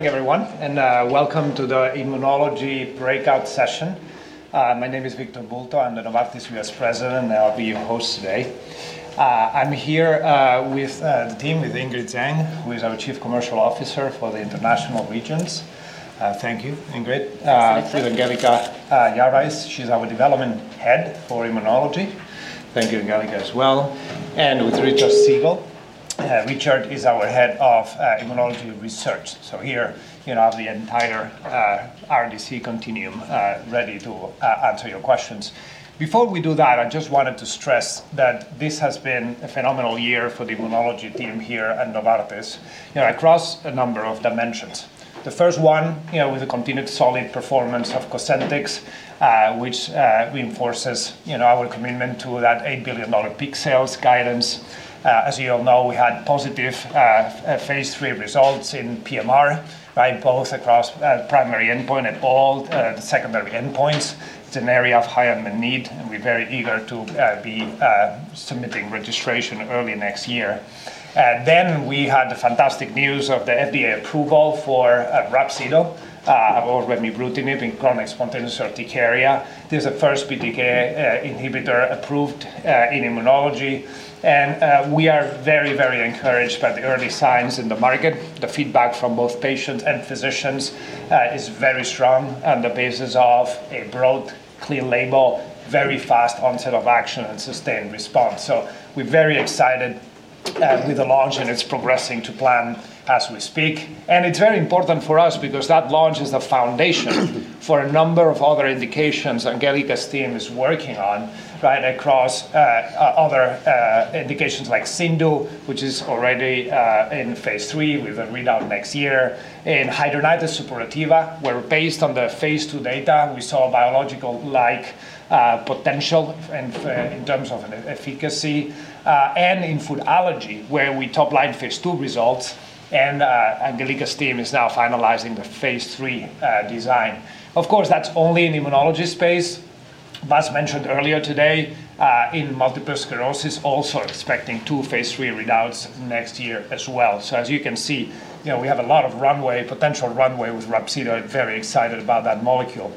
Hey everyone, and welcome to the Immunology Breakout Session. My name is Victor Bultó, I'm the Novartis U.S. President, and I'll be your host today. I'm here with the team, with Ingrid Zhang, who is our Chief Commercial Officer for the International Regions. Thank you, Ingrid. That's my pleasure. With Angelika Jahreis, she's our Development Head for Immunology. Thank you, Angelika, as well. And with Richard Siegel. Richard is our Head of Immunology Research, so here you have the entire RDC continuum ready to answer your questions. Before we do that, I just wanted to stress that this has been a phenomenal year for the immunology team here at Novartis, across a number of dimensions. The first one, with the continued solid performance of Cosentyx, which reinforces our commitment to that $8 billion peak sales guidance. As you all know, we had positive phase III results in PMR, both across primary endpoint and all the secondary endpoints. It's an area of high unmet need, and we're very eager to be submitting registration early next year. Then we had the fantastic news of the FDA approval for Rhapsido, or remibrutinib, in chronic spontaneous urticaria. This is the first BTK inhibitor approved in immunology. We are very, very encouraged by the early signs in the market. The feedback from both patients and physicians is very strong on the basis of a broad, clear label, very fast onset of action, and sustained response. We are very excited with the launch, and it is progressing to plan as we speak. It is very important for us because that launch is the foundation for a number of other indications Angelika's team is working on across other indications like CIndU, which is already in phase III with a readout next year, and hidradenitis suppurativa, where based on the phase II data, we saw biologic-like potential in terms of efficacy. In food allergy, where we top-lined phase II results, Angelika's team is now finalizing the phase III design. Of course, that is only in immunology space. As mentioned earlier today, in multiple sclerosis, also expecting two phase III readouts next year as well. As you can see, we have a lot of runway, potential runway with Rhapsido. Very excited about that molecule.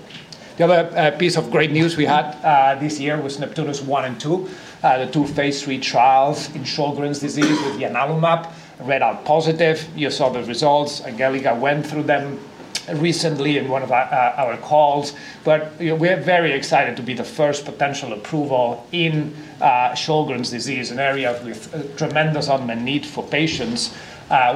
The other piece of great news we had this year was NEPTUNUS-1 and NEPTUNUS-2, the two phase III trials in Sjögren's disease with the ianalumab readout positive. You saw the results. Angelika went through them recently in one of our calls. We are very excited to be the first potential approval in Sjögren's disease, an area with tremendous unmet need for patients,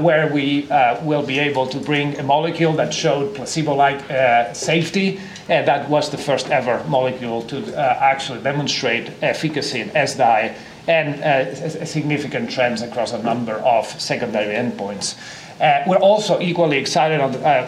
where we will be able to bring a molecule that showed placebo-like safety. That was the first-ever molecule to actually demonstrate efficacy in SDAI and significant trends across a number of secondary endpoints. We're also equally excited,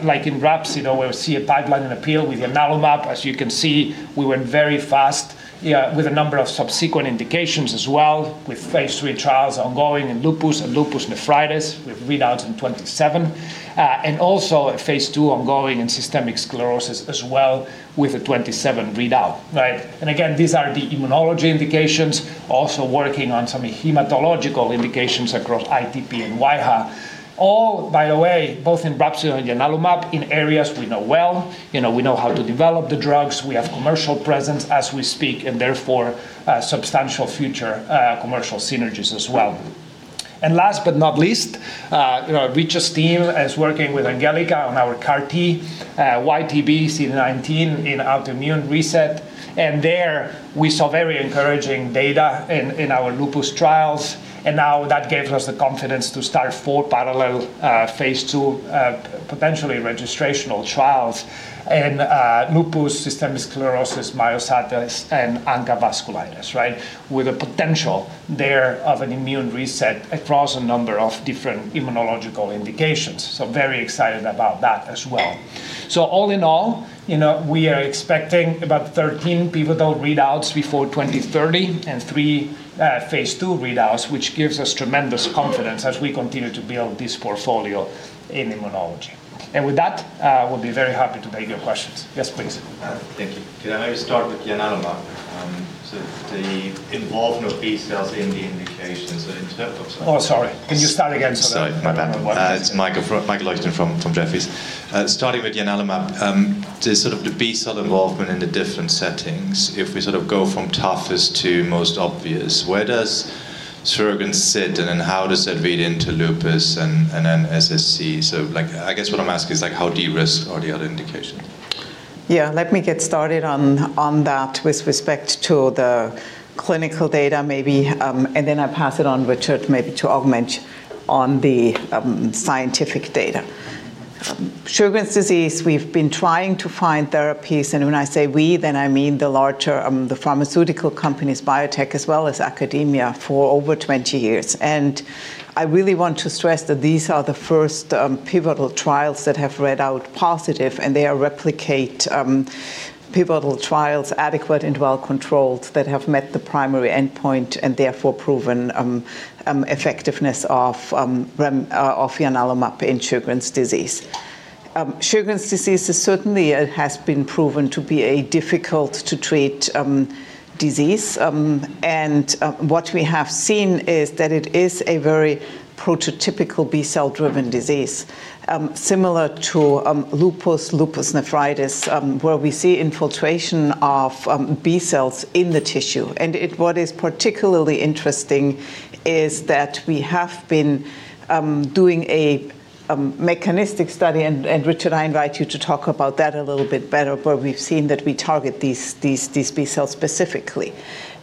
like in Rhapsido, where we see a pipeline and appeal with the ianalumab. As you can see, we went very fast with a number of subsequent indications as well, with phase III trials ongoing in lupus and lupus nephritis with readouts in 2027. There is also a phase II ongoing in systemic sclerosis as well with a 2027 readout. These are the immunology indications, also working on some hematological indications across ITP and wAIHA. All, by the way, both in Rhapsido and ianalumab in areas we know well. We know how to develop the drugs. We have commercial presence as we speak, and therefore substantial future commercial synergies as well. Last but not least, Richard's team is working with Angelika on our CAR-T, YTB323, CD19 in autoimmune reset. There we saw very encouraging data in our lupus trials. That gave us the confidence to start four parallel phase II potentially registrational trials in lupus, systemic sclerosis, myositis, and ANCA vasculitis, with a potential there of an immune reset across a number of different immunological indications. Very excited about that as well. All in all, we are expecting about 13 pivotal readouts before 2030 and three phase II readouts, which gives us tremendous confidence as we continue to build this portfolio in immunology. With that, we'll be very happy to take your questions. Yes, please. Thank you. Can I start with the ianalumab? The involvement of B cells in the indication. In terms of. Oh, sorry. Can you start again? Sorry. My bad. Michael Leuchten from Jefferies. Starting with the ianalumab, the B cell involvement in the different settings, if we sort of go from toughest to most obvious, where does Sjögren's sit and then how does that read into lupus and then SSc? I guess what I'm asking is how do you risk all the other indications? Yeah, let me get started on that with respect to the clinical data, maybe. Then I'll pass it on, Richard, maybe to augment on the scientific data. Sjögren's disease, we've been trying to find therapies, and when I say we, then I mean the larger pharmaceutical companies, biotech, as well as academia, for over 20 years. I really want to stress that these are the first pivotal trials that have read out positive, and they replicate pivotal trials, adequate and well-controlled, that have met the primary endpoint and therefore proven effectiveness of ianalumab in Sjögren's disease. Sjögren's disease certainly has been proven to be a difficult-to-treat disease. What we have seen is that it is a very prototypical B cell-driven disease, similar to lupus, lupus nephritis, where we see infiltration of B cells in the tissue. What is particularly interesting is that we have been doing a mechanistic study, and Richard, I invite you to talk about that a little bit better, where we've seen that we target these B cells specifically.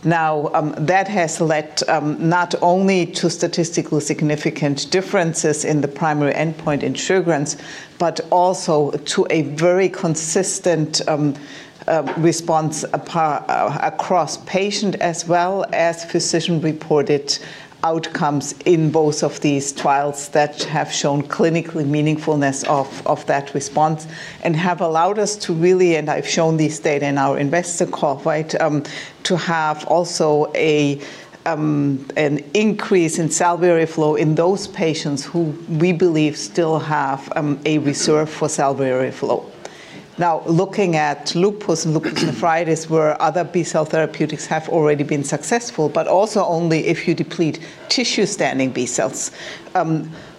That has led not only to statistically significant differences in the primary endpoint in Sjögren's, but also to a very consistent response across patient, as well as physician-reported outcomes in both of these trials that have shown clinically meaningfulness of that response and have allowed us to really, and I've shown these data in our investor call, to have also an increase in cell barrier flow in those patients who we believe still have a reserve for cell barrier flow. Now, looking at lupus and lupus nephritis, where other B cell therapeutics have already been successful, but also only if you deplete tissue-standing B cells.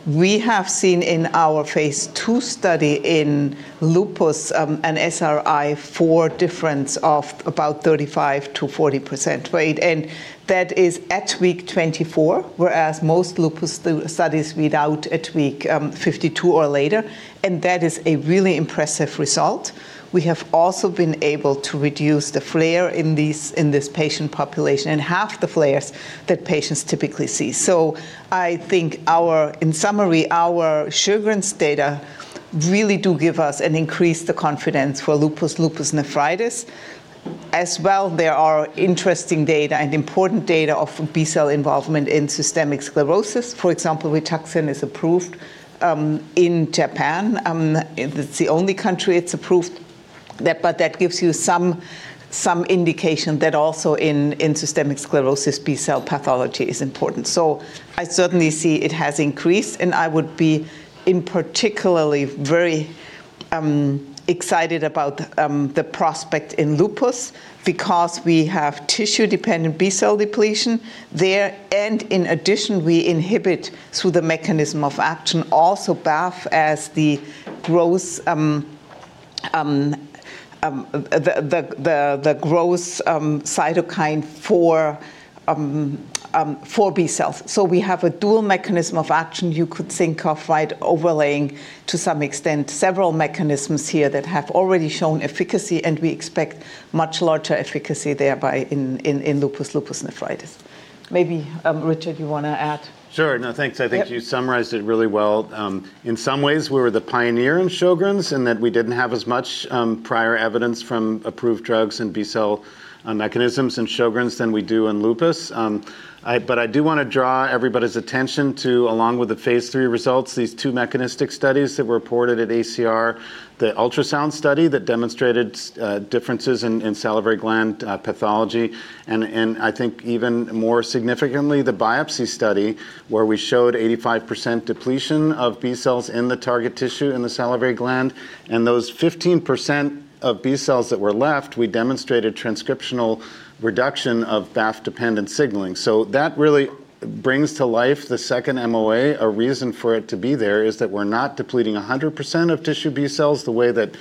We have seen in our phase II study in lupus an SRI-4 difference of about 35%-40%. That is at week 24, whereas most lupus studies read out at week 52 or later. That is a really impressive result. We have also been able to reduce the flare in this patient population and half the flares that patients typically see. I think, in summary, our Sjögren's data really do give us and increase the confidence for lupus, lupus nephritis. As well, there are interesting data and important data of B cell involvement in systemic sclerosis. For example, Rituxan is approved in Japan. It is the only country it is approved. That gives you some indication that also in systemic sclerosis, B cell pathology is important. I certainly see it has increased, and I would be particularly very excited about the prospect in lupus because we have tissue-dependent B cell depletion there. In addition, we inhibit through the mechanism of action also BAFF as the growth cytokine for B cells. We have a dual mechanism of action you could think of overlaying to some extent several mechanisms here that have already shown efficacy, and we expect much larger efficacy thereby in lupus, lupus nephritis. Maybe Richard, you want to add? Sure. No, thanks. I think you summarized it really well. In some ways, we were the pioneer in Sjögren's in that we didn't have as much prior evidence from approved drugs and B cell mechanisms in Sjögren's than we do in lupus. I do want to draw everybody's attention to, along with the phase III results, these two mechanistic studies that were reported at ACR, the ultrasound study that demonstrated differences in salivary gland pathology. I think even more significantly, the biopsy study where we showed 85% depletion of B cells in the target tissue in the salivary gland. Those 15% of B cells that were left, we demonstrated transcriptional reduction of BAFF-dependent signaling. That really brings to life the second MOA. A reason for it to be there is that we're not depleting 100% of tissue B cells the way that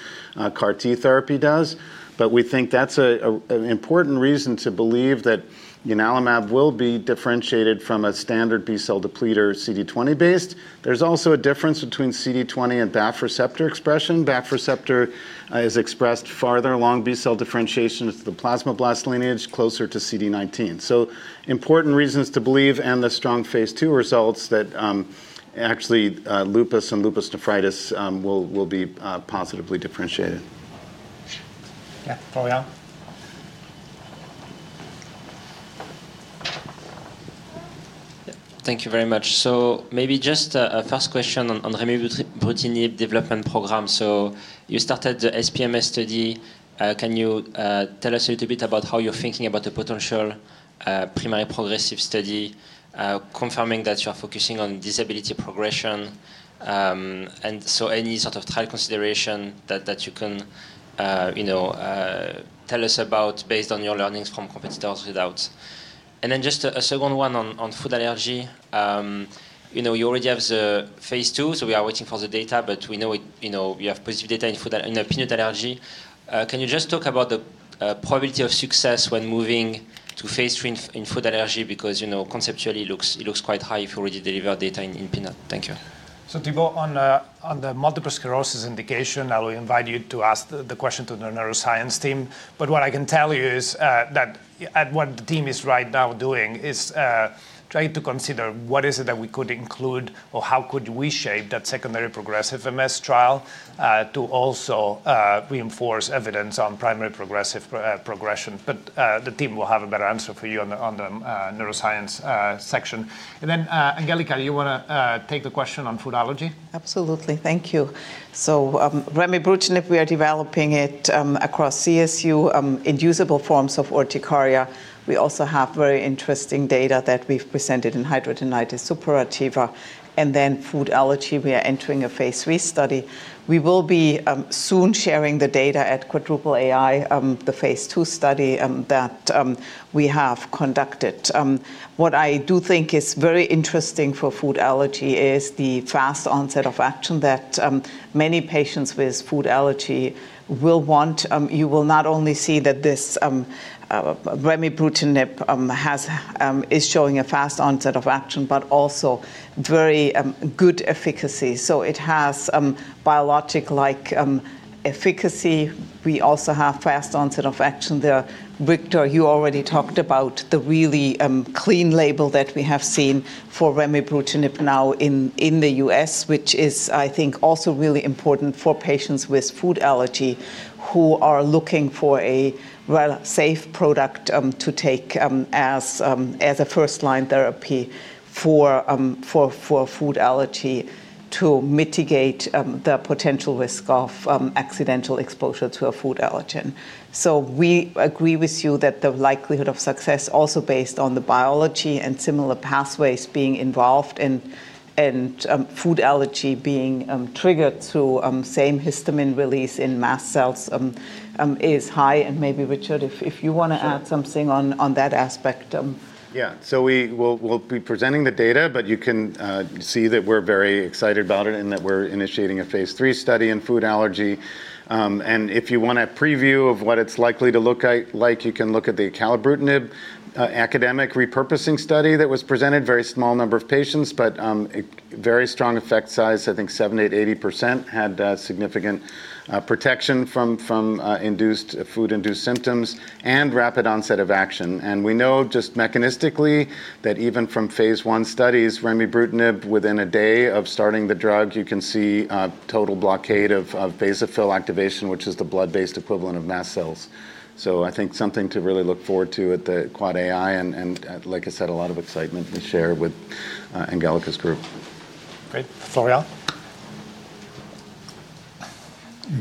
CAR-T therapy does. We think that's an important reason to believe that ianalumab will be differentiated from a standard B cell depleter CD20-based. There's also a difference between CD20 and BAFF receptor expression. BAFF receptor is expressed farther along B cell differentiation to the plasmablast lineage closer to CD19. Important reasons to believe and the strong phase II results that actually lupus and lupus nephritis will be positively differentiated. Yeah, probably all. Thank you very much. Maybe just a first question on remibrutinib development program. You started the SPMS study. Can you tell us a little bit about how you're thinking about the potential primary progressive study, confirming that you're focusing on disability progression? Any sort of trial consideration that you can tell us about based on your learnings from competitors' readouts? Then just a second one on food allergy. You already have the phase II, so we are waiting for the data, but we know you have positive data in peanut allergy. Can you just talk about the probability of success when moving to phase III in food allergy? Because conceptually, it looks quite high if you already deliver data in peanut. Thank you. Thibault, on the multiple sclerosis indication, I will invite you to ask the question to the neuroscience team. What I can tell you is that what the team is right now doing is trying to consider what is it that we could include or how could we shape that secondary progressive MS trial to also reinforce evidence on primary progressive progression. The team will have a better answer for you on the neuroscience section. Angelika, do you want to take the question on food allergy? Absolutely. Thank you. Remibrutinib, we are developing it across CSU in usable forms of urticaria. We also have very interesting data that we have presented in hidradenitis suppurativa. Food allergy, we are entering a phase III study. We will be soon sharing the data at AAAAI, the phase II study that we have conducted. What I do think is very interesting for food allergy is the fast onset of action that many patients with food allergy will want. You will not only see that this remibrutinib is showing a fast onset of action, but also very good efficacy. It has biologic-like efficacy. We also have fast onset of action. Victor, you already talked about the really clean label that we have seen for remibrutinib now in the U.S., which is, I think, also really important for patients with food allergy who are looking for a safe product to take as a first-line therapy for food allergy to mitigate the potential risk of accidental exposure to a food allergen. We agree with you that the likelihood of success, also based on the biology and similar pathways being involved and food allergy being triggered through same histamine release in mast cells, is high. Maybe, Richard, if you want to add something on that aspect. Yeah. We'll be presenting the data, but you can see that we're very excited about it and that we're initiating a phase III study in food allergy. If you want a preview of what it's likely to look like, you can look at the acalabrutinib academic repurposing study that was presented, very small number of patients, but very strong effect size, I think 70%-80% had significant protection from food-induced symptoms and rapid onset of action. We know just mechanistically that even from phase I studies, remibrutinib, within a day of starting the drug, you can see total blockade of basophil activation, which is the blood-based equivalent of mast cells. I think something to really look forward to at the AAAAI and, like I said, a lot of excitement to share with Angelika's group. Great. Florent?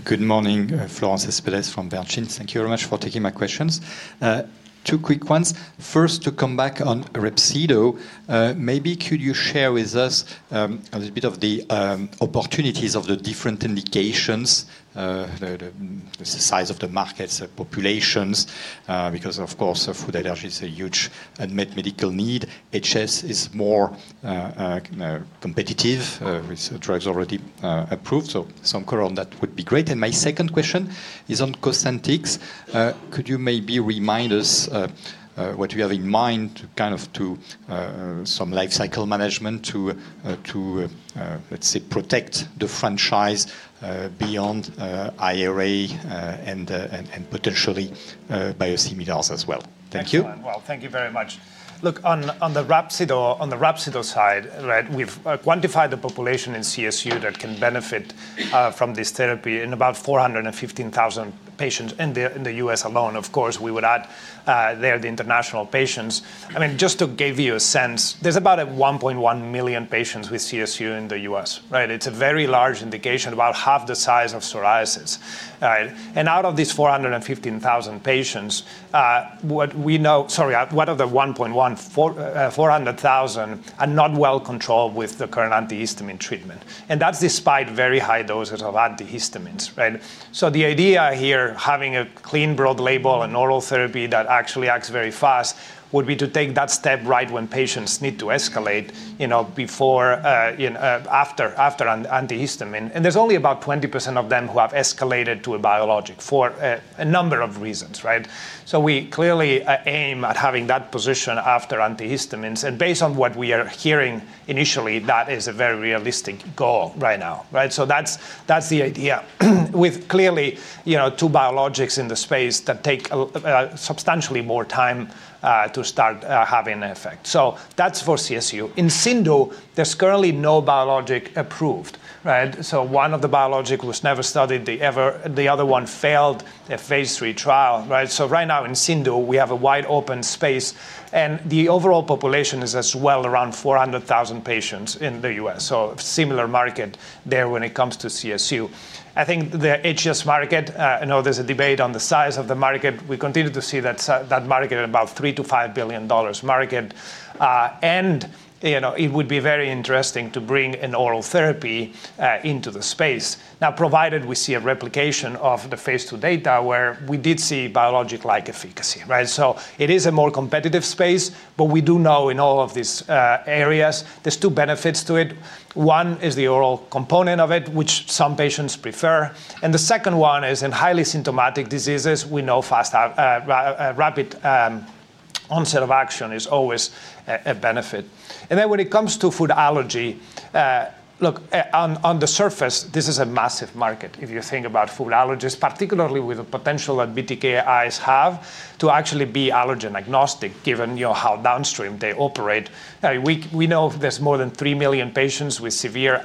Good morning, Florent Cespedes from Bernstein. Thank you very much for taking my questions. Two quick ones. First, to come back on Rhapsido maybe could you share with us a little bit of the opportunities of the different indications, the size of the markets, the populations, because, of course, food allergy is a huge unmet medical need. HS is more competitive with drugs already approved. Some color on that would be great. My second question is on Cosentyx. Could you maybe remind us what you have in mind kind of to some life cycle management to, let's say, protect the franchise beyond IRA and potentially biosimilars as well? Thank you. Thank you. Thank you very much. Look, on the Rhapsido side, we've quantified the population in CSU that can benefit from this therapy in about 415,000 patients in the U.S. alone. Of course, we would add there the international patients. I mean, just to give you a sense, there's about 1.1 million patients with CSU in the U.S. It's a very large indication, about half the size of psoriasis. Out of these 415,000 patients, what we know, sorry, out of the 1.1 million, 400,000 are not well controlled with the current antihistamine treatment. That is despite very high doses of antihistamines. The idea here, having a clean broad label and oral therapy that actually acts very fast, would be to take that step right when patients need to escalate after antihistamine. There is only about 20% of them who have escalated to a biologic for a number of reasons. We clearly aim at having that position after antihistamines. Based on what we are hearing initially, that is a very realistic goal right now. That is the idea with clearly two biologics in the space that take substantially more time to start having an effect. That is for CSU. In CIndU, there is currently no biologic approved. One of the biologics was never studied. The other one failed a phase III trial. Right now in CIndU we have a wide open space. The overall population is as well around 400,000 patients in the U.S. A similar market there when it comes to CSU. I think the HS market, I know there is a debate on the size of the market. We continue to see that market at about $3 billion-$5 billion market. It would be very interesting to bring an oral therapy into the space, now provided we see a replication of the phase II data where we did see biologic-like efficacy. It is a more competitive space, but we do know in all of these areas, there are two benefits to it. One is the oral component of it, which some patients prefer. The second one is in highly symptomatic diseases, we know fast, rapid onset of action is always a benefit. When it comes to food allergy, look, on the surface, this is a massive market if you think about food allergies, particularly with the potential that BTKis have to actually be allergen agnostic given how downstream they operate. We know there's more than 3 million patients with severe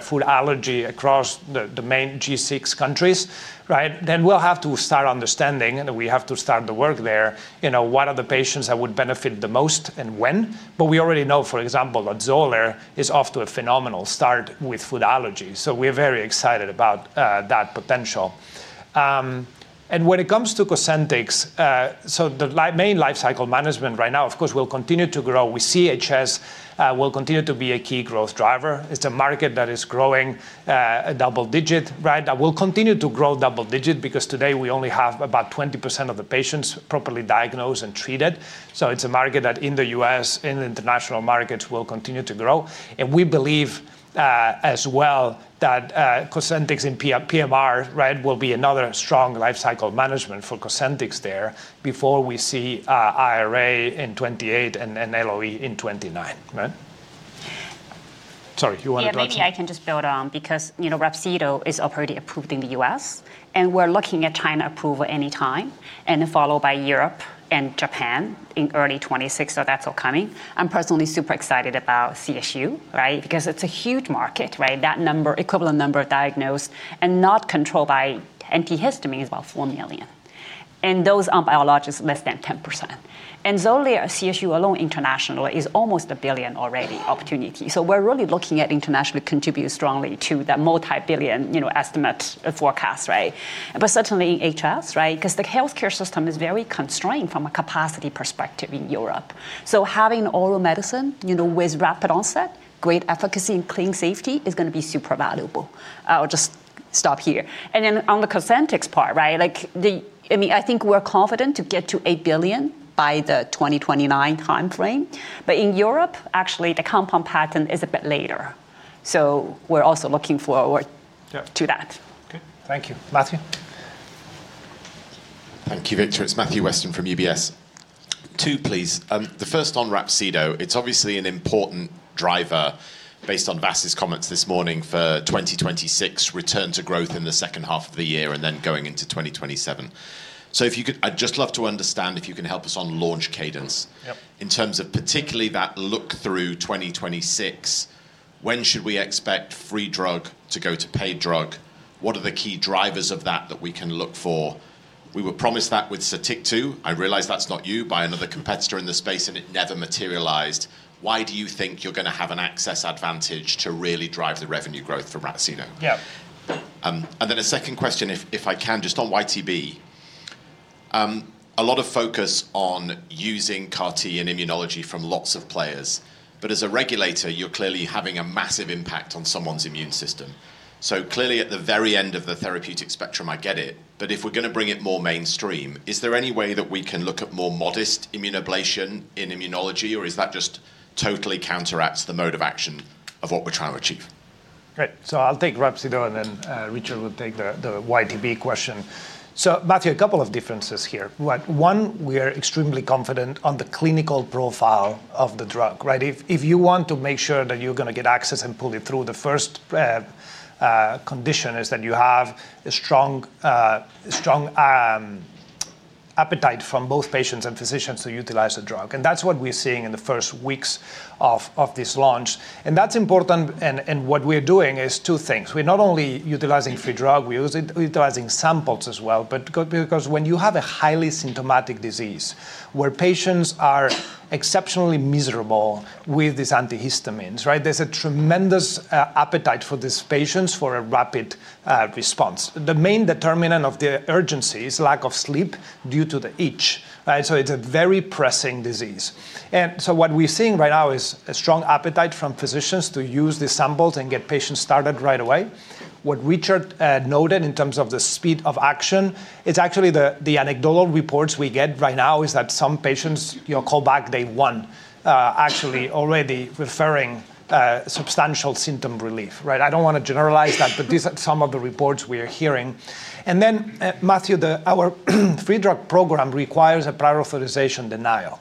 food allergy across the main G6 countries. We have to start understanding, and we have to start the work there, what are the patients that would benefit the most and when. We already know, for example, that Xolair is off to a phenomenal start with food allergy. We are very excited about that potential. When it comes to Cosentyx, the main life cycle management right now, of course, will continue to grow. We see HS will continue to be a key growth driver. It's a market that is growing at double digit. That will continue to grow double digit because today we only have about 20% of the patients properly diagnosed and treated. It's a market that in the U.S., in the international markets, will continue to grow. We believe as well that Cosentyx and PMR will be another strong life cycle management for Cosentyx there before we see IRA in 2028 and LoE in 2029. Sorry, you want to. Yeah, maybe I can just build on because Rhapsido is already approved in the U.S., and we're looking at China approval any time and followed by Europe and Japan in early 2026. That is all coming. I'm personally super excited about CSU because it's a huge market, that equivalent number of diagnosed and not controlled by antihistamines is about 4 million. Those are biologics less than 10%. Xolair, CSU alone internationally is almost $1 billion already opportunity. We are really looking at internationally contribute strongly to that multi-billion estimate forecast. Certainly in HS because the healthcare system is very constrained from a capacity perspective in Europe. Having oral medicine with rapid onset, great efficacy and clean safety is going to be super valuable. I'll just stop here. On the Cosentyx part, I mean, I think we're confident to get to $8 billion by the 2029 time frame. In Europe, actually, the compound pattern is a bit later. We are also looking forward to that. Thank you. Matthew? Thank you, Victor. It's Matthew Weston from UBS. Two, please. The first on Rhapsido, it's obviously an important driver based on Vas's comments this morning for 2026 return to growth in the second half of the year and then going into 2027. I'd just love to understand if you can help us on launch cadence in terms of particularly that look through 2026. When should we expect free drug to go to paid drug? What are the key drivers of that that we can look for? We were promised that with Sotyktu. I realize that's not you, by another competitor in the space, and it never materialized. Why do you think you're going to have an access advantage to really drive the revenue growth for Rhapsido? Yeah. Then a second question, if I can, just on YTB323. A lot of focus on using CAR-T and immunology from lots of players. As a regulator, you're clearly having a massive impact on someone's immune system. Clearly, at the very end of the therapeutic spectrum, I get it. If we're going to bring it more mainstream, is there any way that we can look at more modest immunoablation in immunology, or is that just totally counteracts the mode of action of what we're trying to achieve? Great. I'll take Rhapsido, and then Richard will take the YTB323 question. Matthew, a couple of differences here. One, we are extremely confident on the clinical profile of the drug. If you want to make sure that you're going to get access and pull it through, the first condition is that you have a strong appetite from both patients and physicians to utilize the drug. That's what we're seeing in the first weeks of this launch. That's important. What we're doing is two things. We're not only utilizing free drug, we're utilizing samples as well. When you have a highly symptomatic disease where patients are exceptionally miserable with these antihistamines, there's a tremendous appetite for these patients for a rapid response. The main determinant of the urgency is lack of sleep due to the itch. It's a very pressing disease. What we're seeing right now is a strong appetite from physicians to use these samples and get patients started right away. What Richard noted in terms of the speed of action, it's actually the anecdotal reports we get right now is that some patients call back day one, actually already referring substantial symptom relief. I don't want to generalize that, but these are some of the reports we are hearing. Matthew, our free drug program requires a prior authorization denial.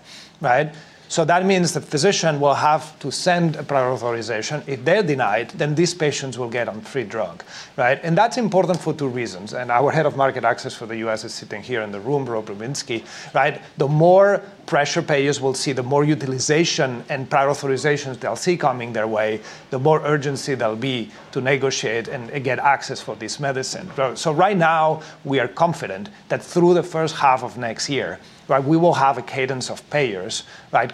That means the physician will have to send a prior authorization. If they're denied, then these patients will get on free drug. That's important for two reasons. Our Head of Market Access for the U.S. is sitting here in the room, Robert Rubinsky. The more pressure payers will see, the more utilization and prior authorizations they'll see coming their way, the more urgency there'll be to negotiate and get access for this medicine. Right now, we are confident that through the first half of next year, we will have a cadence of payers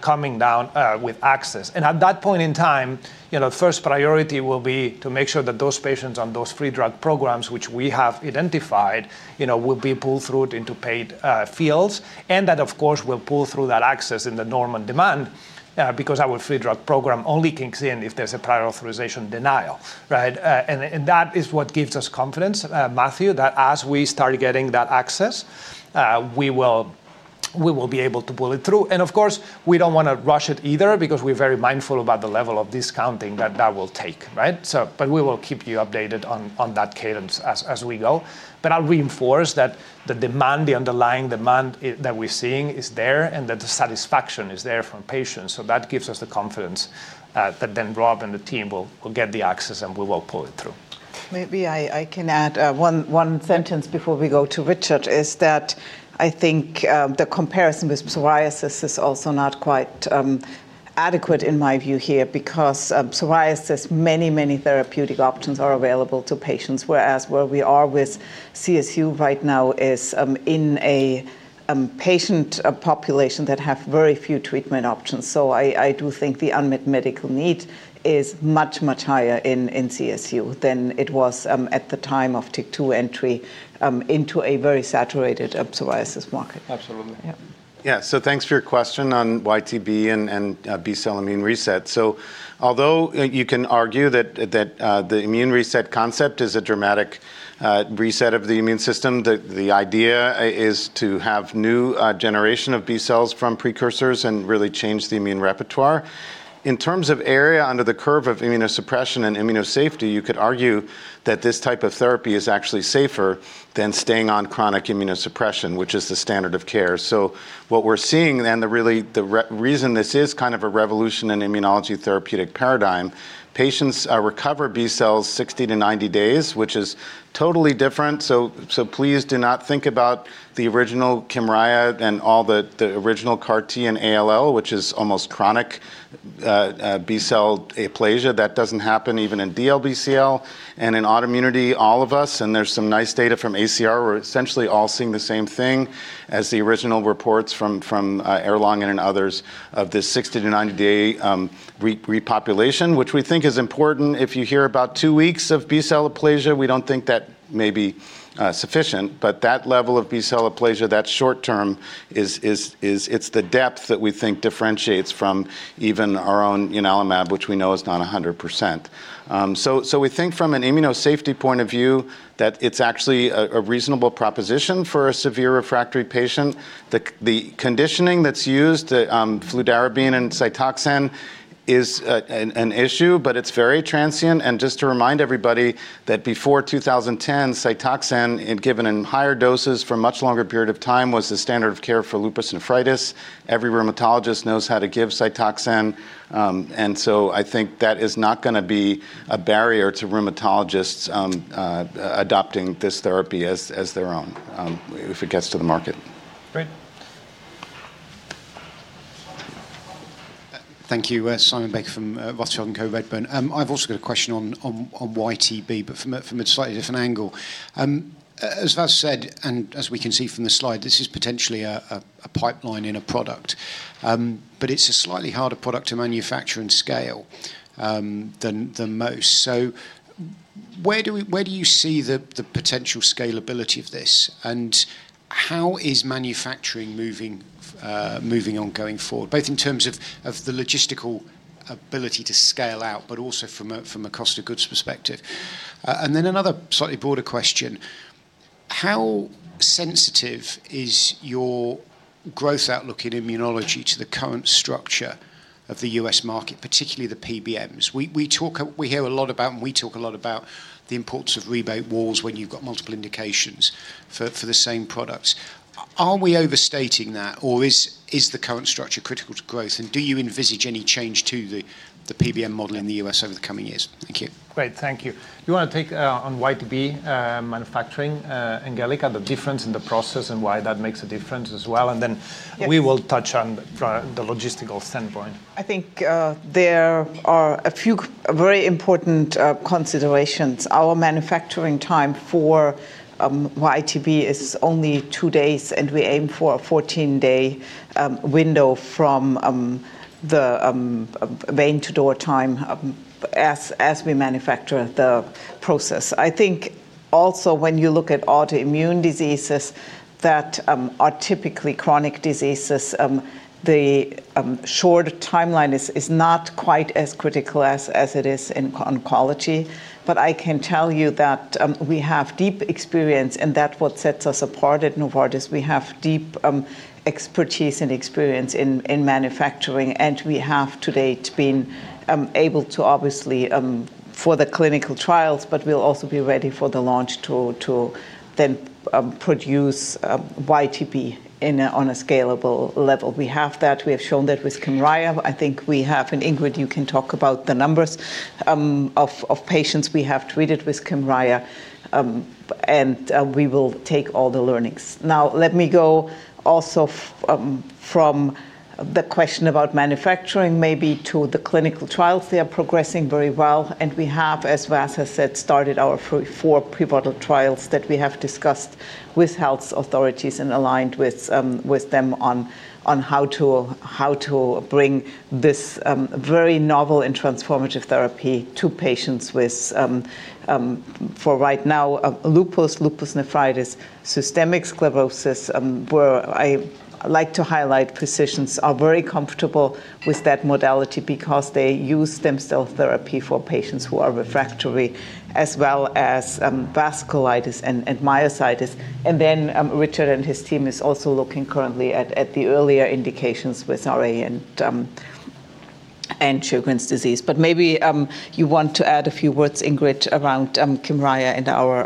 coming down with access. At that point in time, the first priority will be to make sure that those patients on those free drug programs, which we have identified, will be pulled through into paid fields. That, of course, will pull through that access in the normal demand because our free drug program only kicks in if there's a prior authorization denial. That is what gives us confidence, Matthew, that as we start getting that access, we will be able to pull it through. Of course, we do not want to rush it either because we are very mindful about the level of discounting that that will take. We will keep you updated on that cadence as we go. I will reinforce that the demand, the underlying demand that we are seeing is there and that the satisfaction is there from patients. That gives us the confidence that Rob and the team will get the access and we will pull it through. Maybe I can add one sentence before we go to Richard is that I think the comparison with psoriasis is also not quite adequate in my view here because psoriasis, many, many therapeutic options are available to patients. Whereas where we are with CSU right now is in a patient population that have very few treatment options. I do think the unmet medical need is much, much higher in CSU than it was at the time of [TYK2] entry into a very saturated psoriasis market. Absolutely. Yeah. Yeah. Thanks for your question on YTB323 and B cell immune reset. Although you can argue that the immune reset concept is a dramatic reset of the immune system, the idea is to have new generation of B cells from precursors and really change the immune repertoire. In terms of area under the curve of immunosuppression and immunosafety, you could argue that this type of therapy is actually safer than staying on chronic immunosuppression, which is the standard of care. What we're seeing, and really the reason this is kind of a revolution in immunology therapeutic paradigm, patients recover B cells 60-90 days, which is totally different. Please do not think about the original Kymriah and all the original CAR-T and ALL, which is almost chronic B cell aplasia. That does not happen even in DLBCL and in autoimmunity, all of us. There is some nice data from ACR. We're essentially all seeing the same thing as the original reports from [Erlong] and others of this 60-90-day repopulation, which we think is important. If you hear about two weeks of B cell aplasia, we don't think that may be sufficient. That level of B cell aplasia, that short term, it's the depth that we think differentiates from even our own ianalumab, which we know is not 100%. We think from an immunosafety point of view that it's actually a reasonable proposition for a severe refractory patient. The conditioning that's used, fludarabine and Cytoxan, is an issue, but it's very transient. Just to remind everybody that before 2010, Cytoxan, given in higher doses for a much longer period of time, was the standard of care for lupus nephritis. Every rheumatologist knows how to give Cytoxan. I think that is not going to be a barrier to rheumatologists adopting this therapy as their own if it gets to the market. Great. Thank you, Simon Baker from Rothschild & Co Redburn. I've also got a question on YTB323, but from a slightly different angle. As Vas said, and as we can see from the slide, this is potentially a pipeline in a product. It is a slightly harder product to manufacture and scale than most. Where do you see the potential scalability of this? How is manufacturing moving on going forward, both in terms of the logistical ability to scale out, but also from a cost of goods perspective? Another slightly broader question. How sensitive is your growth outlook in immunology to the current structure of the U.S. market, particularly the PBMs? We hear a lot about, and we talk a lot about the importance of rebate walls when you've got multiple indications for the same products. Are we overstating that, or is the current structure critical to growth? Do you envisage any change to the PBM model in the U.S. over the coming years? Thank you. Great. Thank you. You want to take on YTB323 manufacturing and Angelika, the difference in the process and why that makes a difference as well. Then we will touch on the logistical standpoint. I think there are a few very important considerations. Our manufacturing time for YTB323 is only two days, and we aim for a 14-day window from the vein-to-door time as we manufacture the process. I think also when you look at autoimmune diseases that are typically chronic diseases, the short timeline is not quite as critical as it is in oncology. I can tell you that we have deep experience, and that's what sets us apart at Novartis. We have deep expertise and experience in manufacturing, and we have to date been able to obviously for the clinical trials, but we'll also be ready for the launch to then produce YTB323 on a scalable level. We have that. We have shown that with Kymriah. I think we have an Ingrid, you can talk about the numbers of patients we have treated with Kymriah, and we will take all the learnings. Now, let me go also from the question about manufacturing maybe to the clinical trials. They are progressing very well. We have, as Vas has said, started our four pre-bottle trials that we have discussed with health authorities and aligned with them on how to bring this very novel and transformative therapy to patients with, for right now, lupus, lupus nephritis, systemic sclerosis. I like to highlight physicians are very comfortable with that modality because they use stem cell therapy for patients who are refractory, as well as vasculitis and myositis. Richard and his team is also looking currently at the earlier indications with RA and Sjögren's disease. Maybe you want to add a few words, Ingrid, around Kymriah and our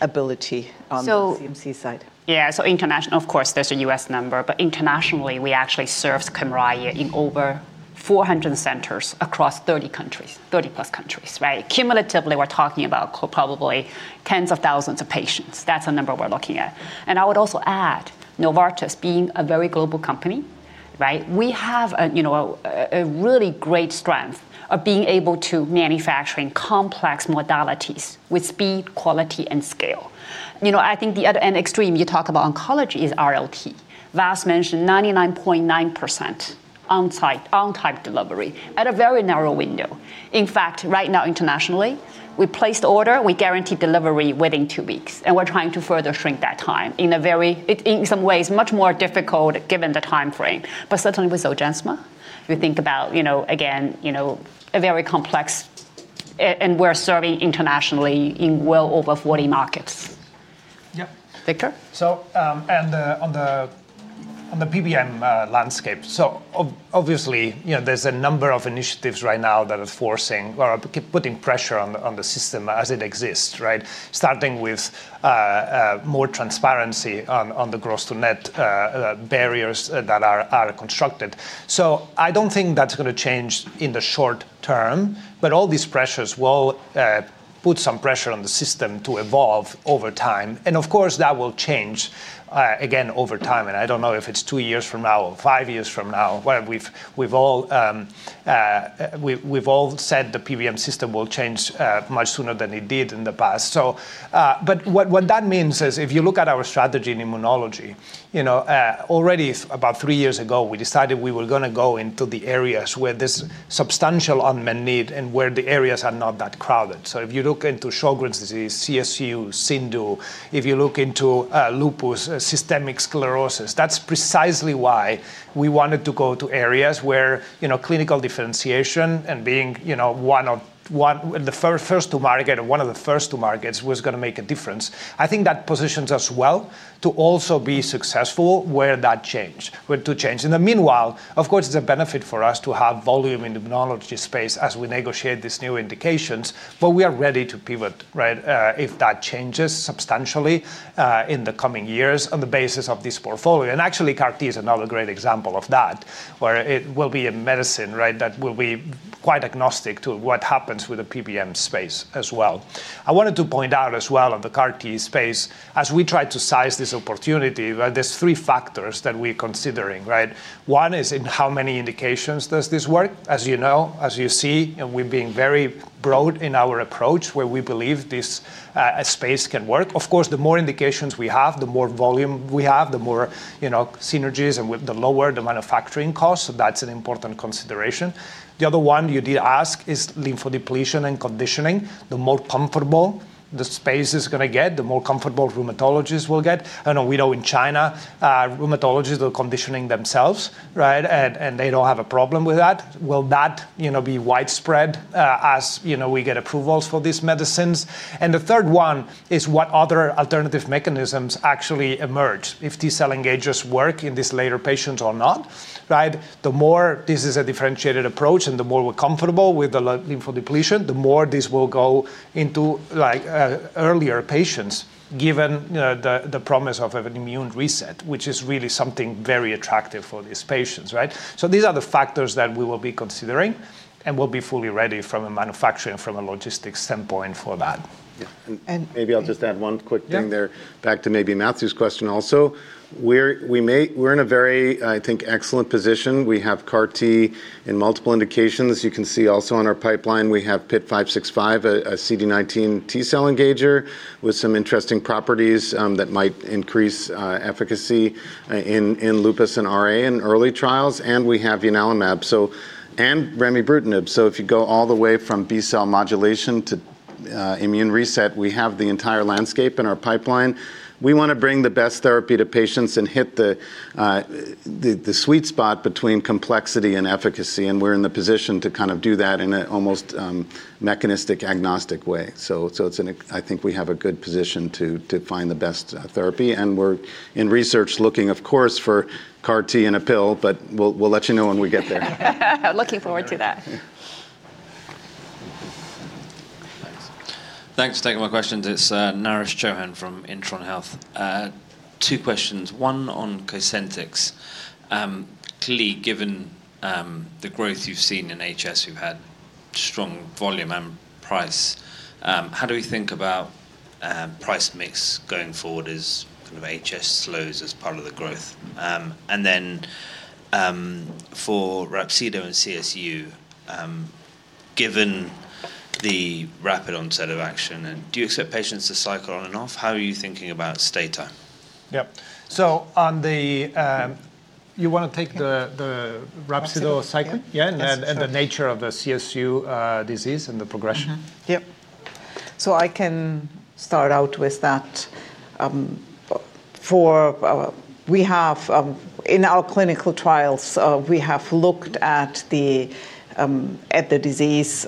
ability on the CMC side. Yeah. International, of course, there's a U.S. number. Internationally, we actually serve Kymriah in over 400 centers across 30+ countries. Cumulatively, we're talking about probably tens of thousands of patients. That's a number we're looking at. I would also add Novartis being a very global company, we have a really great strength of being able to manufacture complex modalities with speed, quality, and scale. I think the other extreme, you talk about oncology, is RLT. Vas mentioned 99.9% on-type delivery at a very narrow window. In fact, right now, internationally, we place the order, we guarantee delivery within two weeks, and we're trying to further shrink that time in a very, in some ways, much more difficult given the time frame. Certainly with Zolgensma, you think about, again, a very complex, and we're serving internationally in well over 40 markets. Yeah. Victor? On the PBM landscape, obviously, there's a number of initiatives right now that are forcing or putting pressure on the system as it exists, starting with more transparency on the gross-to-net barriers that are constructed. I don't think that's going to change in the short term, but all these pressures will put some pressure on the system to evolve over time. Of course, that will change again over time. I don't know if it's two years from now or five years from now. We've all said the PBM system will change much sooner than it did in the past. What that means is if you look at our strategy in immunology, already about three years ago, we decided we were going to go into the areas where there's substantial unmet need and where the areas are not that crowded. If you look into Sjögren's disease, CSU, CIndU, if you look into lupus, systemic sclerosis, that's precisely why we wanted to go to areas where clinical differentiation and being one of the first to market or one of the first to markets was going to make a difference. I think that positions us well to also be successful where that changed, where to change. In the meanwhile, of course, it's a benefit for us to have volume in immunology space as we negotiate these new indications, but we are ready to pivot if that changes substantially in the coming years on the basis of this portfolio. Actually, CAR-T is another great example of that, where it will be a medicine that will be quite agnostic to what happens with the PBM space as well. I wanted to point out as well on the CAR-T space, as we try to size this opportunity, there are three factors that we are considering. One is in how many indications does this work? As you know, as you see, and we are being very broad in our approach where we believe this space can work. Of course, the more indications we have, the more volume we have, the more synergies, and the lower the manufacturing costs, so that is an important consideration. The other one you did ask is lymphodepletion and conditioning. The more comfortable the space is going to get, the more comfortable rheumatologists will get. I know we know in China, rheumatologists are conditioning themselves, and they do not have a problem with that. Will that be widespread as we get approvals for these medicines? The third one is what other alternative mechanisms actually emerge, if T cell engages work in these later patients or not. The more this is a differentiated approach and the more we're comfortable with the lymphodepletion, the more this will go into earlier patients given the promise of an immune reset, which is really something very attractive for these patients. These are the factors that we will be considering and will be fully ready from a manufacturing and from a logistics standpoint for that. Yeah. Maybe I'll just add one quick thing there back to maybe Matthew's question also. We're in a very, I think, excellent position. We have CAR-T in multiple indications. You can see also on our pipeline, we have PIT565, a CD19 T cell engager with some interesting properties that might increase efficacy in lupus and RA in early trials. We have ianalumab and remibrutinib. If you go all the way from B cell modulation to immune reset, we have the entire landscape in our pipeline. We want to bring the best therapy to patients and hit the sweet spot between complexity and efficacy. We're in the position to kind of do that in an almost mechanistic agnostic way. I think we have a good position to find the best therapy. We are in research looking, of course, for CAR-T in a pill, but we'll let you know when we get there. Looking forward to that. Thanks for taking my questions. It's Naresh Chouhan from Intron Health. Two questions. One on Cosentyx. Clearly, given the growth you've seen in HS, we've had strong volume and price. How do we think about price mix going forward as kind of HS slows as part of the growth? For Rhapsido and CSU, given the rapid onset of action, do you expect patients to cycle on and off? How are you thinking about stata? Yeah. Do you want to take the Rhapsido cycle? Yeah. The nature of the CSU disease and the progression? Yeah. I can start out with that. In our clinical trials, we have looked at the disease.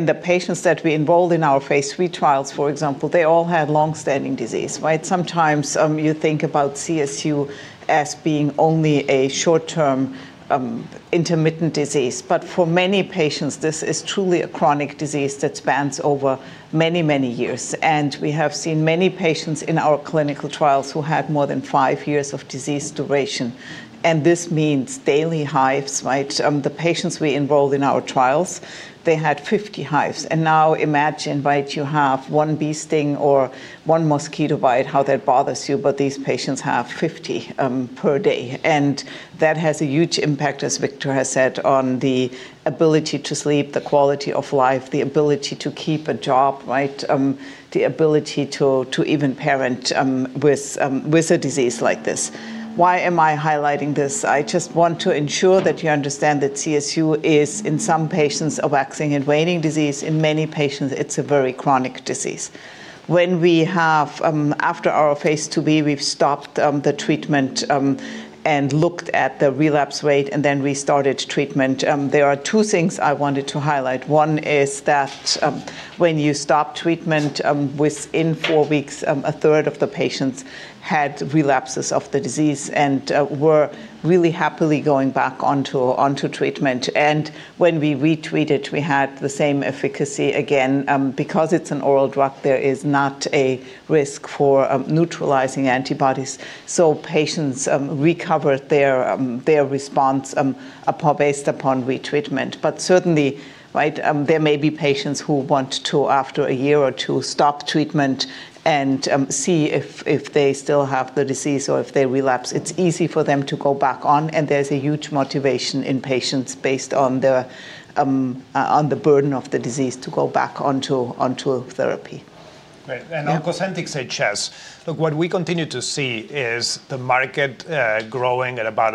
The patients that we involved in our phase III trials, for example, all had long-standing disease. Sometimes you think about CSU as being only a short-term intermittent disease. For many patients, this is truly a chronic disease that spans over many, many years. We have seen many patients in our clinical trials who had more than five years of disease duration. This means daily hives. The patients we enrolled in our trials had 50 hives. Now imagine you have one bee sting or one mosquito bite, how that bothers you, but these patients have 50 per day. That has a huge impact, as Victor has said, on the ability to sleep, the quality of life, the ability to keep a job, the ability to even parent with a disease like this. Why am I highlighting this? I just want to ensure that you understand that CSU is, in some patients, a waxing and waning disease. In many patients, it's a very chronic disease. When we have, after our phase II-B, we have stopped the treatment and looked at the relapse rate, and then we started treatment. There are two things I wanted to highlight. One is that when you stop treatment within four weeks, a third of the patients had relapses of the disease and were really happily going back onto treatment. When we retreated, we had the same efficacy again. Because it's an oral drug, there is not a risk for neutralizing antibodies. Patients recovered their response based upon retreatment. Certainly, there may be patients who want to, after a year or two, stop treatment and see if they still have the disease or if they relapse. It's easy for them to go back on, and there's a huge motivation in patients based on the burden of the disease to go back onto therapy. On Cosentyx HS, look, what we continue to see is the market growing at about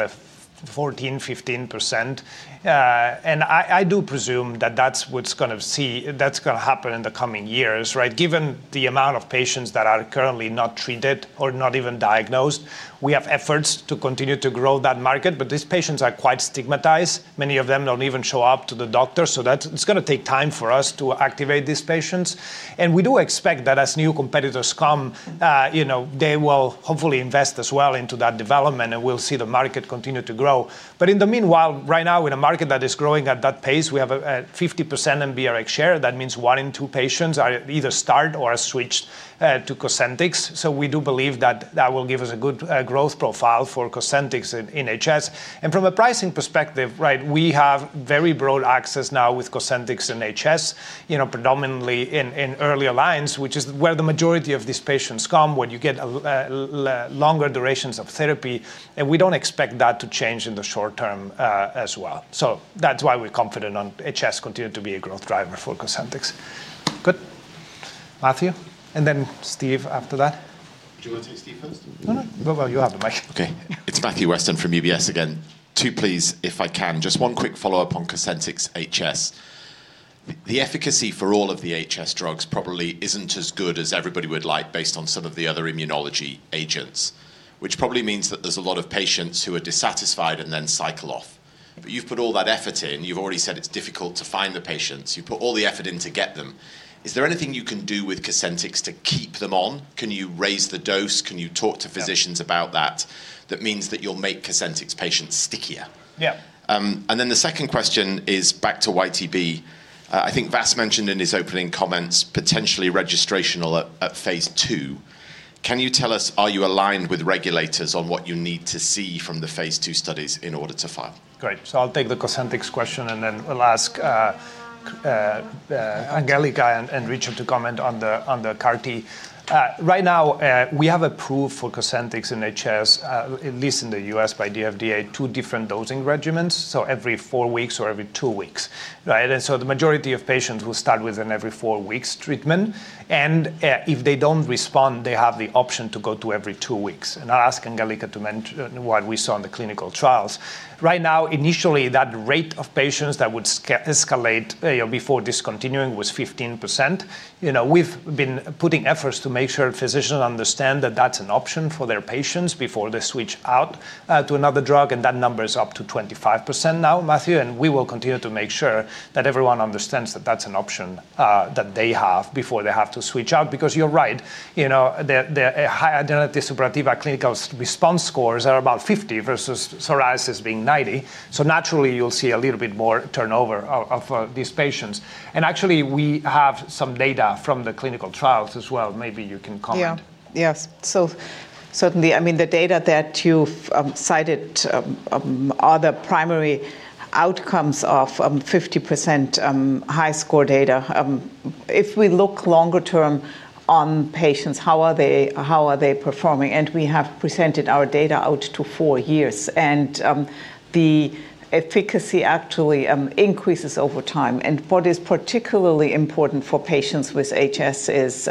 14%-15%. I do presume that that's what's going to happen in the coming years, given the amount of patients that are currently not treated or not even diagnosed. We have efforts to continue to grow that market, but these patients are quite stigmatized. Many of them don't even show up to the doctor. It's going to take time for us to activate these patients. We do expect that as new competitors come, they will hopefully invest as well into that development, and we'll see the market continue to grow. In the meanwhile, right now, in a market that is growing at that pace, we have a 50% NBRx share. That means one in two patients are either start or switched to Cosentyx. We do believe that that will give us a good growth profile for Cosentyx in HS. From a pricing perspective, we have very broad access now with Cosentyx and HS, predominantly in earlier lines, which is where the majority of these patients come when you get longer durations of therapy. We do not expect that to change in the short term as well. That is why we are confident on HS continuing to be a growth driver for Cosentyx. Good. Matthew? Then Steve after that. Do you want to take Steve first? No, no. You have the mic. Okay. It's Matthew Weston from UBS again. Two, please, if I can. Just one quick follow-up on Cosentyx HS. The efficacy for all of the HS drugs probably isn't as good as everybody would like based on some of the other immunology agents, which probably means that there's a lot of patients who are dissatisfied and then cycle off. You've put all that effort in. You've already said it's difficult to find the patients. You put all the effort in to get them. Is there anything you can do with Cosentyx to keep them on? Can you raise the dose? Can you talk to physicians about that? That means that you'll make Cosentyx patients stickier. Yeah. The second question is back to YTB323. I think Vas mentioned in his opening comments potentially registrational at phase II. Can you tell us, are you aligned with regulators on what you need to see from the phase II studies in order to file? Great. I'll take the Cosentyx question, and then we'll ask Angelika and Richard to comment on the CAR-T. Right now, we have approved for Cosentyx and HS, at least in the U.S. by FDA, two different dosing regimens, so every four weeks or every two weeks. The majority of patients will start with an every four weeks treatment. If they do not respond, they have the option to go to every two weeks. I'll ask Angelika to mention what we saw in the clinical trials. Right now, initially, that rate of patients that would escalate before discontinuing was 15%. We've been putting efforts to make sure physicians understand that that's an option for their patients before they switch out to another drug. That number is up to 25% now, Matthew. We will continue to make sure that everyone understands that that's an option that they have before they have to switch out. Because you're right, the Hidradenitis Suppurativa Clinical Response scores are about 50% versus psoriasis being 90%. Naturally, you'll see a little bit more turnover of these patients. Actually, we have some data from the clinical trials as well. Maybe you can comment. Yeah. Yes. Certainly, I mean, the data that you've cited are the primary outcomes of 50% high score data. If we look longer term on patients, how are they performing? We have presented our data out to four years. The efficacy actually increases over time. What is particularly important for patients with HS is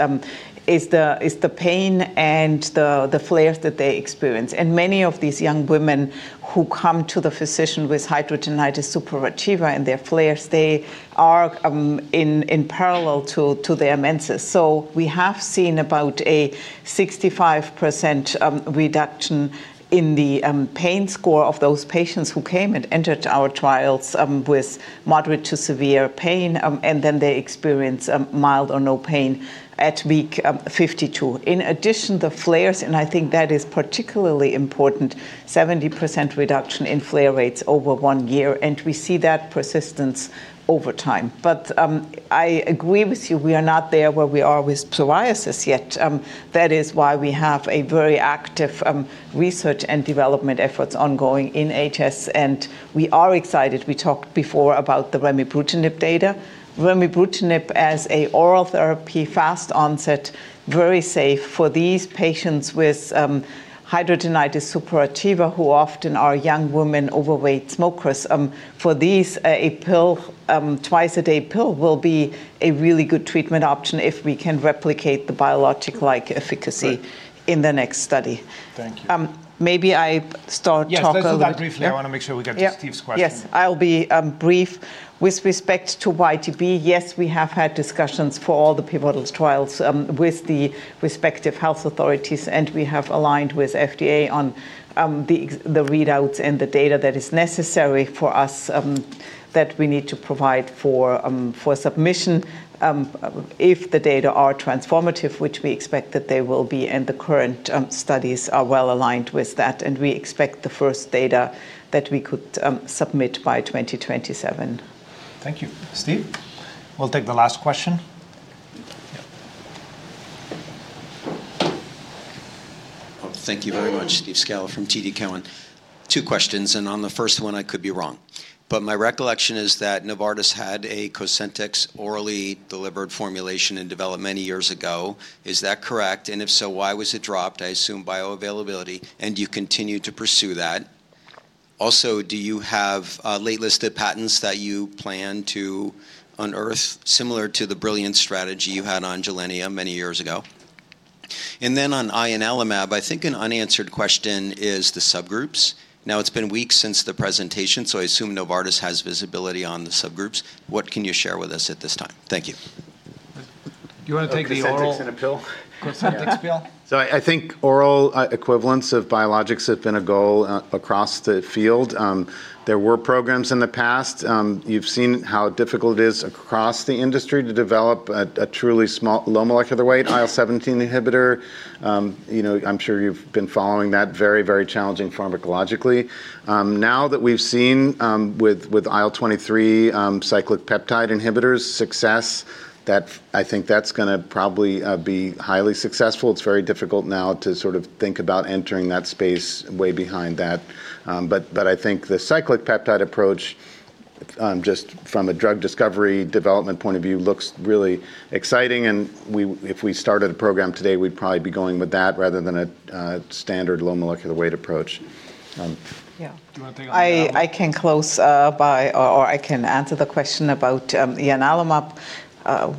the pain and the flares that they experience. Many of these young women who come to the physician with hidradenitis suppurativa and their flares, they are in parallel to their menses. We have seen about a 65% reduction in the pain score of those patients who came and entered our trials with moderate to severe pain, and then they experience mild or no pain at week 52. In addition, the flares, and I think that is particularly important, 70% reduction in flare rates over one year. We see that persistence over time. I agree with you, we are not there where we are with psoriasis yet. That is why we have very active research and development efforts ongoing in HS. We are excited. We talked before about the remibrutinib data. Remibrutinib as an oral therapy, fast onset, very safe for these patients with hidradenitis suppurativa who often are young women, overweight smokers. For these, a twice-a-day pill will be a really good treatment option if we can replicate the biologic-like efficacy in the next study. Thank you. Maybe I start talking. Just answer that briefly. I want to make sure we get to Steve's question. Yes. I'll be brief. With respect to YTB323, yes, we have had discussions for all the pivotal trials with the respective health authorities, and we have aligned with FDA on the readouts and the data that is necessary for us that we need to provide for submission if the data are transformative, which we expect that they will be. The current studies are well aligned with that. We expect the first data that we could submit by 2027. Thank you. Steve? We'll take the last question. Thank you very much, Steve Scala from TD Cowen. Two questions. On the first one, I could be wrong. My recollection is that Novartis had a Cosentyx orally delivered formulation and developed many years ago. Is that correct? If so, why was it dropped? I assume bioavailability. Do you continue to pursue that? Also, do you have late-listed patents that you plan to unearth similar to the brilliant strategy you had on Gilenya many years ago? On ianalumab, I think an unanswered question is the subgroups. Now, it's been weeks since the presentation, so I assume Novartis has visibility on the subgroups. What can you share with us at this time? Thank you. Do you want to take the oral? Cosentyx and a pill? Cosentyx pill. I think oral equivalents of biologics have been a goal across the field. There were programs in the past. You've seen how difficult it is across the industry to develop a truly small low molecular weight IL-17 inhibitor. I'm sure you've been following that very, very challenging pharmacologically. Now that we've seen with IL-23 cyclic peptide inhibitors success, I think that's going to probably be highly successful. It's very difficult now to sort of think about entering that space way behind that. I think the cyclic peptide approach, just from a drug discovery development point of view, looks really exciting. If we started a program today, we'd probably be going with that rather than a standard low molecular weight approach. Yeah. Do you want to take a question? I can close by, or I can answer the question about ianalumab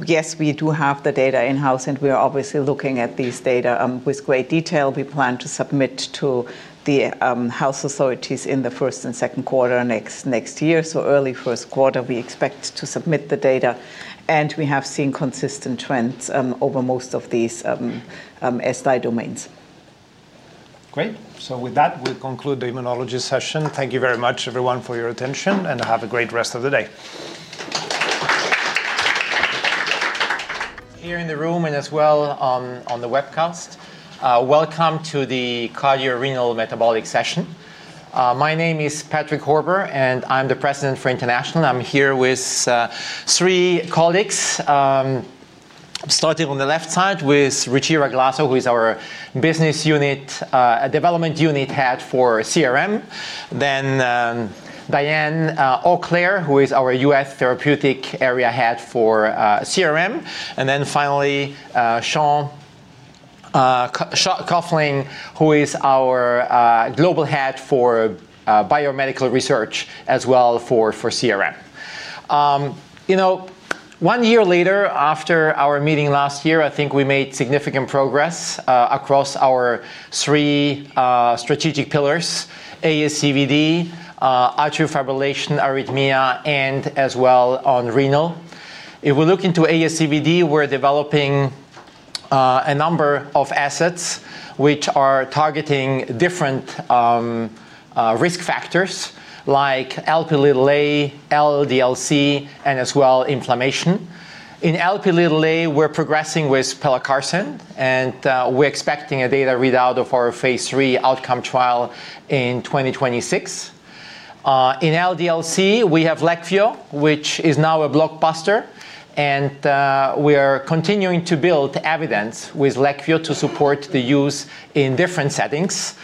Yes, we do have the data in-house, and we are obviously looking at these data with great detail. We plan to submit to the health authorities in the first and second quarter next year. Early first quarter, we expect to submit the data. We have seen consistent trends over most of these SDAI domains. Great. With that, we'll conclude the immunology session. Thank you very much, everyone, for your attention, and have a great rest of the day. Here in the room and as well on the webcast, welcome to the cardiorenal metabolic session. My name is Patrick Horber, and I'm the President for International. I'm here with three colleagues. Starting on the left side with Ruchira Glaser, who is our Business Unit Development Unit Head for CRM. Then Dianne Auclair, who is our U.S. Therapeutic Area Head for CRM. Finally, Shaun Coughlin, who is our Global Head for Biomedical Research as well for CRM. One year later, after our meeting last year, I think we made significant progress across our three strategic pillars: ASCVD, atrial fibrillation, arrhythmia, and as well on renal. If we look into ASCVD, we're developing a number of assets which are targeting different risk factors like Lp(a) and LDL-C, and as well inflammation. In Lp(a), we're progressing with pelacarsen, and we're expecting a data readout of our phase III outcome trial in 2026. In LDL-C, we have Leqvio, which is now a blockbuster. We are continuing to build evidence with Leqvio to support the use in different settings,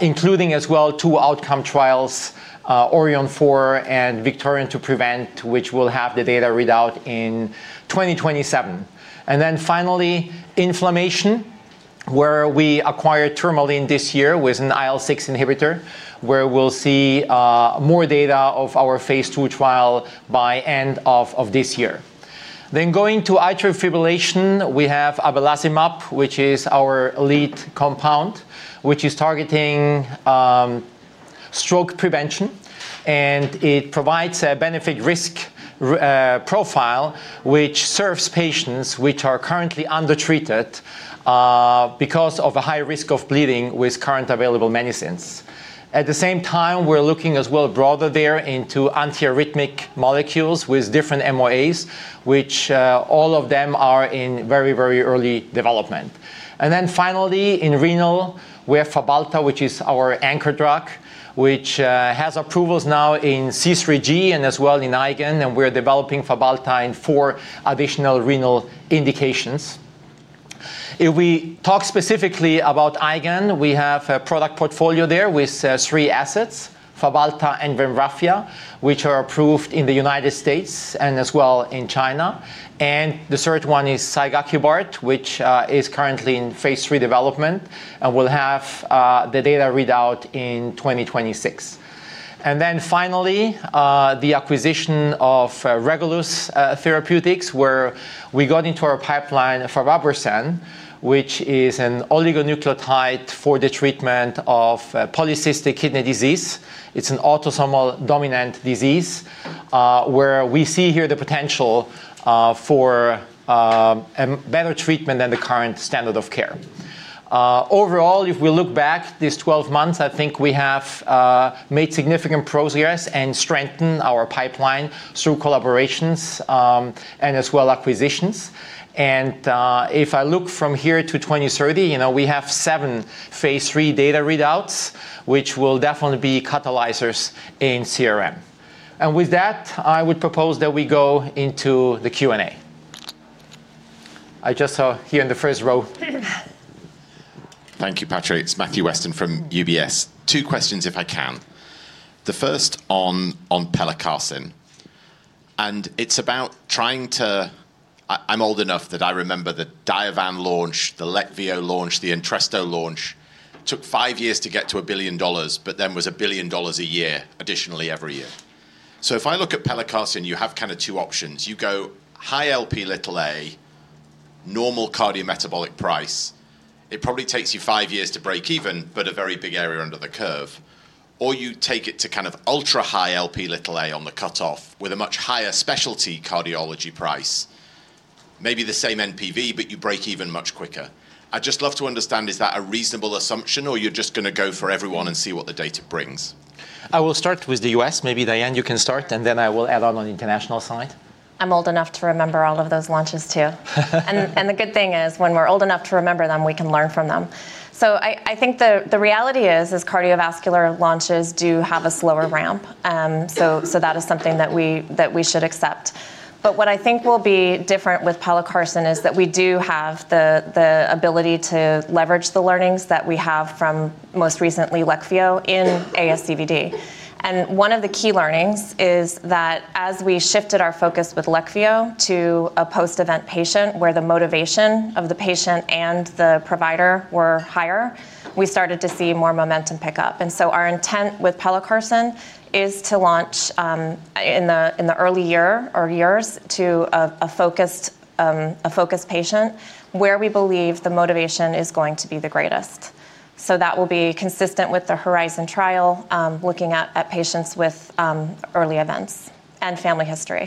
including as well two outcome trials, ORION-4 and VICTORION-2-PREVENT, which will have the data readout in 2027. Finally, inflammation, where we acquired Tourmaline this year with an IL-6 inhibitor, where we'll see more data of our phase II trial by end of this year. Going to atrial fibrillation, we have abelacimab, which is our lead compound, which is targeting stroke prevention. It provides a benefit-risk profile, which serves patients who are currently undertreated because of a high risk of bleeding with current available medicines. At the same time, we're looking as well broader there into antiarrhythmic molecules with different MOAs, which all of them are in very, very early development. Finally, in renal, we have Fabhalta, which is our anchor drug, which has approvals now in C3G and as well in IgAN. We're developing Fabhalta in four additional renal indications. If we talk specifically about IgAN, we have a product portfolio there with three assets, Fabhalta and Vanrafia, which are approved in the United States and as well in China. The third one is zigakibart, which is currently in phase III development and will have the data readout in 2026. Finally, the acquisition of Regulus Therapeutics, where we got into our pipeline farabursen, which is an oligonucleotide for the treatment of polycystic kidney disease. It's an autosomal dominant disease where we see here the potential for better treatment than the current standard of care. Overall, if we look back these 12 months, I think we have made significant progress and strengthened our pipeline through collaborations and as well acquisitions. If I look from here to 2030, we have seven phase III data readouts, which will definitely be catalyzers in CRM. With that, I would propose that we go into the Q&A. I just saw here in the first row. Thank you, Patrick. It's Matthew Weston from UBS. Two questions, if I can. The first on pelacarsen. And it's about trying to--I'm old enough that I remember the Diovan launch, the Leqvio launch, the Entresto launch. It took five years to get to a billion dollars, but then was a billion dollars a year additionally every year. If I look at pelacarsen, you have kind of two options. You go high Lp(a), normal cardiometabolic price. It probably takes you five years to break even, but a very big area under the curve. Or you take it to kind of ultra high Lp(a) on the cutoff with a much higher specialty cardiology price, maybe the same NPV, but you break even much quicker. I'd just love to understand, is that a reasonable assumption, or you're just going to go for everyone and see what the data brings? I will start with the U.S. Maybe Dianne, you can start, and then I will add on on the international side. I'm old enough to remember all of those launches too. The good thing is when we're old enough to remember them, we can learn from them. I think the reality is cardiovascular launches do have a slower ramp. That is something that we should accept. What I think will be different with pelacarsen is that we do have the ability to leverage the learnings that we have from most recently Leqvio in ASCVD. One of the key learnings is that as we shifted our focus with Leqvio to a post-event patient where the motivation of the patient and the provider were higher, we started to see more momentum pick up. Our intent with pelacarsen is to launch in the early year or years to a focused patient where we believe the motivation is going to be the greatest. That will be consistent with the HORIZON trial looking at patients with early events and family history.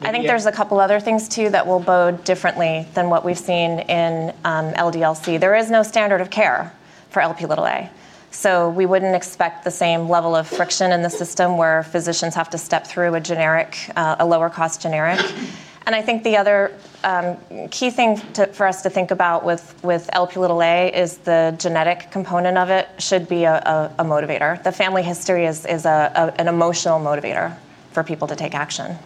I think there's a couple of other things too that will bode differently than what we've seen in LDL-C. There is no standard of care for Lp(a). We wouldn't expect the same level of friction in the system where physicians have to step through a lower-cost generic. I think the other key thing for us to think about with Lp(a) is the genetic component of it should be a motivator. The family history is an emotional motivator for people to take action.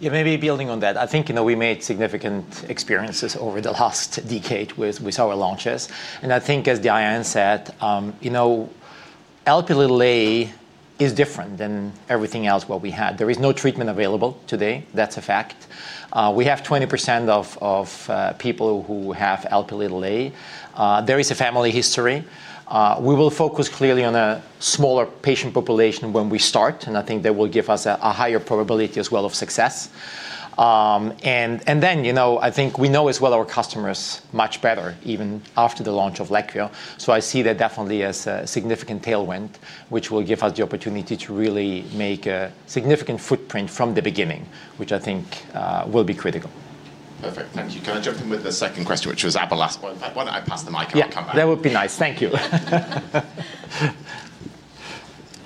Yeah, maybe building on that, I think we made significant experiences over the last decade with our launches. I think as Dianne said, Lp(a) is different than everything else what we had. There is no treatment available today. That's a fact. We have 20% of people who have Lp(a). There is a family history. We will focus clearly on a smaller patient population when we start, and I think that will give us a higher probability as well of success. I think we know as well our customers much better even after the launch of Leqvio. I see that definitely as a significant tailwind, which will give us the opportunity to really make a significant footprint from the beginning, which I think will be critical. Perfect. Thank you. Can I jump in with the second question, which was [abelacimab]? Why don't I pass the mic? Yeah, that would be nice. Thank you.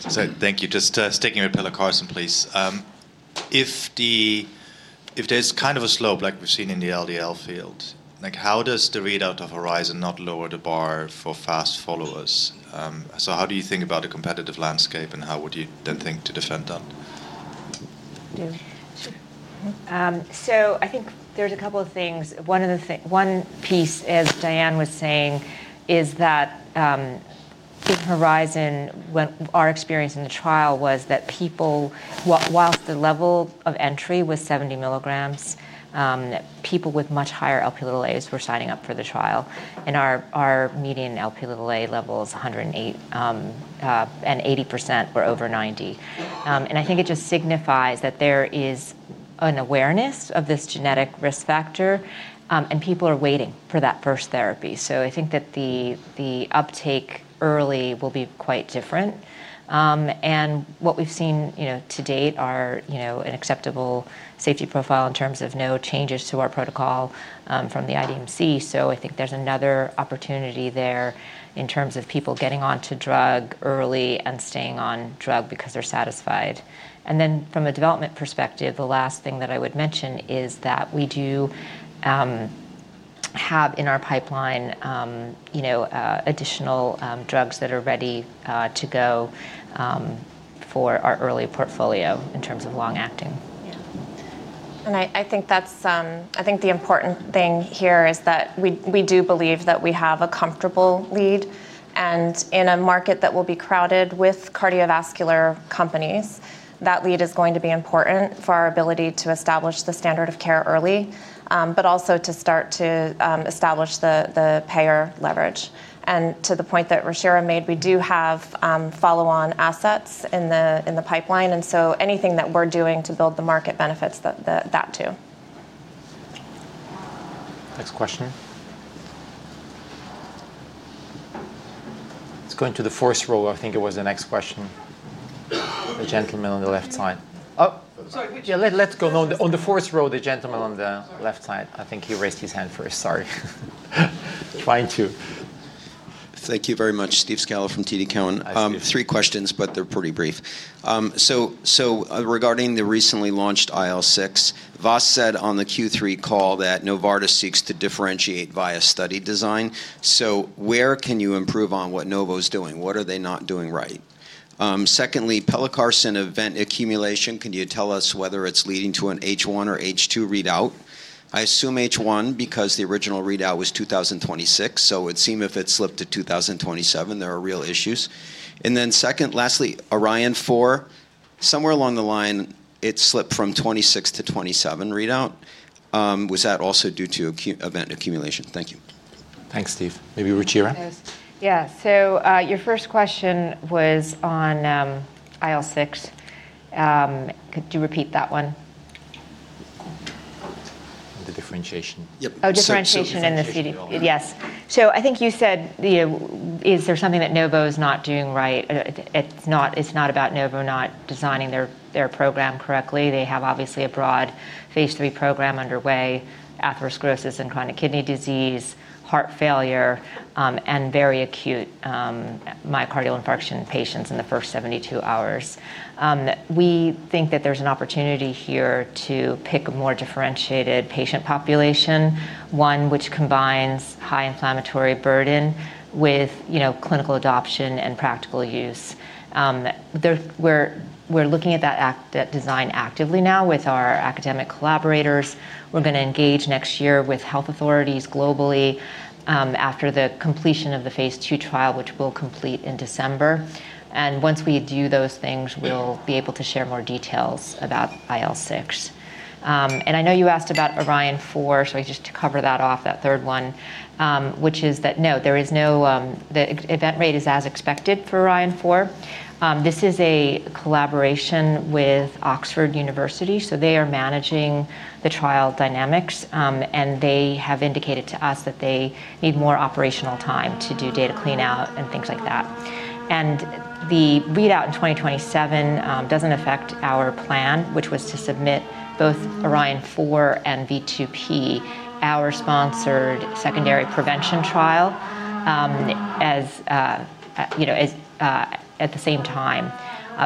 Thank you. Just sticking with pelacarsen, please. If there's kind of a slope like we've seen in the LDL field, how does the readout of HORIZON not lower the bar for fast followers? How do you think about the competitive landscape, and how would you then think to defend that? I think there's a couple of things. One piece, as Dianne was saying, is that in HORIZON, our experience in the trial was that people, whilst the level of entry was 70 mg, people with much higher Lp(a)s were signing up for the trial. Our median Lp(a) level is 108, and 80% were over 90. I think it just signifies that there is an awareness of this genetic risk factor, and people are waiting for that first therapy. I think that the uptake early will be quite different. What we've seen to date are an acceptable safety profile in terms of no changes to our protocol from the IDMC. I think there's another opportunity there in terms of people getting onto drug early and staying on drug because they're satisfied. From a development perspective, the last thing that I would mention is that we do have in our pipeline additional drugs that are ready to go for our early portfolio in terms of long-acting. Yeah. I think the important thing here is that we do believe that we have a comfortable lead. In a market that will be crowded with cardiovascular companies, that lead is going to be important for our ability to establish the standard of care early, but also to start to establish the payer leverage. To the point that Ruchira made, we do have follow-on assets in the pipeline. Anything that we are doing to build the market benefits that too. Next question. Let's go into the fourth row. I think it was the next question. The gentleman on the left side. Oh. Sorry. Yeah, let's go on the fourth row, the gentleman on the left side. I think he raised his hand first. Sorry. Trying to. Thank you very much, Steve Scala from TD Cowen. Three questions, but they're pretty brief. Regarding the recently launched IL-6, Vas said on the Q3 call that Novartis seeks to differentiate via study design. Where can you improve on what Novo is doing? What are they not doing right? Secondly, pelacarsen event accumulation, can you tell us whether it's leading to an H1 or H2 readout? I assume H1 because the original readout was 2026. It would seem if it slipped to 2027, there are real issues. Lastly, ORION-4, somewhere along the line, it slipped from 2026 to 2027 readout. Was that also due to event accumulation? Thank you. Thanks, Steve. Maybe Ruchira? Yeah. Your first question was on IL-6. Could you repeat that one? The differentiation. Oh, differentiation in the CD? Yes. I think you said, is there something that Novo is not doing right? It's not about Novo not designing their program correctly. They have obviously a broad phase III program underway, atherosclerosis and chronic kidney disease, heart failure, and very acute myocardial infarction patients in the first 72 hours. We think that there's an opportunity here to pick a more differentiated patient population, one which combines high inflammatory burden with clinical adoption and practical use. We're looking at that design actively now with our academic collaborators. We're going to engage next year with health authorities globally after the completion of the phase II trial, which we'll complete in December. Once we do those things, we'll be able to share more details about IL-6. I know you asked about ORION-4, so I just to cover that off, that third one, which is that no, there is no event rate is as expected for ORION-4. This is a collaboration with Oxford University. They are managing the trial dynamics, and they have indicated to us that they need more operational time to do data clean out and things like that. The readout in 2027 does not affect our plan, which was to submit both ORION-4 and V2P, our sponsored secondary prevention trial, at the same time.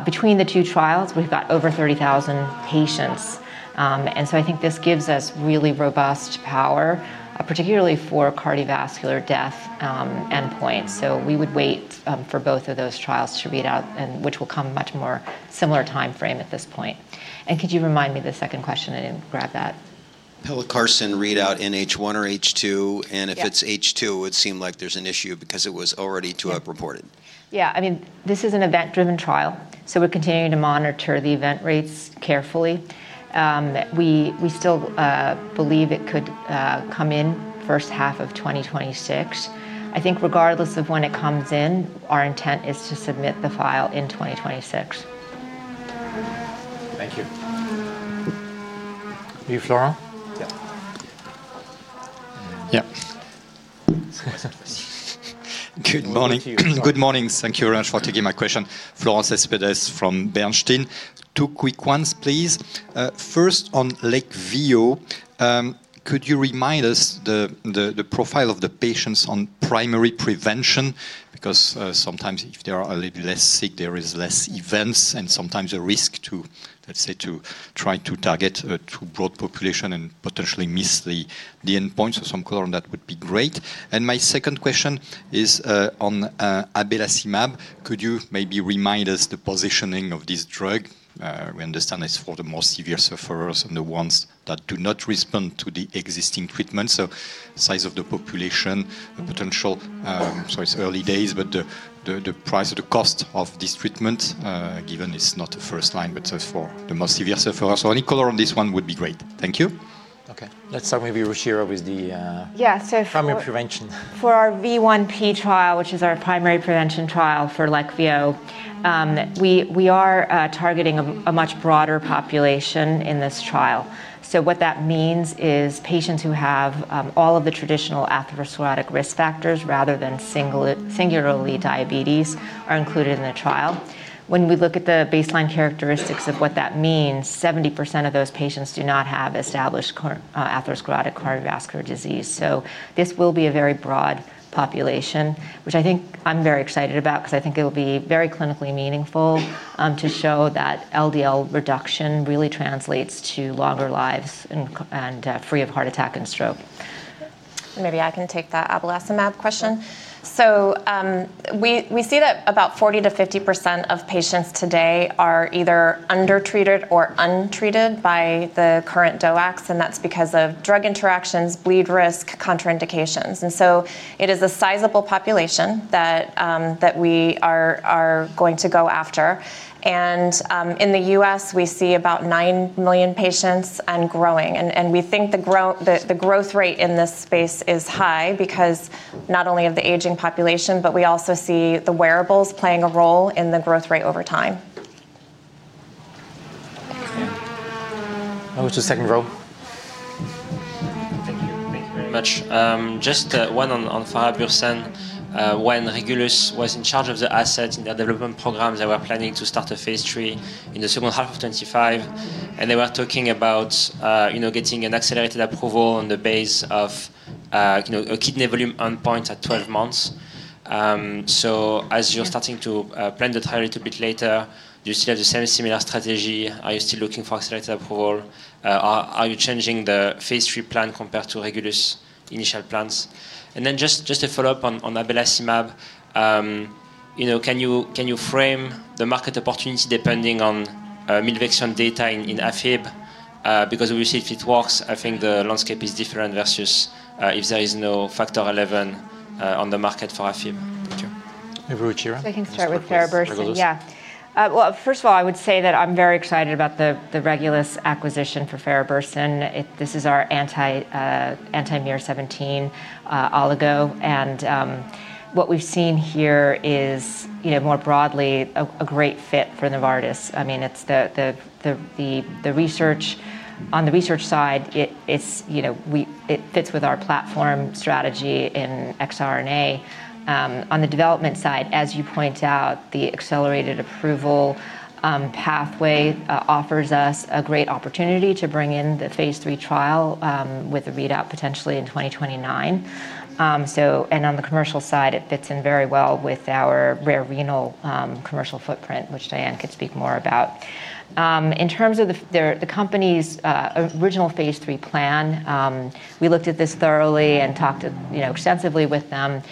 Between the two trials, we have got over 30,000 patients. I think this gives us really robust power, particularly for cardiovascular death endpoints. We would wait for both of those trials to read out, which will come much more similar timeframe at this point. Could you remind me the second question? I didn't grab that. Pelacarsen readout in H1 or H2? If it's H2, it would seem like there's an issue because it was already too up reported. Yeah. I mean, this is an event-driven trial. We are continuing to monitor the event rates carefully. We still believe it could come in first half of 2026. I think regardless of when it comes in, our intent is to submit the file in 2026. Thank you. You, Florent? Yeah. Yeah. Good morning. Good morning. Thank you for taking my question. Florent Cespedes from Bernstein. Two quick ones, please. First, on Leqvio, could you remind us the profile of the patients on primary prevention? Because sometimes if they are a little less sick, there is less events, and sometimes the risk to, let's say, to try to target a too broad population and potentially miss the endpoints of some color, that would be great. My second question is on abelacimab. Could you maybe remind us the positioning of this drug? We understand it's for the most severe sufferers and the ones that do not respond to the existing treatment. Size of the population, potential, it's early days, but the price or the cost of this treatment, given it's not a first line, but for the most severe sufferers. Any color on this one would be great. Thank you. Okay. Let's start maybe Ruchira with the primary prevention. Yeah. For our V1P trial, which is our primary prevention trial for Leqvio, we are targeting a much broader population in this trial. What that means is patients who have all of the traditional atherosclerotic risk factors rather than singularly diabetes are included in the trial. When we look at the baseline characteristics of what that means, 70% of those patients do not have established atherosclerotic cardiovascular disease. This will be a very broad population, which I think I'm very excited about because I think it will be very clinically meaningful to show that LDL reduction really translates to longer lives and free of heart attack and stroke. Maybe I can take that abelacimab question. We see that about 40%-50% of patients today are either undertreated or untreated by the current DOACs, and that's because of drug interactions, bleed risk, contraindications. It is a sizable population that we are going to go after. In the U.S., we see about 9 million patients and growing. We think the growth rate in this space is high because not only of the aging population, but we also see the wearables playing a role in the growth rate over time. I'll go to the second row. Thank you. Thank you very much. Just one on farabursen. When Regulus was in charge of the assets in their development programs, they were planning to start a phase III in the second half of 2025. They were talking about getting an accelerated approval on the base of a kidney volume endpoint at 12 months. As you are starting to plan the trial a little bit later, do you still have the same similar strategy? Are you still looking for accelerated approval? Are you changing the phase III plan compared to Regulus' initial plans? To follow up on abelacimab, can you frame the market opportunity depending on Milvexian data in AFib? Because obviously, if it works, I think the landscape is different versus if there is no Factor XI on the market for AFib. Thank you. Maybe Ruchira? I can start with farabursen. Regulus? Yeah. First of all, I would say that I'm very excited about the Regulus acquisition for farabursen. This is our anti-miR-17 oligo. What we've seen here is, more broadly, a great fit for Novartis. I mean, on the research side, it fits with our platform strategy in xRNA. On the development side, as you point out, the accelerated approval pathway offers us a great opportunity to bring in the phase III trial with a readout potentially in 2029. On the commercial side, it fits in very well with our rare renal commercial footprint, which Dianne could speak more about. In terms of the company's original phase III plan, we looked at this thoroughly and talked extensively with them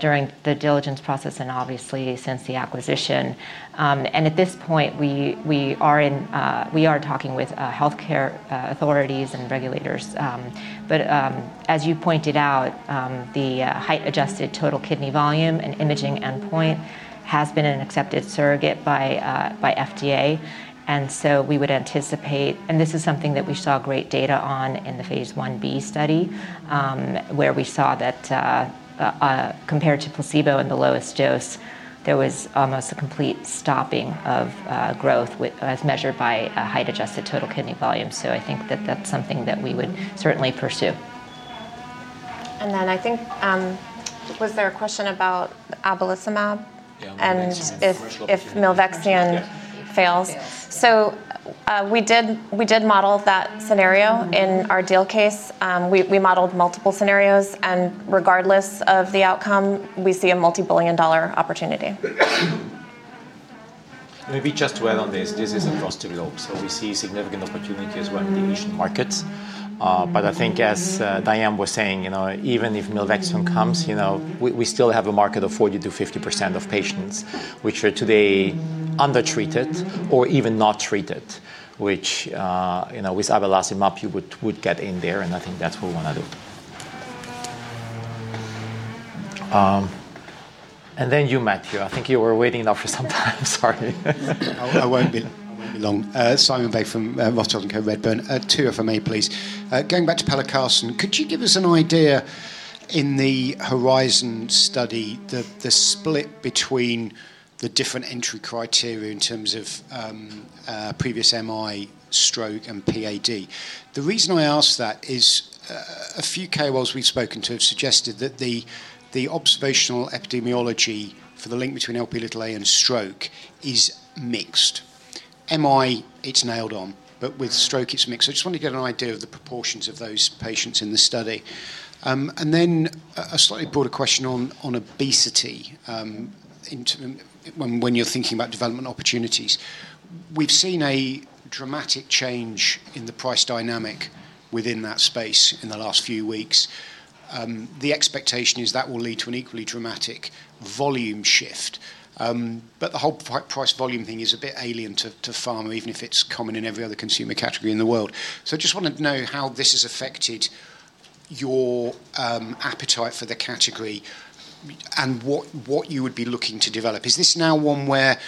during the diligence process and obviously since the acquisition. At this point, we are talking with healthcare authorities and regulators. As you pointed out, the height-adjusted total kidney volume and imaging endpoint has been an accepted surrogate by the FDA. We would anticipate, and this is something that we saw great data on in the phase I-B study, where we saw that compared to placebo in the lowest dose, there was almost a complete stopping of growth as measured by height-adjusted total kidney volume. I think that is something that we would certainly pursue. I think was there a question about abelacimab and if Milvexian fails? We did model that scenario in our deal case. We modeled multiple scenarios. Regardless of the outcome, we see a multi-billion dollar opportunity. Maybe just to add on this, this is a positive look. We see significant opportunities in the Asian markets. I think as Dianne was saying, even if Milvexian comes, we still have a market of 40%-50% of patients which are today undertreated or even not treated, which with abelacimab, you would get in there. I think that's what we want to do. You, Matthew. I think you were waiting enough for some time. Sorry. I won't be long. Simon Baker from Rothschild & Co Redburn. Two if I may, please. Going back to pelacarsen, could you give us an idea in the HORIZON study the split between the different entry criteria in terms of previous MI, stroke, and PAD? The reason I ask that is a few KOLs we've spoken to have suggested that the observational epidemiology for the link between Lp(a) and stroke is mixed. MI, it's nailed on, but with stroke, it's mixed. I just want to get an idea of the proportions of those patients in the study. A slightly broader question on obesity when you're thinking about development opportunities. We've seen a dramatic change in the price dynamic within that space in the last few weeks. The expectation is that will lead to an equally dramatic volume shift. The whole price volume thing is a bit alien to pharma, even if it's common in every other consumer category in the world. I just want to know how this has affected your appetite for the category and what you would be looking to develop. Is this now one where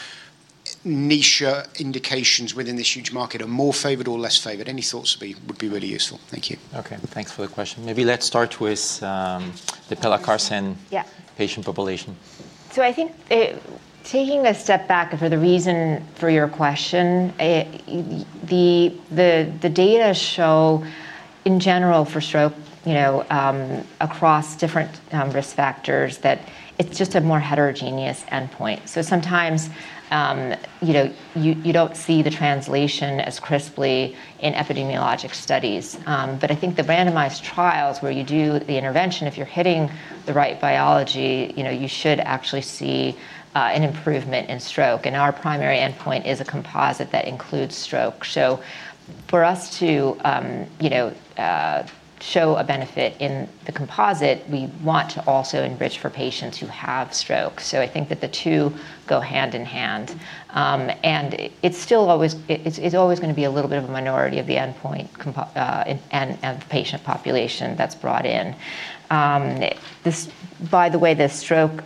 niche indications within this huge market are more favored or less favored? Any thoughts would be really useful. Thank you. Okay. Thanks for the question. Maybe let's start with the pelacarsen patient population. I think taking a step back for the reason for your question, the data show in general for stroke across different risk factors that it's just a more heterogeneous endpoint. Sometimes you don't see the translation as crisply in epidemiologic studies. I think the randomized trials where you do the intervention, if you're hitting the right biology, you should actually see an improvement in stroke. Our primary endpoint is a composite that includes stroke. For us to show a benefit in the composite, we want to also enrich for patients who have stroke. I think that the two go hand in hand. It's always going to be a little bit of a minority of the endpoint and patient population that's brought in. By the way, the stroke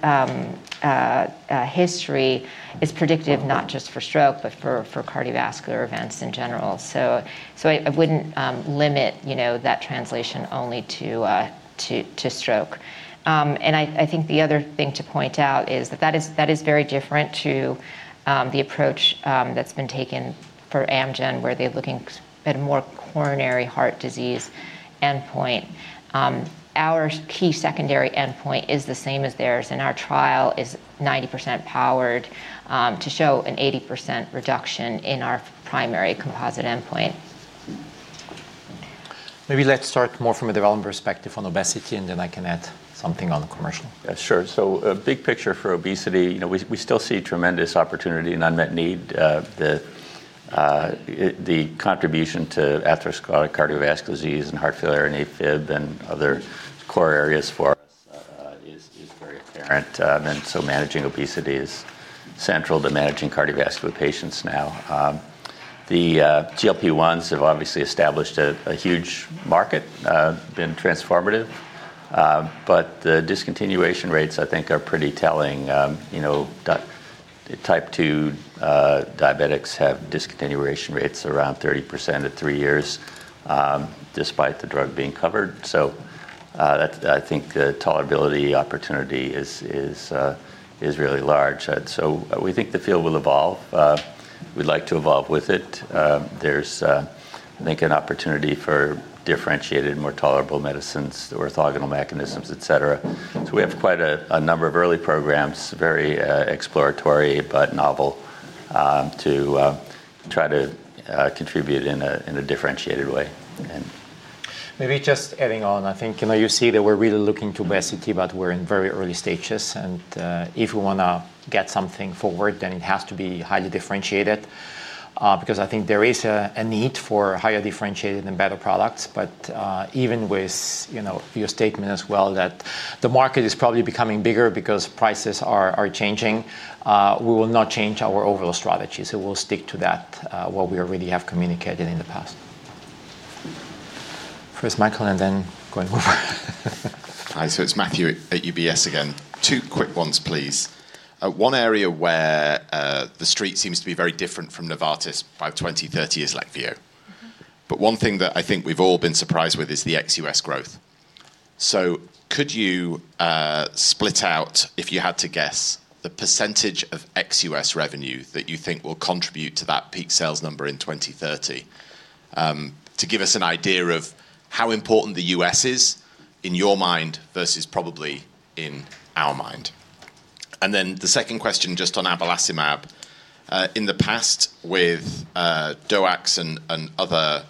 history is predictive not just for stroke, but for cardiovascular events in general. I would not limit that translation only to stroke. I think the other thing to point out is that that is very different to the approach that has been taken for Amgen, where they are looking at a more coronary heart disease endpoint. Our key secondary endpoint is the same as theirs. Our trial is 90% powered to show an 80% reduction in our primary composite endpoint. Maybe let's start more from a development perspective on obesity, and then I can add something on the commercial. Yeah, sure. Big picture for obesity, we still see tremendous opportunity and unmet need. The contribution to atherosclerotic cardiovascular disease and heart failure and AFib and other core areas for us is very apparent. Managing obesity is central to managing cardiovascular patients now. The GLP-1s have obviously established a huge market, been transformative. The discontinuation rates, I think, are pretty telling. Type 2 diabetics have discontinuation rates around 30% at three years despite the drug being covered. I think the tolerability opportunity is really large. We think the field will evolve. We'd like to evolve with it. There's, I think, an opportunity for differentiated, more tolerable medicines, orthogonal mechanisms, etc. We have quite a number of early programs, very exploratory but novel, to try to contribute in a differentiated way. Maybe just adding on, I think you see that we're really looking to obesity, but we're in very early stages. If we want to get something forward, then it has to be highly differentiated because I think there is a need for higher differentiated and better products. Even with your statement as well that the market is probably becoming bigger because prices are changing, we will not change our overall strategy. We'll stick to that, what we already have communicated in the past. First, Michael, and then going over. Hi. It's Matthew at UBS again. Two quick ones, please. One area where the street seems to be very different from Novartis by 2030 is Leqvio. One thing that I think we've all been surprised with is th ex-U.S. growth. Could you split out, if you had to guess, the percentage of ex-U.S. revenue that you think will contribute to that peak sales number in 2030 to give us an idea of how important the U.S. is in your mind versus probably in our mind? The second question just on abelacimab. In the past, with DOACs and other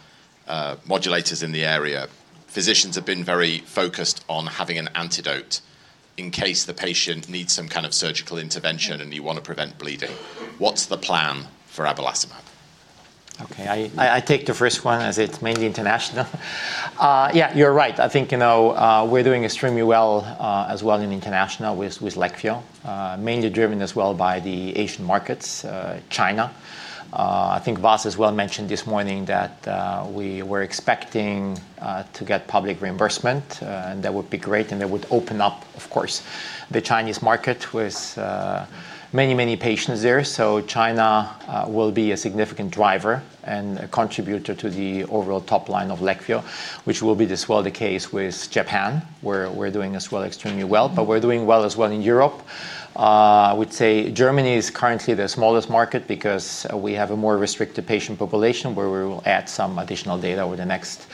modulators in the area, physicians have been very focused on having an antidote in case the patient needs some kind of surgical intervention and you want to prevent bleeding. What's the plan for abelacimab? Okay. I take the first one as it's mainly international. Yeah, you're right. I think we're doing extremely well as well in international with Leqvio, mainly driven as well by the Asian markets, China. I think Vas as well mentioned this morning that we were expecting to get public reimbursement, and that would be great. That would open up, of course, the Chinese market with many, many patients there. China will be a significant driver and contributor to the overall top line of Leqvio, which will be as well the case with Japan, where we're doing as well extremely well. We're doing well as well in Europe. I would say Germany is currently the smallest market because we have a more restricted patient population where we will add some additional data over the next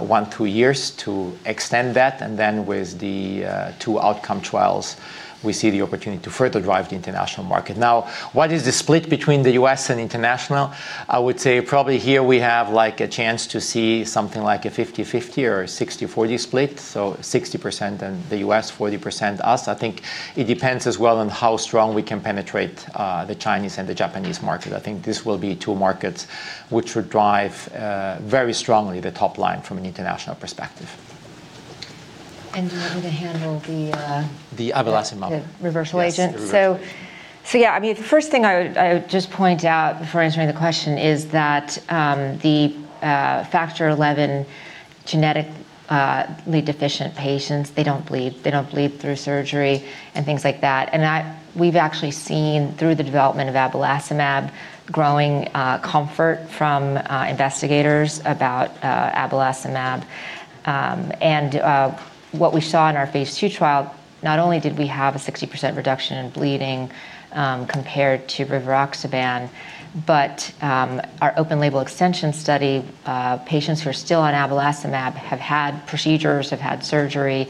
one to two years to extend that. With the two outcome trials, we see the opportunity to further drive the international market. Now, what is the split between the U.S. and international? I would say probably here we have a chance to see something like a 50/50 or 60/40 split. 60% in the U.S., 40% international. I think it depends as well on how strong we can penetrate the Chinese and the Japanese market. I think this will be two markets which would drive very strongly the top line from an international perspective. Do you want me to handle the. The abelacimab. The reversal agent. Yeah, I mean, the first thing I would just point out before answering the question is that the Factor XI genetically deficient patients, they don't bleed. They don't bleed through surgery and things like that. We have actually seen through the development of abelacimab growing comfort from investigators about abelacimab. What we saw in our phase II trial, not only did we have a 60% reduction in bleeding compared to Rivaroxaban, but our open label extension study, patients who are still on abelacimab have had procedures, have had surgery,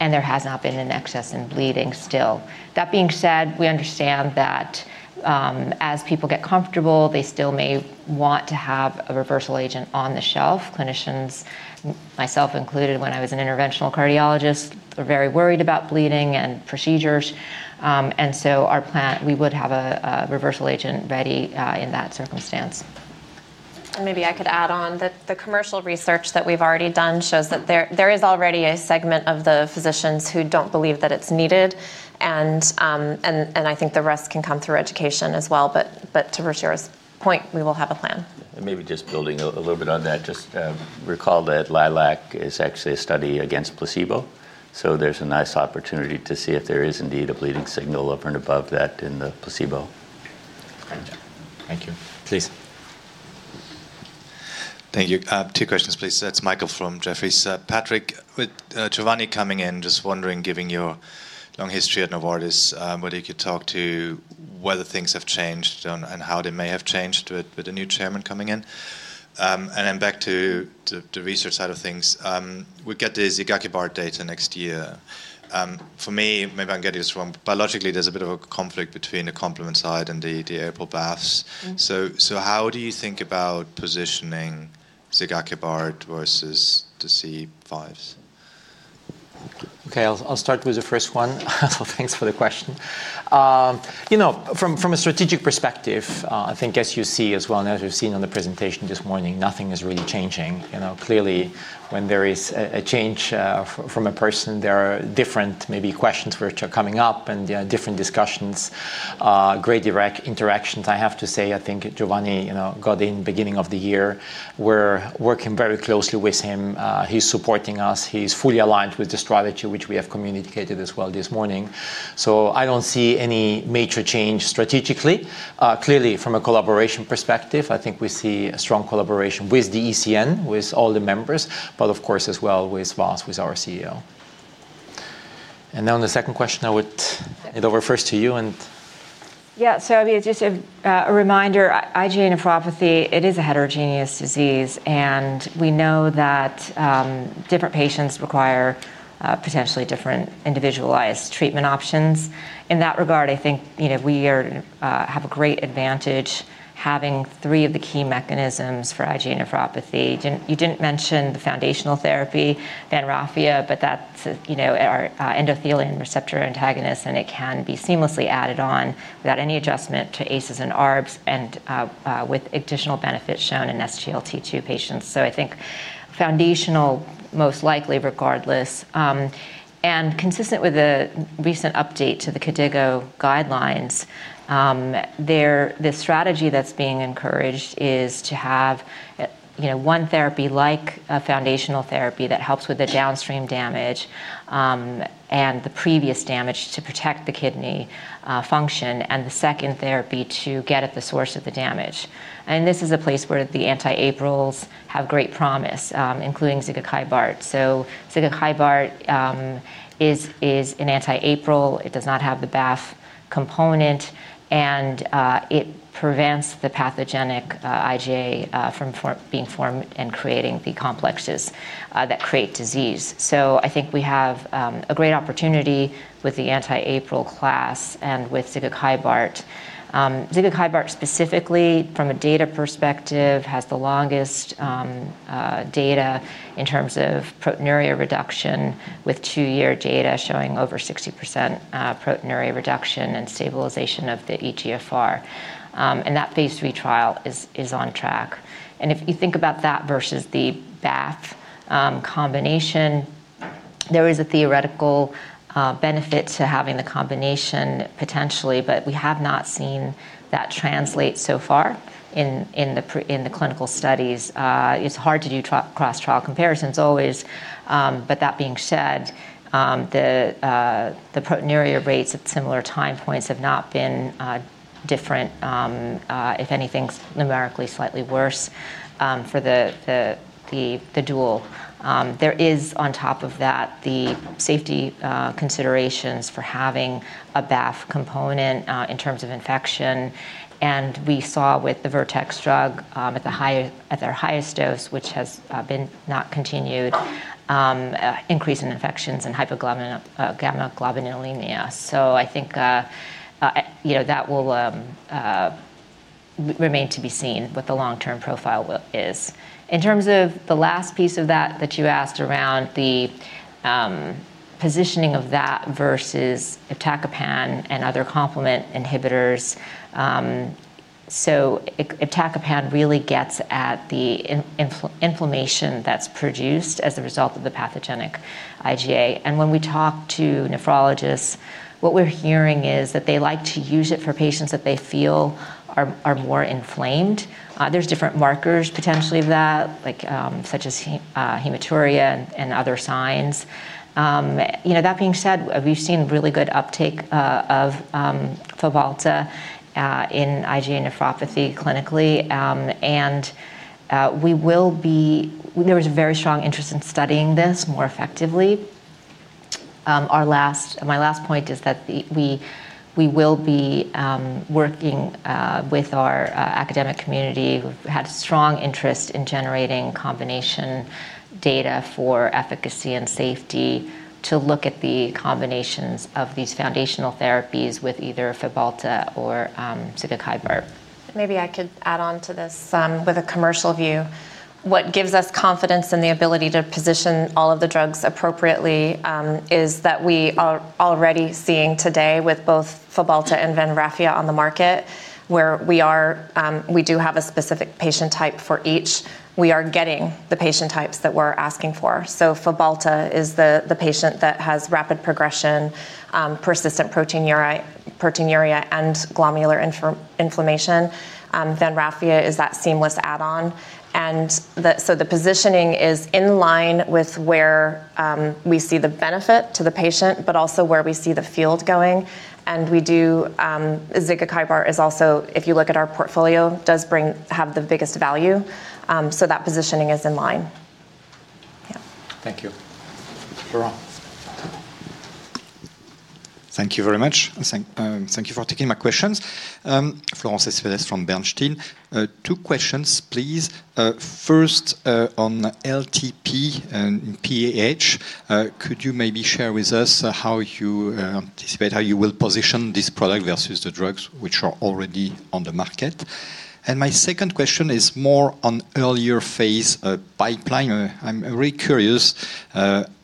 and there has not been an excess in bleeding still. That being said, we understand that as people get comfortable, they still may want to have a reversal agent on the shelf. Clinicians, myself included when I was an interventional cardiologist, were very worried about bleeding and procedures. Our plan, we would have a reversal agent ready in that circumstance. Maybe I could add on that the commercial research that we've already done shows that there is already a segment of the physicians who don't believe that it's needed. I think the rest can come through education as well. To Ruchira's point, we will have a plan. Maybe just building a little bit on that, just recall that LILAC is actually a study against placebo. There is a nice opportunity to see if there is indeed a bleeding signal up and above that in the placebo. Thank you. Please. Thank you. Two questions, please. That's Michael from Jefferies. Patrick, with Giovanni coming in, just wondering, given your long history at Novartis, whether you could talk to whether things have changed and how they may have changed with a new chairman coming in. Back to the research side of things. We get the zigakibart data next year. For me, maybe I'm getting this wrong, biologically, there's a bit of a conflict between the complement side and the erythropoietin baths. How do you think about positioning zigakibart versus the C5s? Okay. I'll start with the first one. Thanks for the question. From a strategic perspective, I think, as you see as well and as you've seen on the presentation this morning, nothing is really changing. Clearly, when there is a change from a person, there are different maybe questions which are coming up and different discussions, great interactions. I have to say, I think Giovanni got in the beginning of the year. We're working very closely with him. He's supporting us. He's fully aligned with the strategy which we have communicated as well this morning. I don't see any major change strategically. Clearly, from a collaboration perspective, I think we see a strong collaboration with the ECN, with all the members, but of course as well with Vas, with our CEO. The second question, I would hand it over first to you. Yeah. I mean, just a reminder, IgA nephropathy, it is a heterogeneous disease. We know that different patients require potentially different individualized treatment options. In that regard, I think we have a great advantage having three of the key mechanisms for IgA nephropathy. You did not mention the foundational therapy, Vanrafia, but that is our endothelium receptor antagonist. It can be seamlessly added on without any adjustment to ACEs and ARBs and with additional benefit shown in SGLT2 patients. I think foundational most likely regardless. Consistent with the recent update to the KDIGO guidelines, the strategy that is being encouraged is to have one therapy like a foundational therapy that helps with the downstream damage and the previous damage to protect the kidney function and the second therapy to get at the source of the damage. This is a place where the [anti-APRILs] have great promise, including zigakibart. Zigakibart is an anti-APRIL. It does not have the BAFF component. It prevents the pathogenic IgA from being formed and creating the complexes that create disease. I think we have a great opportunity with the anti-APRIL class and with zigakibart. Zigakibart specifically, from a data perspective, has the longest data in terms of proteinuria reduction with two-year data showing over 60% proteinuria reduction and stabilization of the EGFR. That phase III trial is on track. If you think about that versus the BAFF combination, there is a theoretical benefit to having the combination potentially, but we have not seen that translate so far in the clinical studies. It is hard to do cross-trial comparisons always. That being said, the proteinuria rates at similar time points have not been different. If anything, numerically slightly worse for the dual. There is, on top of that, the safety considerations for having a BAFF component in terms of infection. We saw with the Vertex drug at their highest dose, which has been not continued, increase in infections and hypogammaglobulinemia. I think that will remain to be seen what the long-term profile is. In terms of the last piece of that that you asked around the positioning of that versus iptacopan and other complement inhibitors, iptacopan really gets at the inflammation that's produced as a result of the pathogenic IgA. When we talk to nephrologists, what we're hearing is that they like to use it for patients that they feel are more inflamed. There are different markers potentially of that, such as hematuria and other signs. That being said, we've seen really good uptake of Fabhalta in IgA nephropathy clinically. There was a very strong interest in studying this more effectively. My last point is that we will be working with our academic community. We've had a strong interest in generating combination data for efficacy and safety to look at the combinations of these foundational therapies with either Fabhalta or zigakibart. Maybe I could add on to this with a commercial view. What gives us confidence in the ability to position all of the drugs appropriately is that we are already seeing today with both Fabhalta and Vanrafia on the market where we do have a specific patient type for each. We are getting the patient types that we're asking for. Fabhalta is the patient that has rapid progression, persistent proteinuria, and glomerular inflammation. Vanrafia is that seamless add-on. The positioning is in line with where we see the benefit to the patient, but also where we see the field going. Zigakibart is also, if you look at our portfolio, does have the biggest value. That positioning is in line. Yeah. Thank you. Florent? Thank you very much. Thank you for taking my questions. Florent Cespedes from Bernstein. Two questions, please. First, on LTP001 and PAH, could you maybe share with us how you anticipate how you will position this product versus the drugs which are already on the market? My second question is more on earlier phase pipeline. I'm really curious.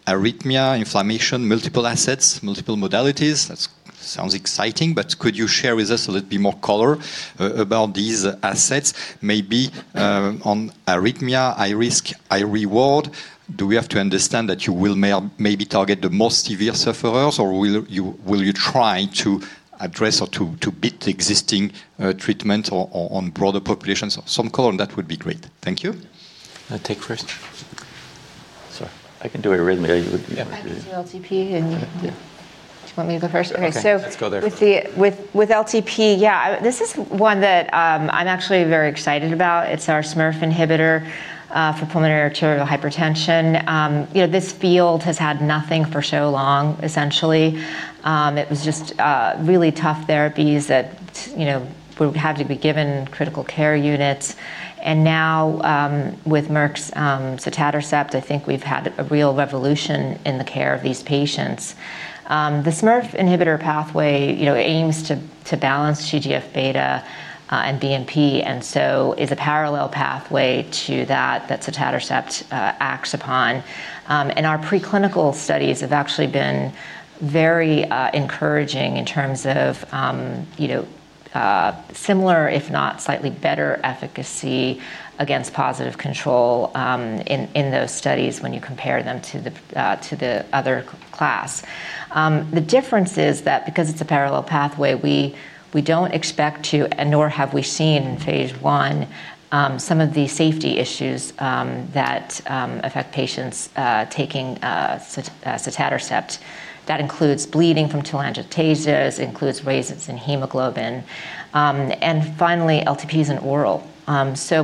Arrhythmia, inflammation, multiple assets, multiple modalities. That sounds exciting. Could you share with us a little bit more color about these assets? Maybe on arrhythmia, high risk, high reward, do we have to understand that you will maybe target the most severe sufferers? Or will you try to address or to beat existing treatments on broader populations? Some color, and that would be great. Thank you. I'll take first. Sorry. I can do arrhythmia. I'll do LTP001. Do you want me to go first? Yeah. Let's go there. With LTP001, yeah, this is one that I'm actually very excited about. It's our SMURF1 inhibitor for pulmonary arterial hypertension. This field has had nothing for so long, essentially. It was just really tough therapies that would have to be given in critical care units. Now with Merck's sotatercept, I think we've had a real revolution in the care of these patients. The SMURF1 inhibitor pathway aims to balance TGF beta and BMP and so is a parallel pathway to that that sotatercept acts upon. Our preclinical studies have actually been very encouraging in terms of similar, if not slightly better, efficacy against positive control in those studies when you compare them to the other class. The difference is that because it's a parallel pathway, we don't expect to, nor have we seen in phase I, some of the safety issues that affect patients taking sotatercept. That includes bleeding from telangiectasias, includes rises in hemoglobin. Finally, LTP001 is an oral.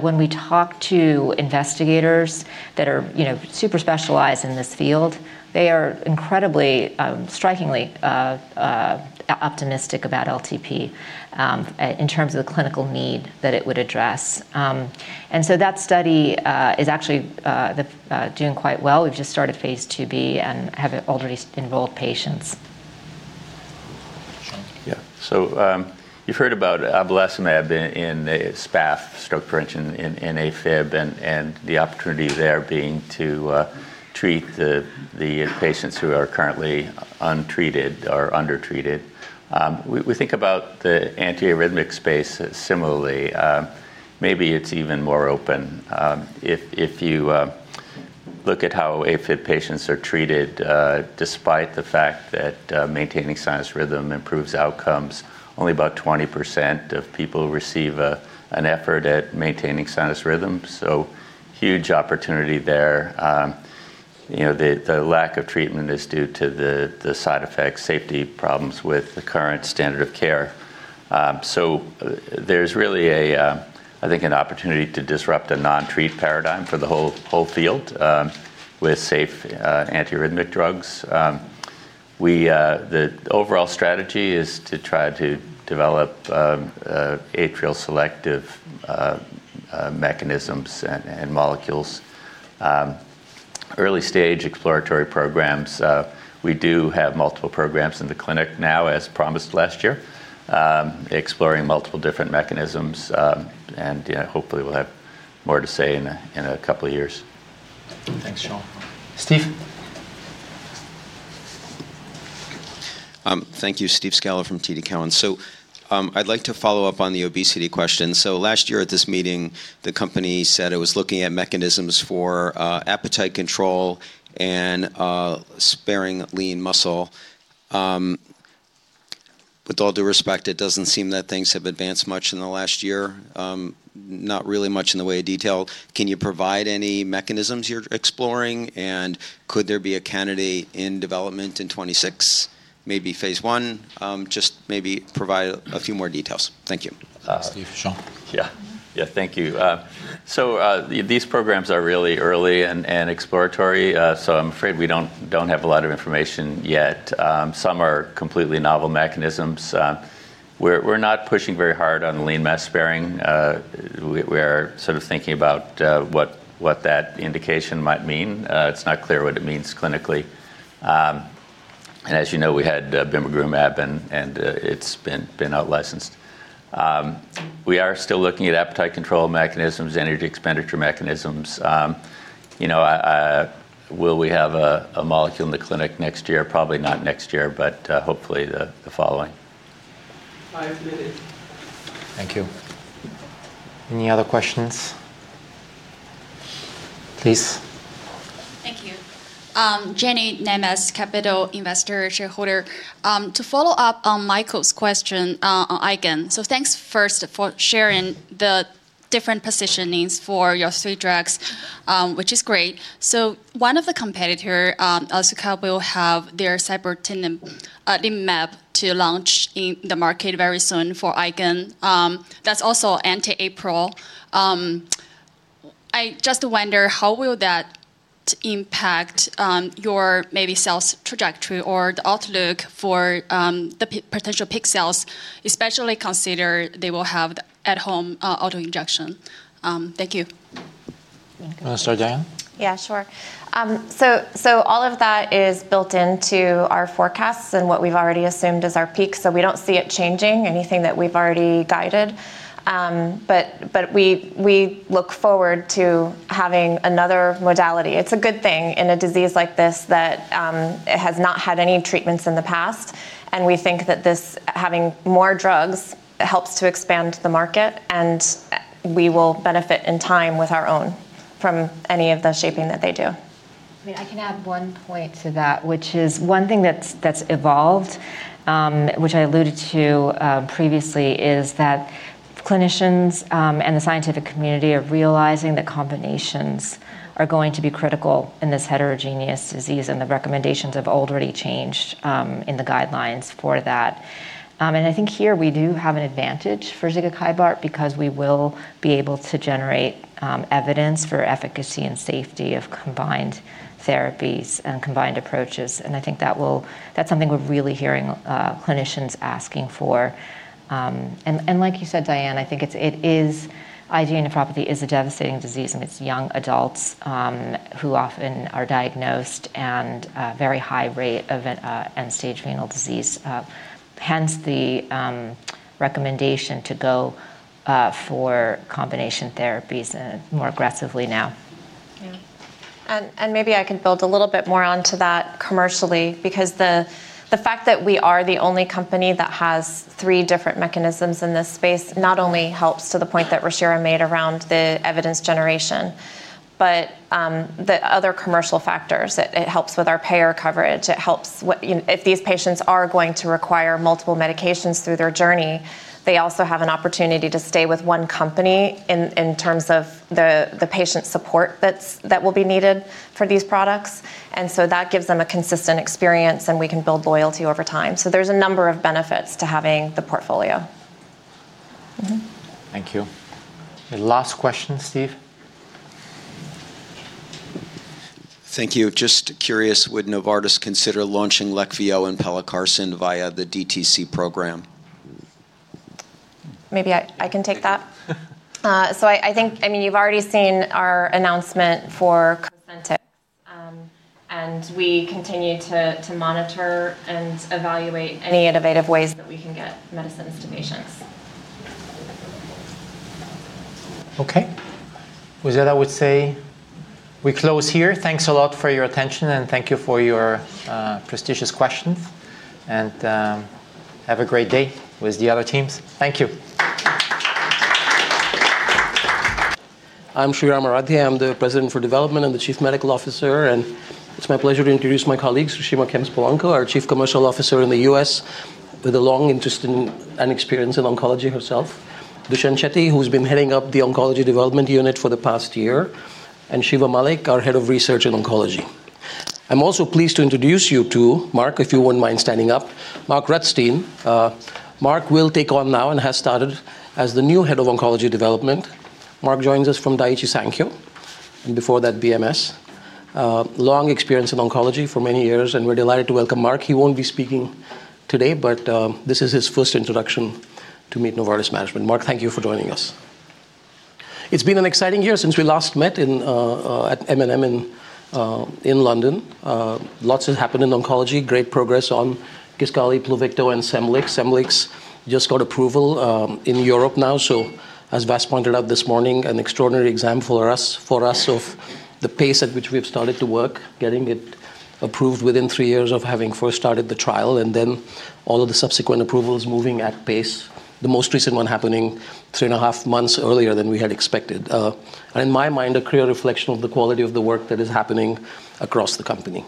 When we talk to investigators that are super specialized in this field, they are incredibly, strikingly optimistic about LTP001 in terms of the clinical need that it would address. That study is actually doing quite well. We have just started phase II-B and have already enrolled patients. Yeah. You've heard about abelacimab in SPAF, stroke prevention in AFib, and the opportunity there being to treat the patients who are currently untreated or undertreated. We think about the antiarrhythmic space similarly. Maybe it's even more open if you look at how AFib patients are treated despite the fact that maintaining sinus rhythm improves outcomes. Only about 20% of people receive an effort at maintaining sinus rhythm. Huge opportunity there. The lack of treatment is due to the side effects, safety problems with the current standard of care. There's really, I think, an opportunity to disrupt a non-treat paradigm for the whole field with safe antiarrhythmic drugs. The overall strategy is to try to develop atrial selective mechanisms and molecules. Early stage exploratory programs. We do have multiple programs in the clinic now, as promised last year, exploring multiple different mechanisms. Hopefully, we'll have more to say in a couple of years. Thanks, Shaun. Steve? Thank you, Steve Scala from TD Cowen. I'd like to follow up on the obesity question. Last year at this meeting, the company said it was looking at mechanisms for appetite control and sparing lean muscle. With all due respect, it doesn't seem that things have advanced much in the last year, not really much in the way of detail. Can you provide any mechanisms you're exploring? Could there be a candidate in development in 2026, maybe phase I? Just maybe provide a few more details. Thank you. Steve, Shaun. Yeah. Yeah. Thank you. These programs are really early and exploratory. I'm afraid we don't have a lot of information yet. Some are completely novel mechanisms. We're not pushing very hard on lean mass sparing. We are sort of thinking about what that indication might mean. It's not clear what it means clinically. As you know, we had bimagrumab, and it's been out licensed. We are still looking at appetite control mechanisms, energy expenditure mechanisms. Will we have a molecule in the clinic next year? Probably not next year, but hopefully the following. Thank you. Any other questions? Please. Thank you. Jenny Nemes, capital investor shareholder. To follow up on Michael's question on IgAN. Thanks first for sharing the different positionings for your three drugs, which is great. One of the competitors, zigakibart, will have their sibeprenlimab to launch in the market very soon for IgAN. That is also anti-APRIL. I just wonder how will that impact your maybe sales trajectory or the outlook for the potential peak sales, especially considering they will have at-home auto injection. Thank you. Sorry, Dianne. Yeah, sure. All of that is built into our forecasts and what we've already assumed is our peak. We do not see it changing anything that we've already guided. We look forward to having another modality. It is a good thing in a disease like this that has not had any treatments in the past. We think that having more drugs helps to expand the market. We will benefit in time with our own from any of the shaping that they do. I mean, I can add one point to that, which is one thing that's evolved, which I alluded to previously, is that clinicians and the scientific community are realizing that combinations are going to be critical in this heterogeneous disease. The recommendations have already changed in the guidelines for that. I think here we do have an advantage for zigakibart because we will be able to generate evidence for efficacy and safety of combined therapies and combined approaches. I think that's something we're really hearing clinicians asking for. Like you said, Dianne, I think IgA nephropathy is a devastating disease amongst young adults who often are diagnosed and very high rate of end-stage renal disease. Hence the recommendation to go for combination therapies more aggressively now. Yeah. Maybe I can build a little bit more onto that commercially because the fact that we are the only company that has three different mechanisms in this space not only helps to the point that Ruchira made around the evidence generation, but the other commercial factors. It helps with our payer coverage. If these patients are going to require multiple medications through their journey, they also have an opportunity to stay with one company in terms of the patient support that will be needed for these products. That gives them a consistent experience, and we can build loyalty over time. There are a number of benefits to having the portfolio. Thank you. Last question, Steve. Thank you. Just curious, would Novartis consider launching Leqvio and pelacarsen via the DTC program? Maybe I can take that. I think, I mean, you've already seen our announcement for Cosentyx. We continue to monitor and evaluate any innovative ways that we can get medicines to patients. Okay. With that, I would say we close here. Thanks a lot for your attention. Thank you for your prestigious questions. Have a great day with the other teams. Thank you. I'm Shreeram Aradhye. I'm the President for Development and the Chief Medical Officer. And it's my pleasure to introduce my colleagues, Reshema Kemps-Polanco, our Chief Commercial Officer in the U.S. with a long interest and experience in oncology herself, Dushen Chetty, who's been heading up the Oncology Development Unit for the past year, and Shiva Malek, our Head of Research in Oncology. I'm also pleased to introduce you to, Mark, if you wouldn't mind standing up, Mark Rutstein. Mark will take on now and has started as the new Head of Oncology Development. Mark joins us from Daiichi Sankyo. And before that, BMS. Long experience in oncology for many years. And we're delighted to welcome Mark. He won't be speaking today, but this is his first introduction to meet Novartis Management. Mark, thank you for joining us. It's been an exciting year since we last met at M&M in London. Lots has happened in oncology. Great progress on Kisqali, Pluvicto, and Scemblix. Scemblix just got approval in Europe now. As Vas pointed out this morning, an extraordinary example for us of the pace at which we've started to work, getting it approved within three years of having first started the trial. All of the subsequent approvals moving at pace, the most recent one happening three and a half months earlier than we had expected. In my mind, a clear reflection of the quality of the work that is happening across the company.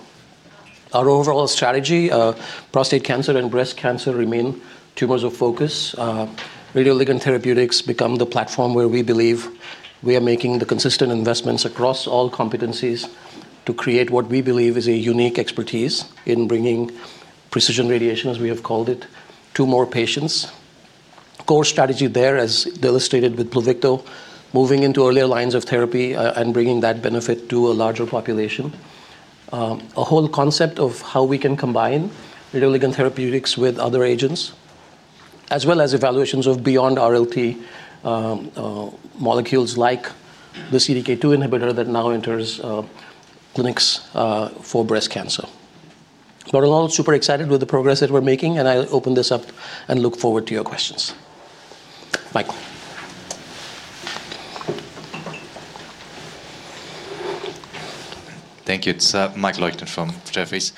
Our overall strategy, prostate cancer and breast cancer remain tumors of focus. Radioligand therapeutics become the platform where we believe we are making the consistent investments across all competencies to create what we believe is a unique expertise in bringing precision radiation, as we have called it, to more patients. Core strategy there, as illustrated with Pluvicto, moving into earlier lines of therapy and bringing that benefit to a larger population. The whole concept of how we can combine radioligand therapeutics with other agents, as well as evaluations of beyond RLT molecules like the CDK2 inhibitor that now enters clinics for breast cancer. Overall, super excited with the progress that we're making. I'll open this up and look forward to your questions. Michael. Thank you. It's Michael Leuchten from Jefferies.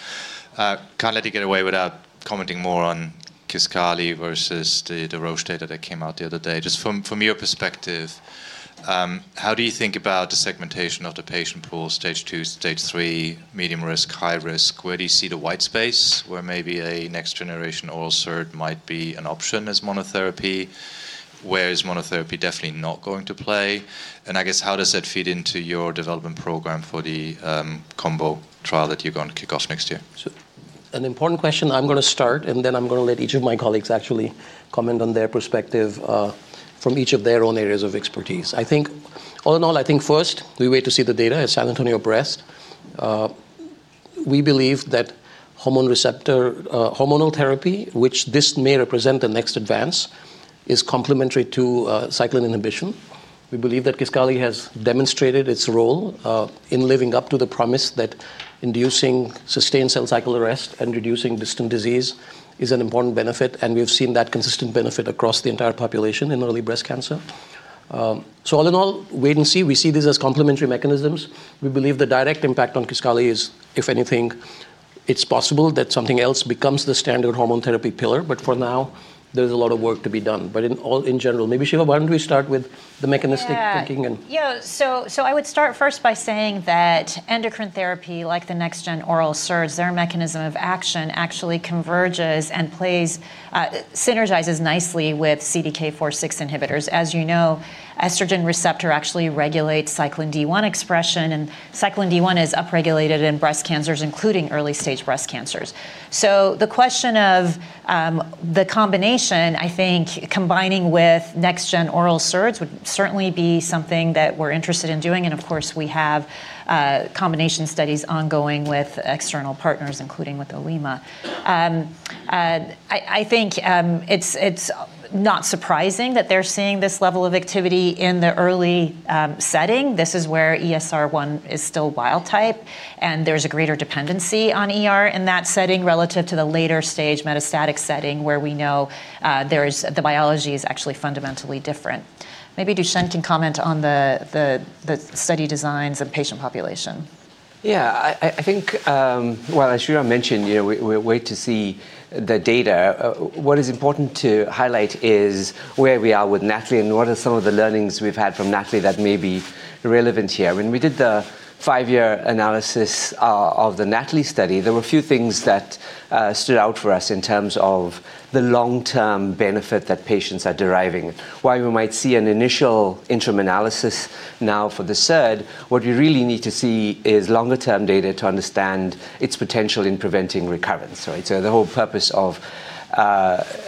Can't let you get away without commenting more on Kisqali versus the Roche data that came out the other day. Just from your perspective, how do you think about the segmentation of the patient pool, stage two, stage three, medium risk, high risk? Where do you see the white space where maybe a next generation oral SERD might be an option as monotherapy? Where is monotherapy definitely not going to play? I guess, how does that fit into your development program for the combo trial that you're going to kick off next year? An important question. I'm going to start, and then I'm going to let each of my colleagues actually comment on their perspective from each of their own areas of expertise. All in all, I think first, we wait to see the data at San Antonio Breast. We believe that hormonal therapy, which this may represent the next advance, is complementary to cyclin inhibition. We believe that Kisqali has demonstrated its role in living up to the promise that inducing sustained cell cycle arrest and reducing distant disease is an important benefit. We have seen that consistent benefit across the entire population in early breast cancer. All in all, wait and see. We see these as complementary mechanisms. We believe the direct impact on Kisqali is, if anything, it's possible that something else becomes the standard hormone therapy pillar. For now, there's a lot of work to be done. In general, maybe, Shiva, why don't we start with the mechanistic thinking? Yeah. I would start first by saying that endocrine therapy, like the next-gen oral SERDs, their mechanism of action actually converges and synergizes nicely with CDK4/6 inhibitors. As you know, estrogen receptor actually regulates cyclin D1 expression. Cyclin D1 is upregulated in breast cancers, including early stage breast cancers. The question of the combination, I think combining with next-gen oral SERDs would certainly be something that we're interested in doing. Of course, we have combination studies ongoing with external partners, including with Olema. I think it's not surprising that they're seeing this level of activity in the early setting. This is where ESR1 is still wild type. There's a greater dependency on in that setting relative to the later stage metastatic setting where we know the biology is actually fundamentally different. Maybe Dushen can comment on the study designs and patient population. Yeah. I think while Shreeram mentioned, we wait to see the data, what is important to highlight is where we are with NATALEE and what are some of the learnings we've had from NATALEE that may be relevant here. When we did the five-year analysis of the NATALEE study, there were a few things that stood out for us in terms of the long-term benefit that patients are deriving. While we might see an initial interim analysis now for the SERD, what we really need to see is longer-term data to understand its potential in preventing recurrence. The whole purpose of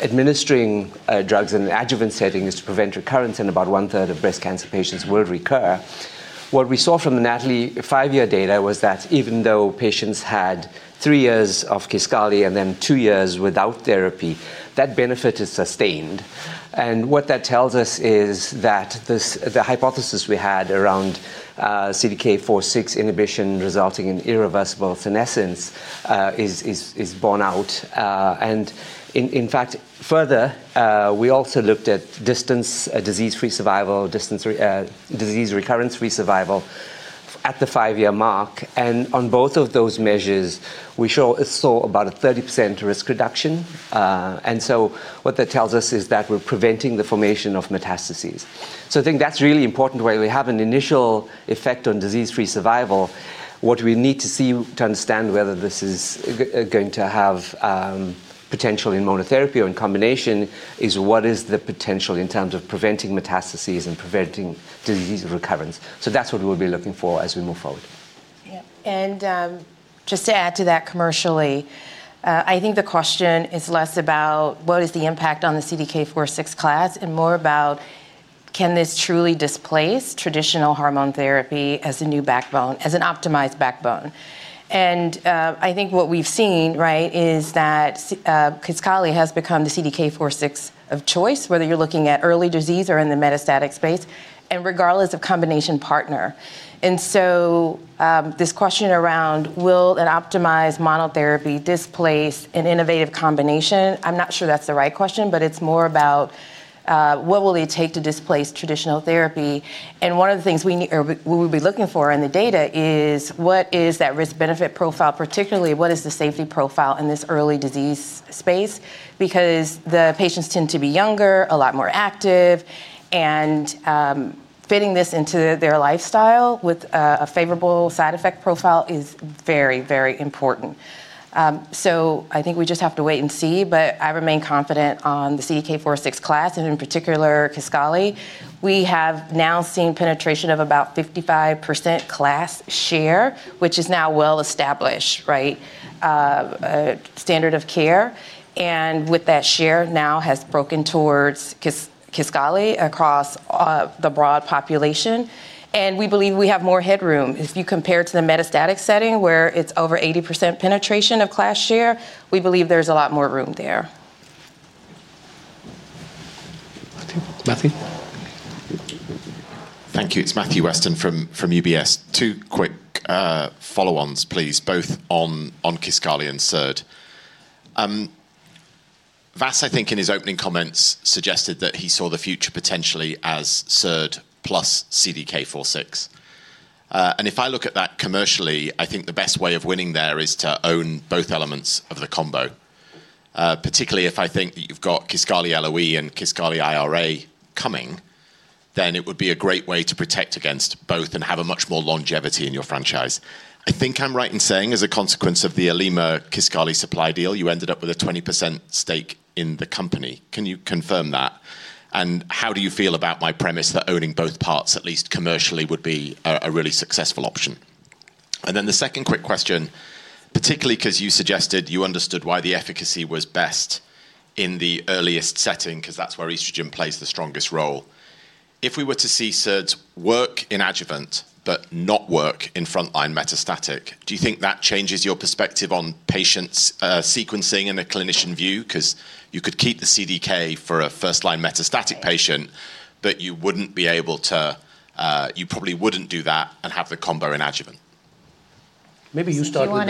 administering drugs in an adjuvant setting is to prevent recurrence. About one-third of breast cancer patients will recur. What we saw from the NATALEE five-year data was that even though patients had three years of Kisqali and then two years without therapy, that benefit is sustained. What that tells us is that the hypothesis we had around CDK4/6 inhibition resulting in irreversible senescence is borne out. In fact, further, we also looked at distance disease-free survival, disease recurrence-free survival at the five-year mark. On both of those measures, we saw about a 30% risk reduction. What that tells us is that we're preventing the formation of metastases. I think that's really important. While we have an initial effect on disease-free survival, what we need to see to understand whether this is going to have potential in monotherapy or in combination is what is the potential in terms of preventing metastases and preventing disease recurrence. That is what we'll be looking for as we move forward. Yeah. Just to add to that commercially, I think the question is less about what is the impact on the CDK4/6 class and more about can this truly displace traditional hormone therapy as a new backbone, as an optimized backbone. I think what we've seen is that Kisqali has become the CDK4/6 of choice, whether you're looking at early disease or in the metastatic space, and regardless of combination partner. This question around will an optimized monotherapy displace an innovative combination, I'm not sure that's the right question. It's more about what will it take to displace traditional therapy. One of the things we will be looking for in the data is what is that risk-benefit profile, particularly what is the safety profile in this early disease space. Because the patients tend to be younger, a lot more active. Fitting this into their lifestyle with a favorable side effect profile is very, very important. I think we just have to wait and see. I remain confident on the CDK4/6 class and in particular Kisqali. We have now seen penetration of about 55% class share, which is now well-established standard of care. With that share now has broken towards Kisqali across the broad population. We believe we have more headroom. If you compare it to the metastatic setting where it is over 80% penetration of class share, we believe there is a lot more room there. Matthew? Thank you. It's Matthew Weston from UBS. Two quick follow-ons, please, both on Kisqali and SERD. Vas, I think, in his opening comments suggested that he saw the future potentially as SERD plus CDK4/6. If I look at that commercially, I think the best way of winning there is to own both elements of the combo. Particularly if I think that you've got Kisqali LoE and Kisqali IRA coming, then it would be a great way to protect against both and have much more longevity in your franchise. I think I'm right in saying as a consequence of the Olema-Kisqali supply deal, you ended up with a 20% stake in the company. Can you confirm that? How do you feel about my premise that owning both parts, at least commercially, would be a really successful option? The second quick question, particularly because you suggested you understood why the efficacy was best in the earliest setting, because that is where estrogen plays the strongest role. If we were to see SERDs work in adjuvant but not work in frontline metastatic, do you think that changes your perspective on patients' sequencing in a clinician view? Because you could keep the CDK for a first-line metastatic patient, but you probably would not do that and have the combo in adjuvant. Maybe you start with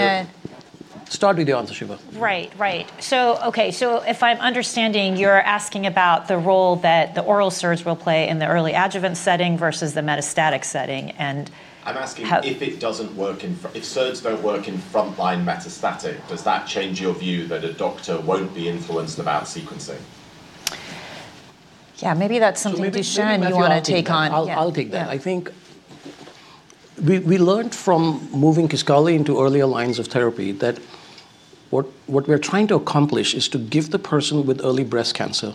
your answer, Shiva. Right. Right. OK. If I'm understanding, you're asking about the role that the oral SERDs will play in the early adjuvant setting versus the metastatic setting. I'm asking if it doesn't work in if SERDs don't work in frontline metastatic, does that change your view that a doctor won't be influenced about sequencing? Yeah. Maybe that's something Dushen you want to take on. I'll take that. I think we learned from moving Kisqali into earlier lines of therapy that what we're trying to accomplish is to give the person with early breast cancer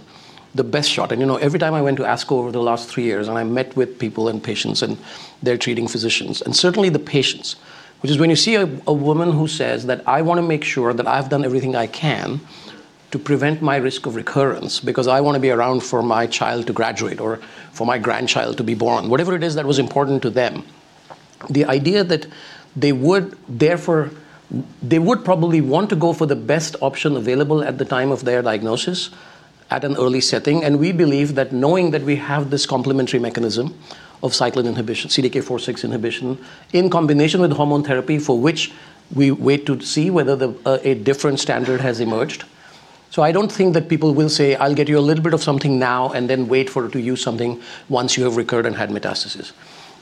the best shot. Every time I went to ASCO over the last three years, and I met with people and patients and their treating physicians, and certainly the patients, which is when you see a woman who says that I want to make sure that I've done everything I can to prevent my risk of recurrence because I want to be around for my child to graduate or for my grandchild to be born, whatever it is that was important to them, the idea that they would therefore they would probably want to go for the best option available at the time of their diagnosis at an early setting. We believe that knowing that we have this complementary mechanism of cycline inhibition, CDK4/6 inhibition, in combination with hormone therapy, for which we wait to see whether a different standard has emerged. I do not think that people will say, I'll get you a little bit of something now and then wait for it to use something once you have recurred and had metastasis.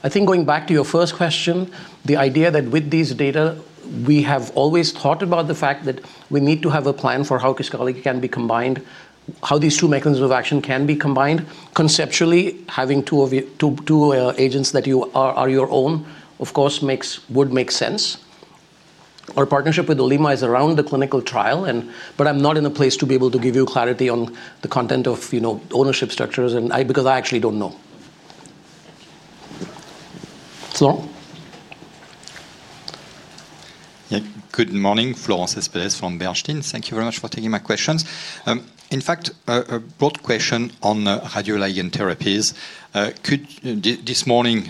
I think going back to your first question, the idea that with these data, we have always thought about the fact that we need to have a plan for how Kisqali can be combined, how these two mechanisms of action can be combined. Conceptually, having two agents that are your own, of course, would make sense. Our partnership with Olema is around the clinical trial. I'm not in a place to be able to give you clarity on the content of ownership structures because I actually don't know. Florent? Good morning. Florent Cespedes from Bernstein. Thank you very much for taking my questions. In fact, a broad question on radioligand therapies. This morning,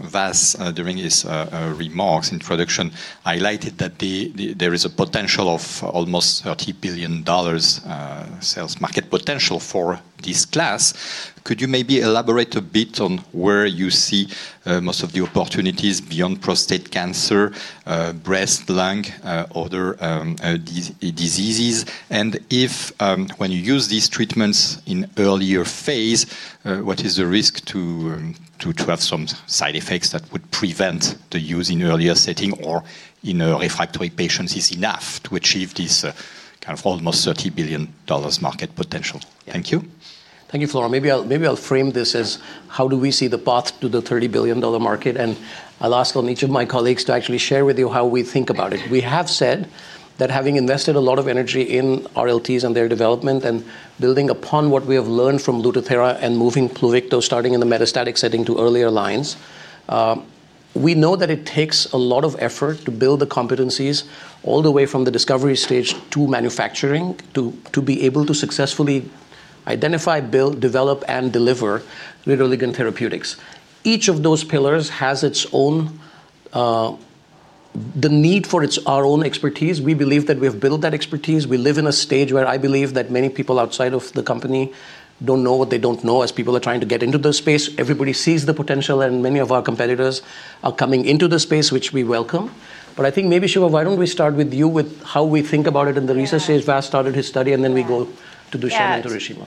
Vas, during his remarks, introduction, highlighted that there is a potential of almost $30 billion sales market potential for this class. Could you maybe elaborate a bit on where you see most of the opportunities beyond prostate cancer, breast, lung, other diseases? If when you use these treatments in earlier phase, what is the risk to have some side effects that would prevent the use in earlier setting or in refractory patients is enough to achieve this kind of almost $30 billion market potential? Thank you. Thank you, Florent. Maybe I'll frame this as how do we see the path to the $30 billion market. I'll ask each of my colleagues to actually share with you how we think about it. We have said that having invested a lot of energy in RLTs and their development and building upon what we have learned from Lutathera and moving Pluvicto starting in the metastatic setting to earlier lines, we know that it takes a lot of effort to build the competencies all the way from the discovery stage to manufacturing to be able to successfully identify, build, develop, and deliver radioligand therapeutics. Each of those pillars has its own need for our own expertise. We believe that we have built that expertise. We live in a stage where I believe that many people outside of the company do not know what they do not know as people are trying to get into the space. Everybody sees the potential. Many of our competitors are coming into the space, which we welcome. I think maybe, Shiva, why do we not start with you with how we think about it in the research space? Vas started his study. We go to Dushen and to Reshema.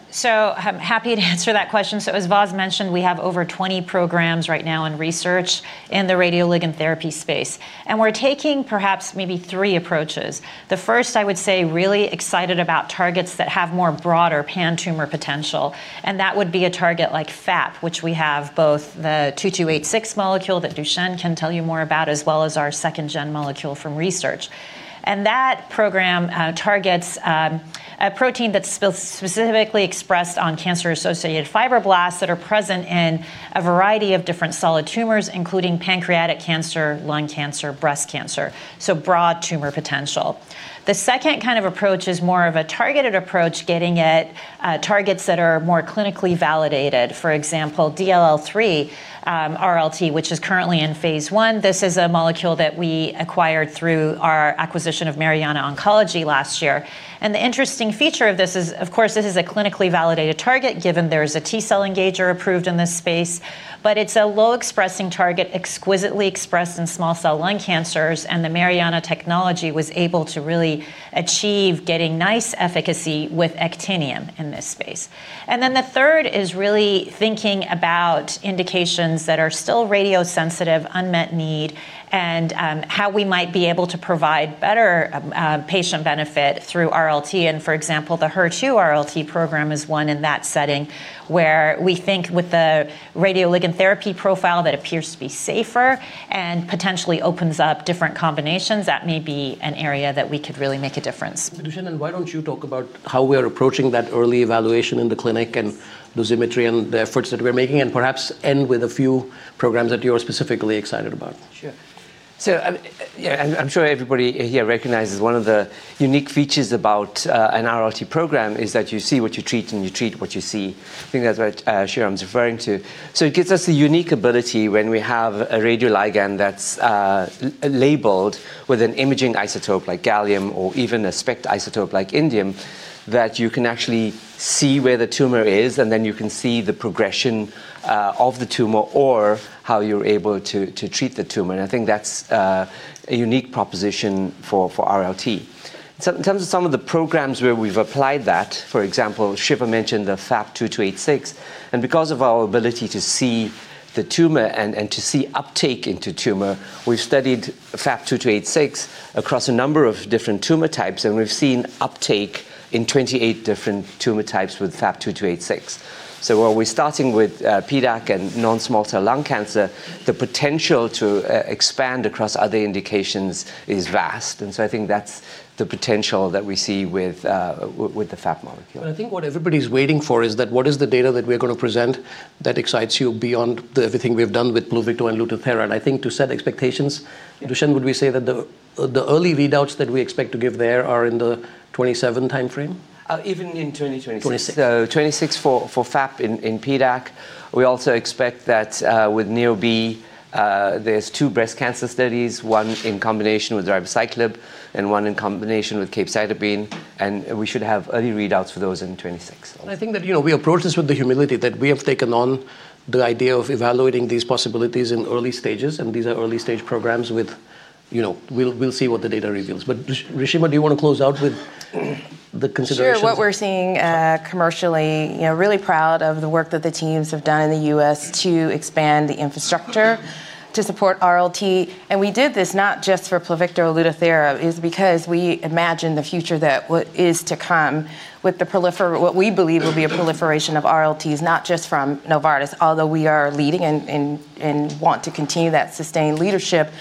I'm happy to answer that question. As Vas mentioned, we have over 20 programs right now in research in the radioligand therapy space. We're taking perhaps maybe three approaches. The first, I would say, really excited about targets that have more broader pan-tumor potential. That would be a target like FAP, which we have both the 2286 molecule that Dushen can tell you more about, as well as our 2nd-gen molecule from research. That program targets a protein that's specifically expressed on cancer-associated fibroblasts that are present in a variety of different solid tumors, including pancreatic cancer, lung cancer, breast cancer, so broad tumor potential. The second kind of approach is more of a targeted approach, getting at targets that are more clinically validated. For example, DLL3 RLT, which is currently in phase I. This is a molecule that we acquired through our acquisition of Mariana Oncology last year. The interesting feature of this is, of course, this is a clinically validated target given there is a T cell engager approved in this space. It is a low-expressing target, exquisitely expressed in small cell lung cancers. The Mariana technology was able to really achieve getting nice efficacy with actinium in this space. The third is really thinking about indications that are still radiosensitive, unmet need, and how we might be able to provide better patient benefit through RLT. For example, the HER2 RLT program is one in that setting where we think with the radioligand therapy profile that appears to be safer and potentially opens up different combinations, that may be an area that we could really make a difference. Dushen, why don't you talk about how we are approaching that early evaluation in the clinic and dosimetry and the efforts that we're making and perhaps end with a few programs that you're specifically excited about? Sure. I'm sure everybody here recognizes one of the unique features about an RLT program is that you see what you treat and you treat what you see. I think that's what Shreeram's referring to. It gives us a unique ability when we have a radioligand that's labeled with an imaging isotope like gallium or even a SPECT isotope like indium that you can actually see where the tumor is. You can see the progression of the tumor or how you're able to treat the tumor. I think that's a unique proposition for RLT. In terms of some of the programs where we've applied that, for example, Shiva mentioned the FAP 2286. Because of our ability to see the tumor and to see uptake into tumor, we've studied FAP 2286 across a number of different tumor types. We have seen uptake in 28 different tumor types with FAP 2286. While we are starting with PDAC and non-small cell lung cancer, the potential to expand across other indications is vast. I think that is the potential that we see with the FAP molecule. I think what everybody's waiting for is that what is the data that we're going to present that excites you beyond everything we've done with Pluvicto and Lutathera. I think to set expectations, Dushen, would we say that the early readouts that we expect to give there are in the 2027 time frame? Even in 2026. 2026 for FAP in PDAC. We also expect that with NeoB, there's two breast cancer studies, one in combination with ribociclib and one in combination with capecitabine. We should have early readouts for those in 2026. I think that we approach this with the humility that we have taken on the idea of evaluating these possibilities in early stages. These are early-stage programs. We'll see what the data reveals. Reshema, do you want to close out with the consideration? Sure. What we're seeing commercially, really proud of the work that the teams have done in the U.S. to expand the infrastructure to support RLT. We did this not just for Pluvicto or Lutathera because we imagine the future that is to come with what we believe will be a proliferation of RLTs, not just from Novartis, although we are leading and want to continue that sustained leadership.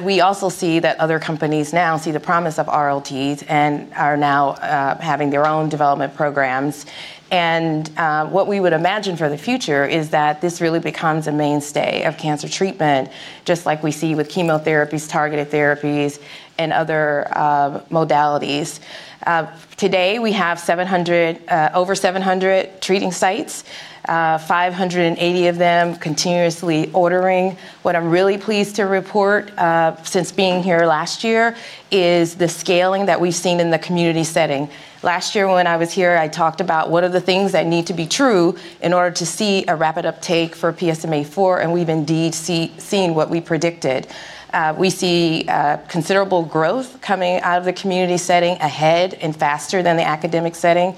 We also see that other companies now see the promise of RLTs and are now having their own development programs. What we would imagine for the future is that this really becomes a mainstay of cancer treatment, just like we see with chemotherapies, targeted therapies, and other modalities. Today, we have over 700 treating sites, 580 of them continuously ordering. What I'm really pleased to report since being here last year is the scaling that we've seen in the community setting. Last year, when I was here, I talked about what are the things that need to be true in order to see a rapid uptake for PSMAfore. We have indeed seen what we predicted. We see considerable growth coming out of the community setting ahead and faster than the academic setting.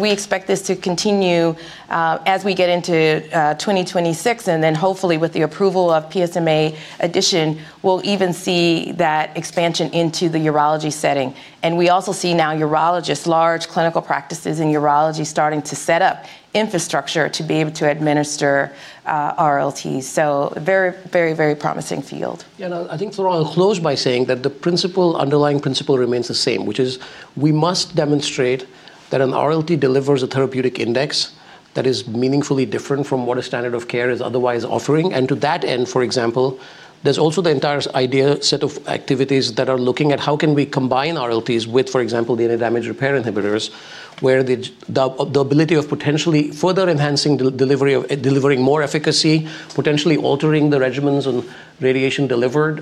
We expect this to continue as we get into 2026. Hopefully, with the approval of PSMA edition, we will even see that expansion into the urology setting. We also see now urologists, large clinical practices in urology, starting to set up infrastructure to be able to administer RLTs. Very, very, very promising field. Yeah. I think, Florent, I'll close by saying that the underlying principle remains the same, which is we must demonstrate that an RLT delivers a therapeutic index that is meaningfully different from what a standard of care is otherwise offering. To that end, for example, there's also the entire idea set of activities that are looking at how can we combine RLTs with, for example, DNA damage repair inhibitors, where the ability of potentially further enhancing delivering more efficacy, potentially altering the regimens and radiation delivered,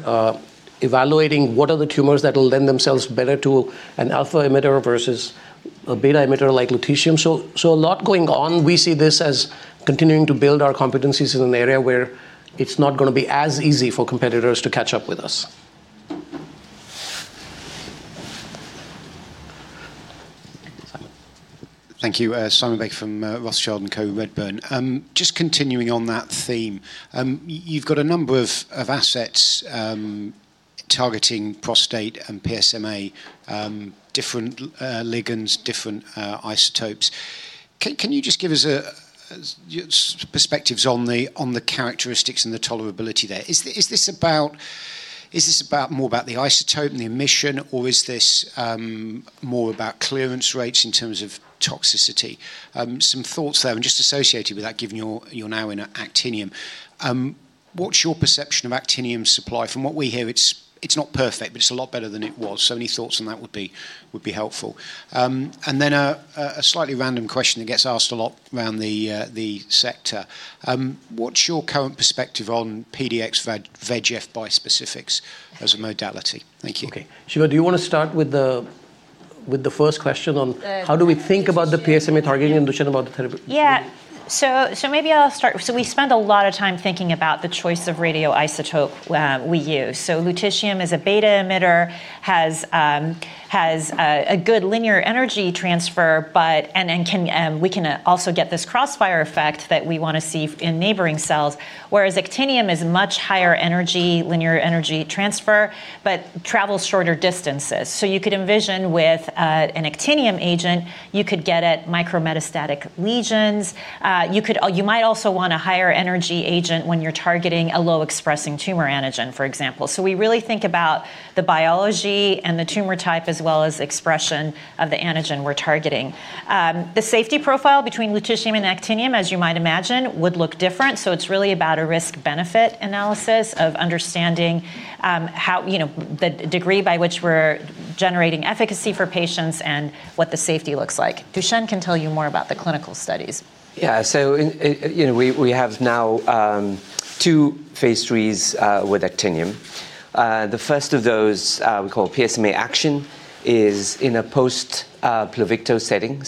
evaluating what are the tumors that will lend themselves better to an alpha emitter versus a beta emitter like lutetium. A lot going on. We see this as continuing to build our competencies in an area where it's not going to be as easy for competitors to catch up with us. Thank you. Simon Baker from Rothschild & Co Redburn. Just continuing on that theme, you've got a number of assets targeting prostate and PSMA, different ligands, different isotopes. Can you just give us perspectives on the characteristics and the tolerability there? Is this more about the isotope and the emission, or is this more about clearance rates in terms of toxicity? Some thoughts there. Just associated with that, given you're now in actinium, what's your perception of actinium supply? From what we hear, it's not perfect, but it's a lot better than it was. Any thoughts on that would be helpful. Then a slightly random question that gets asked a lot around the sector. What's your current perspective on PDX-VEGF bispecifics as a modality? Thank you. OK. Shiva, do you want to start with the first question on how do we think about the PSMA targeting and Dushen about the therapy? Yeah. Maybe I'll start. We spend a lot of time thinking about the choice of radioisotope we use. Lutetium is a beta emitter, has a good linear energy transfer, and we can also get this crossfire effect that we want to see in neighboring cells, whereas actinium is much higher energy linear energy transfer but travels shorter distances. You could envision with an actinium agent, you could get at micrometastatic lesions. You might also want a higher energy agent when you're targeting a low-expressing tumor antigen, for example. We really think about the biology and the tumor type as well as expression of the antigen we're targeting. The safety profile between lutetium and actinium, as you might imagine, would look different. It's really about a risk-benefit analysis of understanding the degree by which we're generating efficacy for patients and what the safety looks like. Dushen can tell you more about the clinical studies. Yeah. We have now two phase IIIs with actinium. The first of those we call PSMA action is in a post-Pluvicto setting,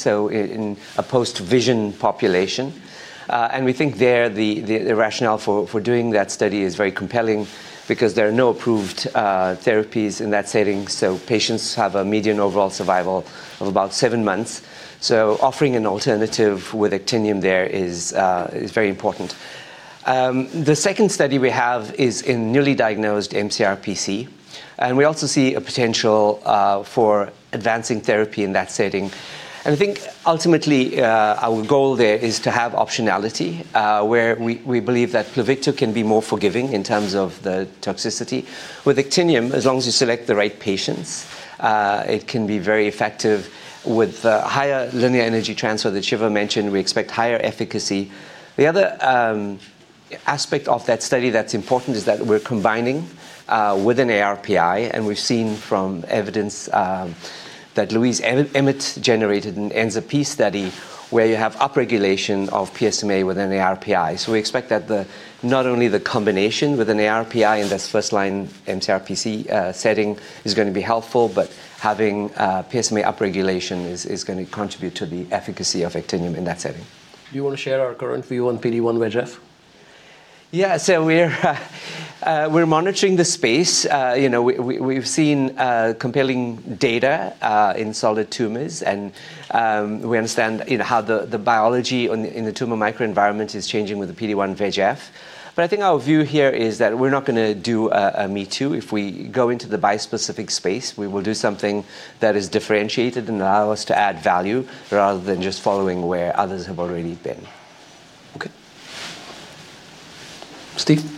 in a post-vision population. We think there the rationale for doing that study is very compelling because there are no approved therapies in that setting. Patients have a median overall survival of about seven months. Offering an alternative with actinium there is very important. The second study we have is in newly diagnosed MCRPC. We also see a potential for advancing therapy in that setting. I think ultimately, our goal there is to have optionality, where we believe that Pluvicto can be more forgiving in terms of the toxicity. With actinium, as long as you select the right patients, it can be very effective. With the higher linear energy transfer that Shiva mentioned, we expect higher efficacy. The other aspect of that study that's important is that we're combining with an ARPI. We've seen from evidence that Louise Emmett generated in an ENZA-p study where you have upregulation of PSMA with an ARPI. We expect that not only the combination with an ARPI in this first-line MCRPC setting is going to be helpful, but having PSMA upregulation is going to contribute to the efficacy of actinium in that setting. Do you want to share our current view on PD1-VEGF? Yeah. We are monitoring the space. We have seen compelling data in solid tumors. We understand how the biology in the tumor microenvironment is changing with the PD1-VEGF. I think our view here is that we are not going to do a me-too. If we go into the bispecific space, we will do something that is differentiated and allows us to add value rather than just following where others have already been. OK. Steve.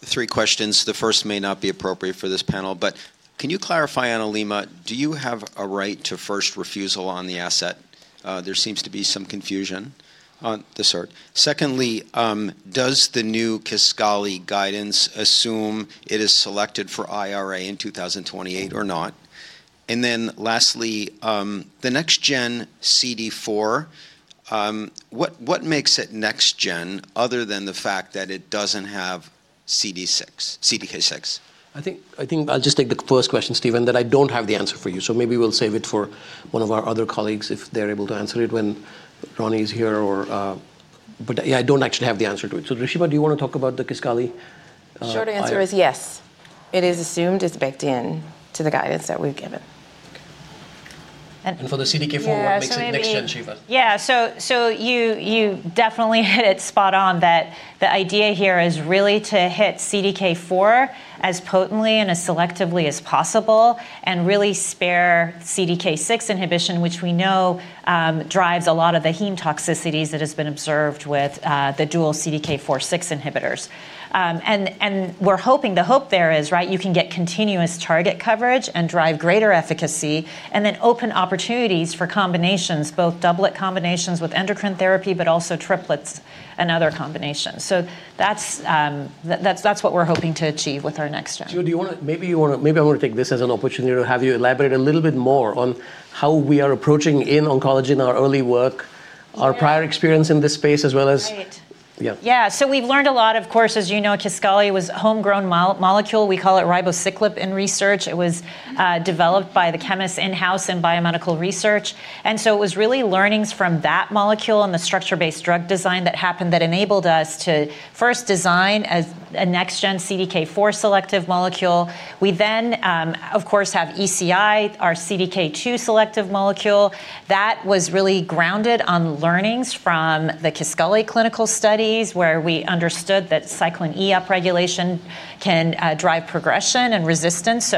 Three questions. The first may not be appropriate for this panel. But can you clarify, Olema, do you have a right to first refusal on the asset? There seems to be some confusion on this sort. Secondly, does the new Kisqali guidance assume it is selected for IRA in 2028 or not? And then lastly, the next-gen CD4, what makes it next-gen other than the fact that it doesn't have CDK6? I think I'll just take the first question, Steven, that I don't have the answer for you. Maybe we'll save it for one of our other colleagues if they're able to answer it when Ronny is here. Yeah, I don't actually have the answer to it. Reshema, do you want to talk about the Kisqali? Short answer is yes. It is assumed it's baked into the guidance that we've given. For the CDK4, what makes it next-gen, Shiva? Yeah. You definitely hit it spot on that the idea here is really to hit CDK4 as potently and as selectively as possible and really spare CDK6 inhibition, which we know drives a lot of the heme toxicities that have been observed with the dual CDK4/6 inhibitors. The hope there is, right, you can get continuous target coverage and drive greater efficacy and then open opportunities for combinations, both doublet combinations with endocrine therapy but also triplets and other combinations. That is what we are hoping to achieve with our next-gen. Maybe I want to take this as an opportunity to have you elaborate a little bit more on how we are approaching in oncology in our early work, our prior experience in this space, as well. Right. Yeah. So we've learned a lot. Of course, as you know, Kisqali was a homegrown molecule. We call it ribociclib in research. It was developed by the chemists in-house in biomedical research. It was really learnings from that molecule and the structure-based drug design that happened that enabled us to first design a next-gen CDK4 selective molecule. We then, of course, have ECI, our CDK2 selective molecule. That was really grounded on learnings from the Kisqali clinical studies, where we understood that cyclin E upregulation can drive progression and resistance.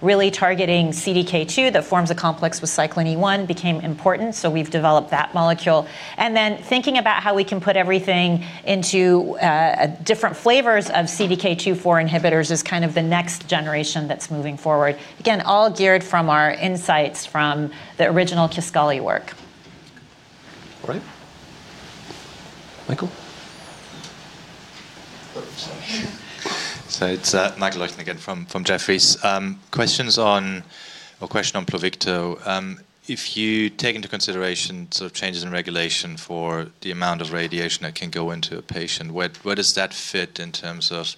Really targeting CDK2 that forms a complex with cyclin E1 became important. We have developed that molecule. Thinking about how we can put everything into different flavors of CDK2/4 inhibitors is kind of the next generation that's moving forward, again, all geared from our insights from the original Kisqali work. All right. Michael? It's Michael Leuchten, again, from Jefferies. Questions on or question on Pluvicto. If you take into consideration changes in regulation for the amount of radiation that can go into a patient, where does that fit in terms of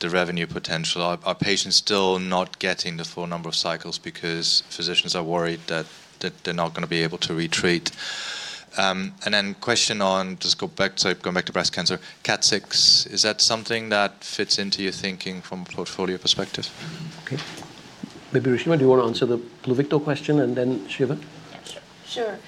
the revenue potential? Are patients still not getting the full number of cycles because physicians are worried that they're not going to be able to retreat? Question on just going back to breast cancer, KAT6, is that something that fits into your thinking from a portfolio perspective? OK. Maybe Reshema, do you want to answer the Pluvicto question? And then Shiva? Sure.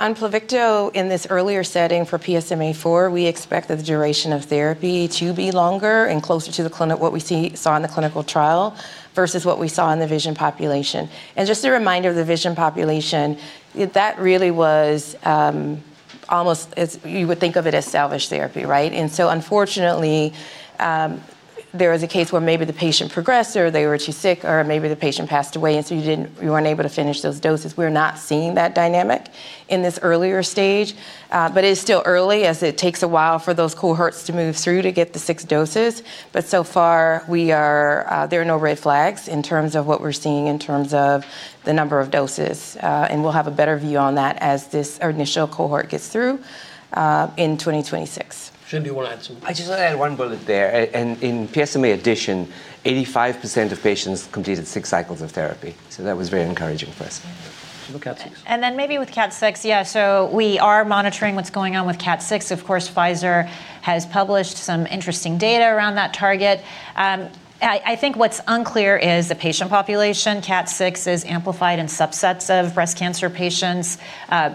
On Pluvicto, in this earlier setting for PSMAfore, we expect that the duration of therapy to be longer and closer to what we saw in the clinical trial versus what we saw in the vision population. Just a reminder, the vision population, that really was almost you would think of it as salvage therapy, right? Unfortunately, there was a case where maybe the patient progressed or they were too sick or maybe the patient passed away, and so you were not able to finish those doses. We are not seeing that dynamic in this earlier stage. It is still early, as it takes a while for those cohorts to move through to get the six doses. So far, there are no red flags in terms of what we are seeing in terms of the number of doses. We will have a better view on that as this initial cohort gets through in 2026. Dushen, do you want to add something? I just want to add one bullet there. In PSMA edition, 85% of patients completed six cycles of therapy. That was very encouraging for us. Maybe with KAT6, yeah. We are monitoring what's going on with KAT6. Of course, Pfizer has published some interesting data around that target. I think what's unclear is the patient population. KAT6 is amplified in subsets of breast cancer patients.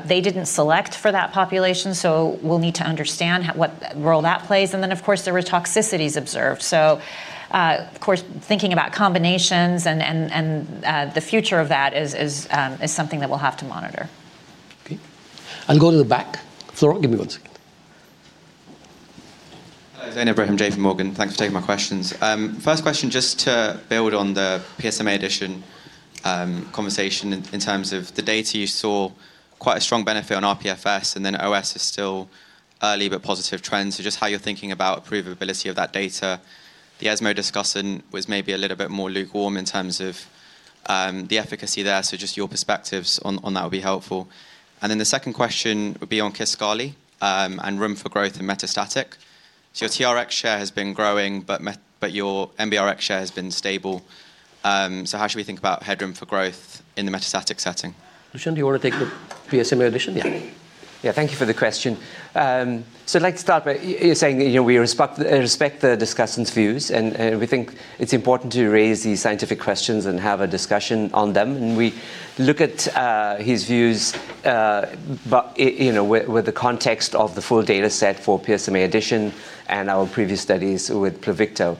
They did not select for that population. We will need to understand what role that plays. There were toxicities observed. Thinking about combinations and the future of that is something that we will have to monitor. OK. Go to the back. Florent, give me one second. Hi, Zain Ebrahim, JPMorgan. Thanks for taking my questions. First question, just to build on the PSMA edition conversation in terms of the data, you saw quite a strong benefit on RPFS. OS is still early but positive trends. Just how you're thinking about the provability of that data. The ESMO discussion was maybe a little bit more lukewarm in terms of the efficacy there. Just your perspectives on that would be helpful. The second question would be on Kisqali and room for growth in metastatic. Your TRx share has been growing, but your NBRx share has been stable. How should we think about headroom for growth in the metastatic setting? Dushen, do you want to take the PSMA edition? Yeah. Yeah, thank you for the question. I’d like to start by saying we respect the discussant’s views. We think it’s important to raise these scientific questions and have a discussion on them. We look at his views with the context of the full data set for PSMA edition and our previous studies with Pluvicto.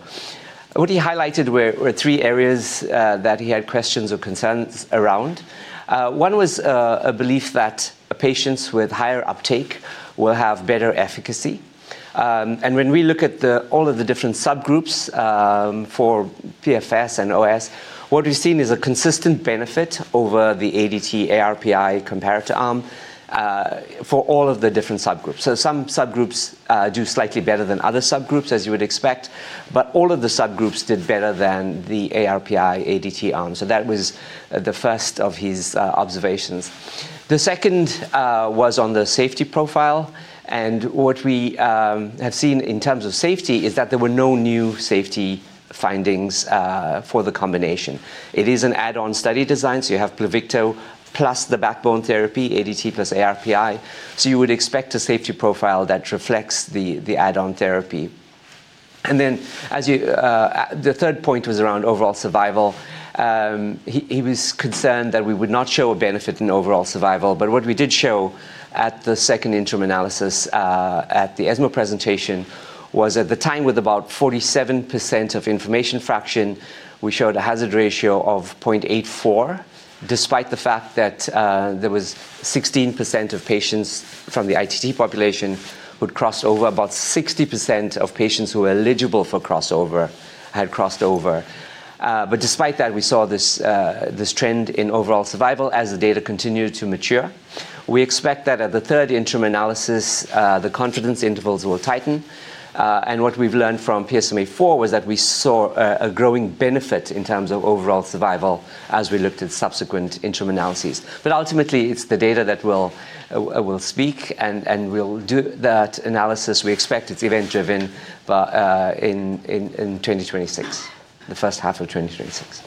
What he highlighted were three areas that he had questions or concerns around. One was a belief that patients with higher uptake will have better efficacy. When we look at all of the different subgroups for PFS and OS, what we’ve seen is a consistent benefit over the ADT-ARPI comparator arm for all of the different subgroups. Some subgroups do slightly better than other subgroups, as you would expect. All of the subgroups did better than the ARPI-ADT arm. That was the first of his observations. The second was on the safety profile. What we have seen in terms of safety is that there were no new safety findings for the combination. It is an add-on study design. You have Pluvicto plus the backbone therapy, ADT plus ARPI. You would expect a safety profile that reflects the add-on therapy. The third point was around overall survival. He was concerned that we would not show a benefit in overall survival. What we did show at the second interim analysis at the ESMO presentation was at the time with about 47% of information fraction, we showed a hazard ratio of 0.84, despite the fact that there was 16% of patients from the ITT population who had crossed over. About 60% of patients who were eligible for crossover had crossed over. Despite that, we saw this trend in overall survival as the data continued to mature. We expect that at the third interim analysis, the confidence intervals will tighten. What we learned from PSMAfore was that we saw a growing benefit in terms of overall survival as we looked at subsequent interim analyses. Ultimately, it is the data that will speak. We will do that analysis. We expect it is event-driven in 2026, the first half of 2026.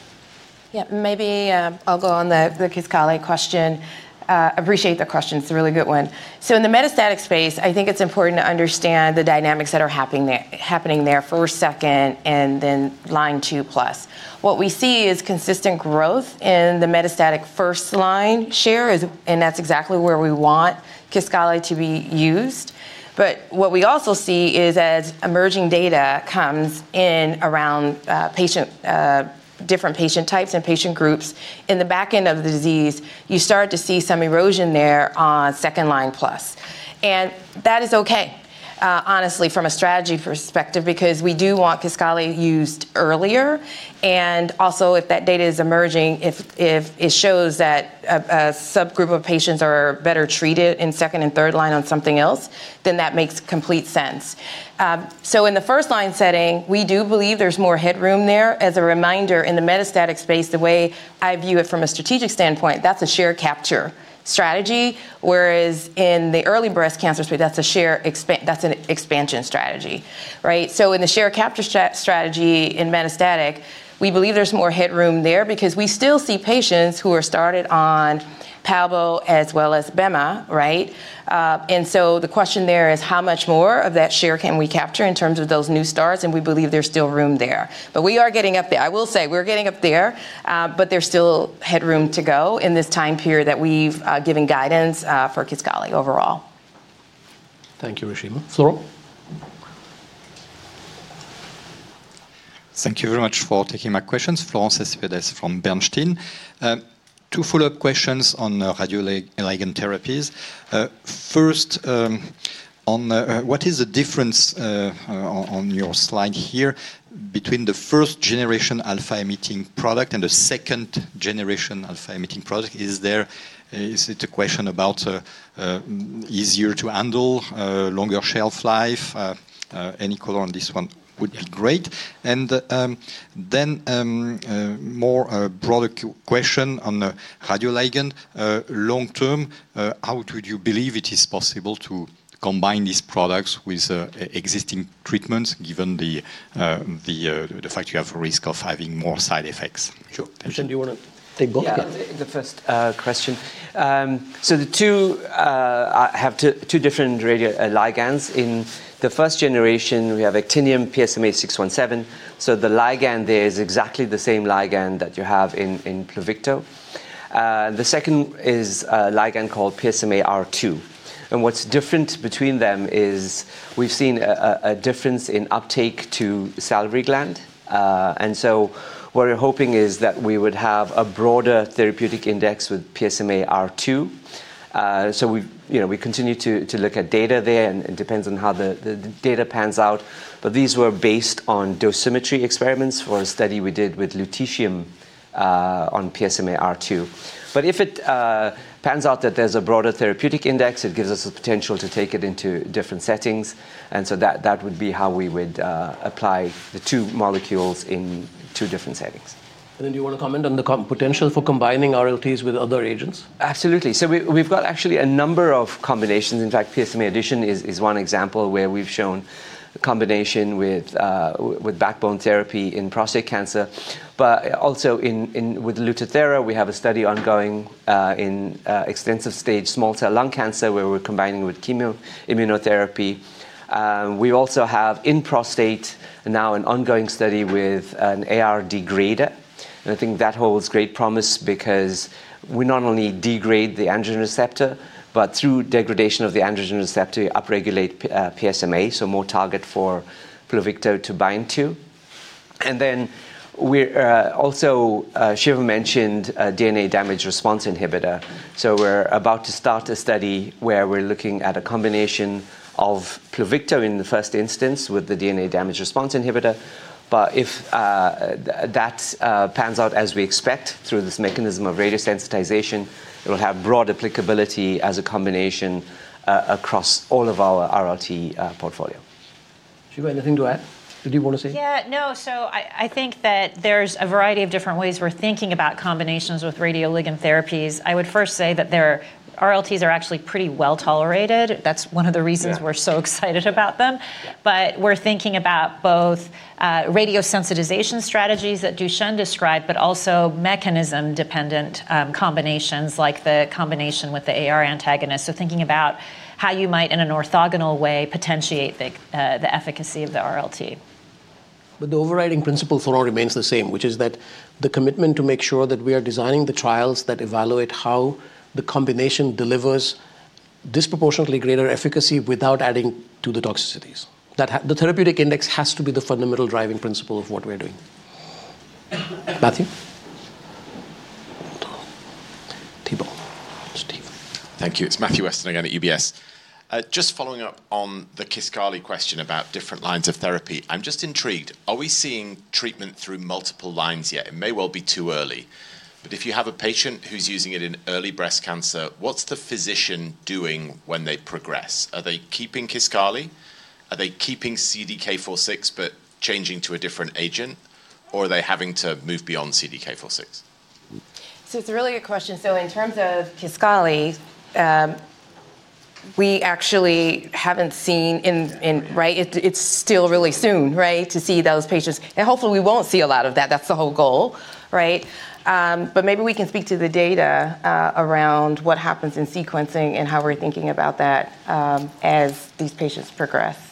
Yeah. Maybe I'll go on the Kisqali question. I appreciate the question. It's a really good one. In the metastatic space, I think it's important to understand the dynamics that are happening there first, second, and then line two plus. What we see is consistent growth in the metastatic first-line share. That's exactly where we want Kisqali to be used. What we also see is as emerging data comes in around different patient types and patient groups, in the back end of the disease, you start to see some erosion there on second-line plus. That is okay, honestly, from a strategy perspective, because we do want Kisqali used earlier. Also, if that data is emerging, if it shows that a subgroup of patients are better treated in second and third line on something else, then that makes complete sense. In the first-line setting, we do believe there's more headroom there. As a reminder, in the metastatic space, the way I view it from a strategic standpoint, that's a share-capture strategy. Whereas in the early breast cancer space, that's an expansion strategy. In the share-capture strategy in metastatic, we believe there's more headroom there because we still see patients who are started on palbo as well as BEMA. The question there is, how much more of that share can we capture in terms of those new starts? We believe there's still room there. We are getting up there. I will say we're getting up there. There's still headroom to go in this time period that we've given guidance for Kisqali overall. Thank you, Reshema. Florent? Thank you very much for taking my questions. Florent Cespedes from Bernstein. Two follow-up questions on radioligand therapies. First, what is the difference on your slide here between the 1st-gen alpha-emitting product and the 2nd-gen alpha-emitting product? Is it a question about easier to handle, longer shelf life? Any color on this one would be great. A more broader question on the radioligand long term. How would you believe it is possible to combine these products with existing treatments, given the fact you have risk of having more side effects? Dushen, do you want to take both? Yeah, the first question. I have two different ligands. In the 1st generation, we have actinium PSMA-617. The ligand there is exactly the same ligand that you have in Pluvicto. The second is a ligand called PSMA-R2. What's different between them is we've seen a difference in uptake to salivary gland. What we're hoping is that we would have a broader therapeutic index with PSMA-R2. We continue to look at data there. It depends on how the data pans out. These were based on dosimetry experiments for a study we did with lutetium on PSMA-R2. If it pans out that there's a broader therapeutic index, it gives us the potential to take it into different settings. That would be how we would apply the two molecules in two different settings. Do you want to comment on the potential for combining RLTs with other agents? Absolutely. We've got actually a number of combinations. In fact, PSMA edition is one example where we've shown combination with backbone therapy in prostate cancer. Also with Lutathera, we have a study ongoing in extensive stage small cell lung cancer, where we're combining with chemoimmunotherapy. We also have in prostate now an ongoing study with an AR degrader. I think that holds great promise because we not only degrade the androgen receptor, but through degradation of the androgen receptor, you upregulate PSMA, so more target for Pluvicto to bind to. Shiva also mentioned DNA damage response inhibitor. We're about to start a study where we're looking at a combination of Pluvicto in the first instance with the DNA damage response inhibitor. If that pans out as we expect through this mechanism of radiosensitization, it will have broad applicability as a combination across all of our RLT portfolio. Shiva, anything to add? Did you want to say? Yeah, no. I think that there's a variety of different ways we're thinking about combinations with radioligand therapies. I would first say that RLTs are actually pretty well tolerated. That's one of the reasons we're so excited about them. We're thinking about both radiosensitization strategies that Dushen described, but also mechanism-dependent combinations, like the combination with the AR antagonist. Thinking about how you might, in an orthogonal way, potentiate the efficacy of the RLT. The overriding principle for now remains the same, which is that the commitment to make sure that we are designing the trials that evaluate how the combination delivers disproportionately greater efficacy without adding to the toxicities. The therapeutic index has to be the fundamental driving principle of what we're doing. Matthew? Thibault? Steve? Thank you. It's Matthew Weston again at UBS. Just following up on the Kisqali question about different lines of therapy, I'm just intrigued. Are we seeing treatment through multiple lines yet? It may well be too early. If you have a patient who's using it in early breast cancer, what's the physician doing when they progress? Are they keeping Kisqali? Are they keeping CDK4/6 but changing to a different agent? Are they having to move beyond CDK4/6? It's a really good question. In terms of Kisqali, we actually haven't seen, it's still really soon to see those patients. Hopefully, we won't see a lot of that. That's the whole goal. Maybe we can speak to the data around what happens in sequencing and how we're thinking about that as these patients progress.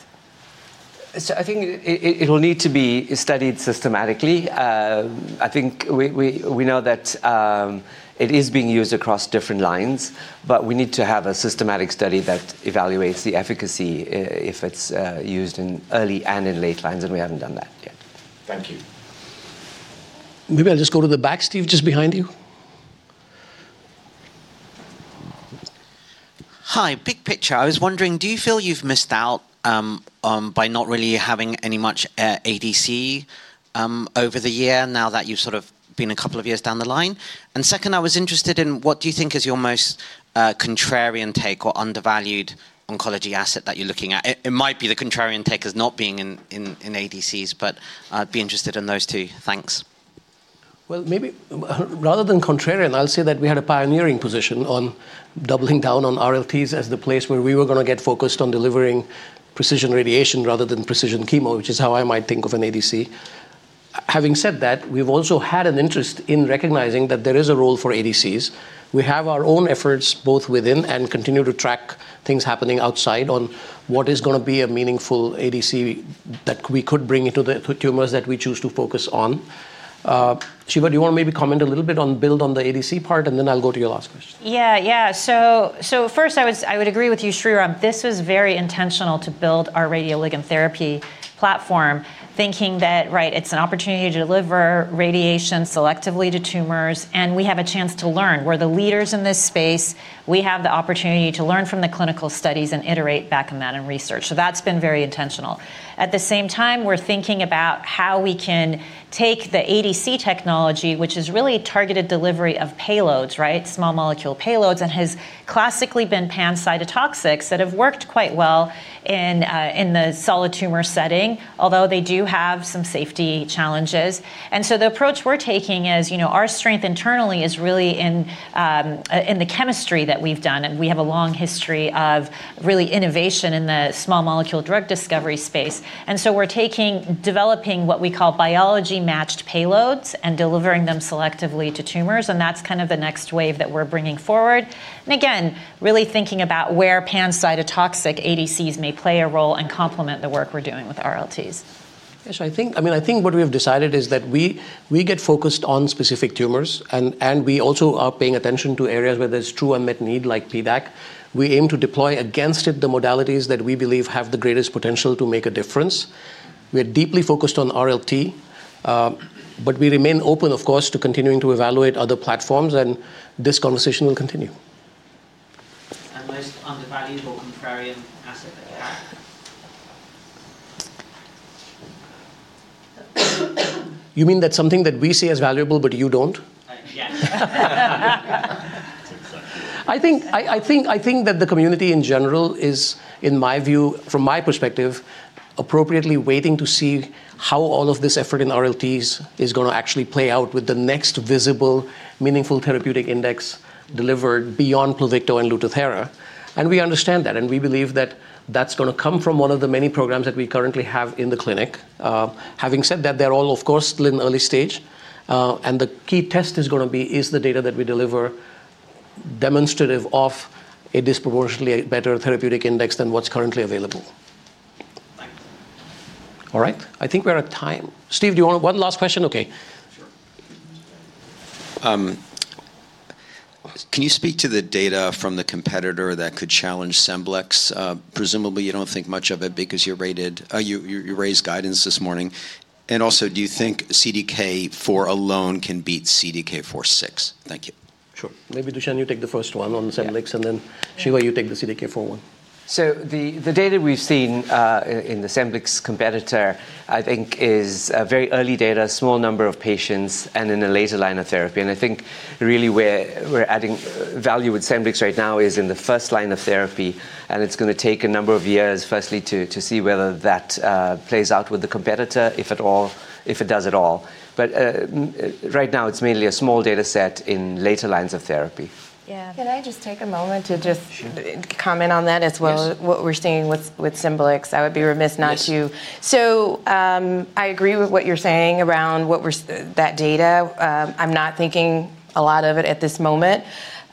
I think it will need to be studied systematically. I think we know that it is being used across different lines. We need to have a systematic study that evaluates the efficacy if it's used in early and in late lines. We haven't done that yet. Thank you. Maybe I'll just go to the back, Steve, just behind you. Hi, big picture. I was wondering, do you feel you've missed out by not really having any much ADC over the year now that you've sort of been a couple of years down the line? Second, I was interested in what do you think is your most contrarian take or undervalued oncology asset that you're looking at? It might be the contrarian take as not being in ADCs, but I'd be interested in those two. Thanks. Maybe rather than contrarian, I'll say that we had a pioneering position on doubling down on RLTs as the place where we were going to get focused on delivering precision radiation rather than precision chemo, which is how I might think of an ADC. Having said that, we've also had an interest in recognizing that there is a role for ADCs. We have our own efforts both within and continue to track things happening outside on what is going to be a meaningful ADC that we could bring into the tumors that we choose to focus on. Shiva, do you want to maybe comment a little bit on build on the ADC part? Then I'll go to your last question. Yeah, yeah. First, I would agree with you, Shreeram. This was very intentional to build our radioligand therapy platform, thinking that it's an opportunity to deliver radiation selectively to tumors. We have a chance to learn. We're the leaders in this space. We have the opportunity to learn from the clinical studies and iterate back on that in research. That has been very intentional. At the same time, we're thinking about how we can take the ADC technology, which is really targeted delivery of payloads, small molecule payloads, and has classically been panned cytotoxics that have worked quite well in the solid tumor setting, although they do have some safety challenges. The approach we're taking is our strength internally is really in the chemistry that we've done. We have a long history of really innovation in the small molecule drug discovery space. We are developing what we call biology-matched payloads and delivering them selectively to tumors. That is kind of the next wave that we are bringing forward. Again, really thinking about where panned cytotoxic ADCs may play a role and complement the work we are doing with RLTs. I mean, I think what we have decided is that we get focused on specific tumors. We also are paying attention to areas where there is true unmet need, like PDAC. We aim to deploy against it the modalities that we believe have the greatest potential to make a difference. We are deeply focused on RLT. We remain open, of course, to continuing to evaluate other platforms. This conversation will continue. The most undervalued contrarian asset that you have? You mean that's something that we see as valuable, but you don't? Yeah. I think that the community in general is, in my view, from my perspective, appropriately waiting to see how all of this effort in RLTs is going to actually play out with the next visible, meaningful therapeutic index delivered beyond Pluvicto and Lutathera. We understand that. We believe that that's going to come from one of the many programs that we currently have in the clinic. Having said that, they're all, of course, still in early stage. The key test is going to be, is the data that we deliver demonstrative of a disproportionately better therapeutic index than what's currently available? All right. I think we're at time. Steve, do you want one last question? OK. Can you speak to the data from the competitor that could challenge Scemblix? Presumably, you don't think much of it because you raised guidance this morning. Also, do you think CDK4 alone can beat CDK4/6? Thank you. Sure. Maybe Dushen, you take the first one on Scemblix. Then Shiva, you take the CDK4 one. The data we've seen in the Scemblix competitor, I think, is very early data, small number of patients, and in a later line of therapy. I think really where we're adding value with Scemblix right now is in the first line of therapy. It's going to take a number of years, firstly, to see whether that plays out with the competitor, if it does at all. Right now, it's mainly a small data set in later lines of therapy. Yeah. Can I just take a moment to just comment on that as well as what we're seeing with Scemblix? I would be remiss not to. I agree with what you're saying around that data. I'm not thinking a lot of it at this moment,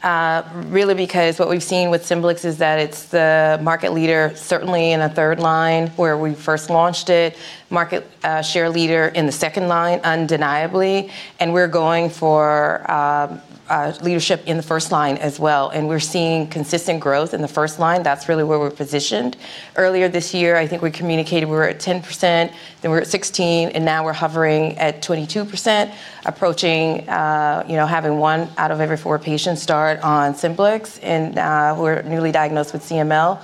really, because what we've seen with Scemblix is that it's the market leader, certainly in the third line, where we first launched it, market share leader in the second line, undeniably. We are going for leadership in the first line as well. We are seeing consistent growth in the first line. That's really where we're positioned. Earlier this year, I think we communicated we were at 10%. We were at 16%. Now we're hovering at 22%, approaching having one out of every four patients start on Scemblix. We are newly diagnosed with CML.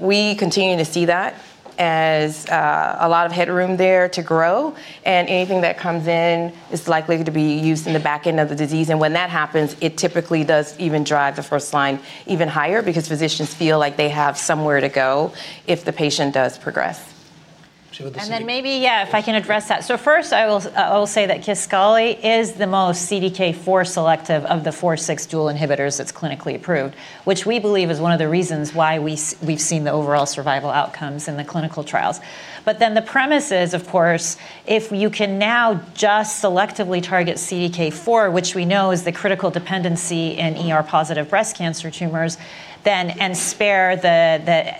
We continue to see that as a lot of headroom there to grow. Anything that comes in is likely to be used in the back end of the disease. When that happens, it typically does even drive the first line even higher because physicians feel like they have somewhere to go if the patient does progress. Maybe, yeah, if I can address that. First, I will say that Kisqali is the most CDK4 selective of the 4/6 dual inhibitors that's clinically approved, which we believe is one of the reasons why we've seen the overall survival outcomes in the clinical trials. But then the premise is, of course, if you can now just selectively target CDK4, which we know is the critical dependency in positive breast cancer tumors, and spare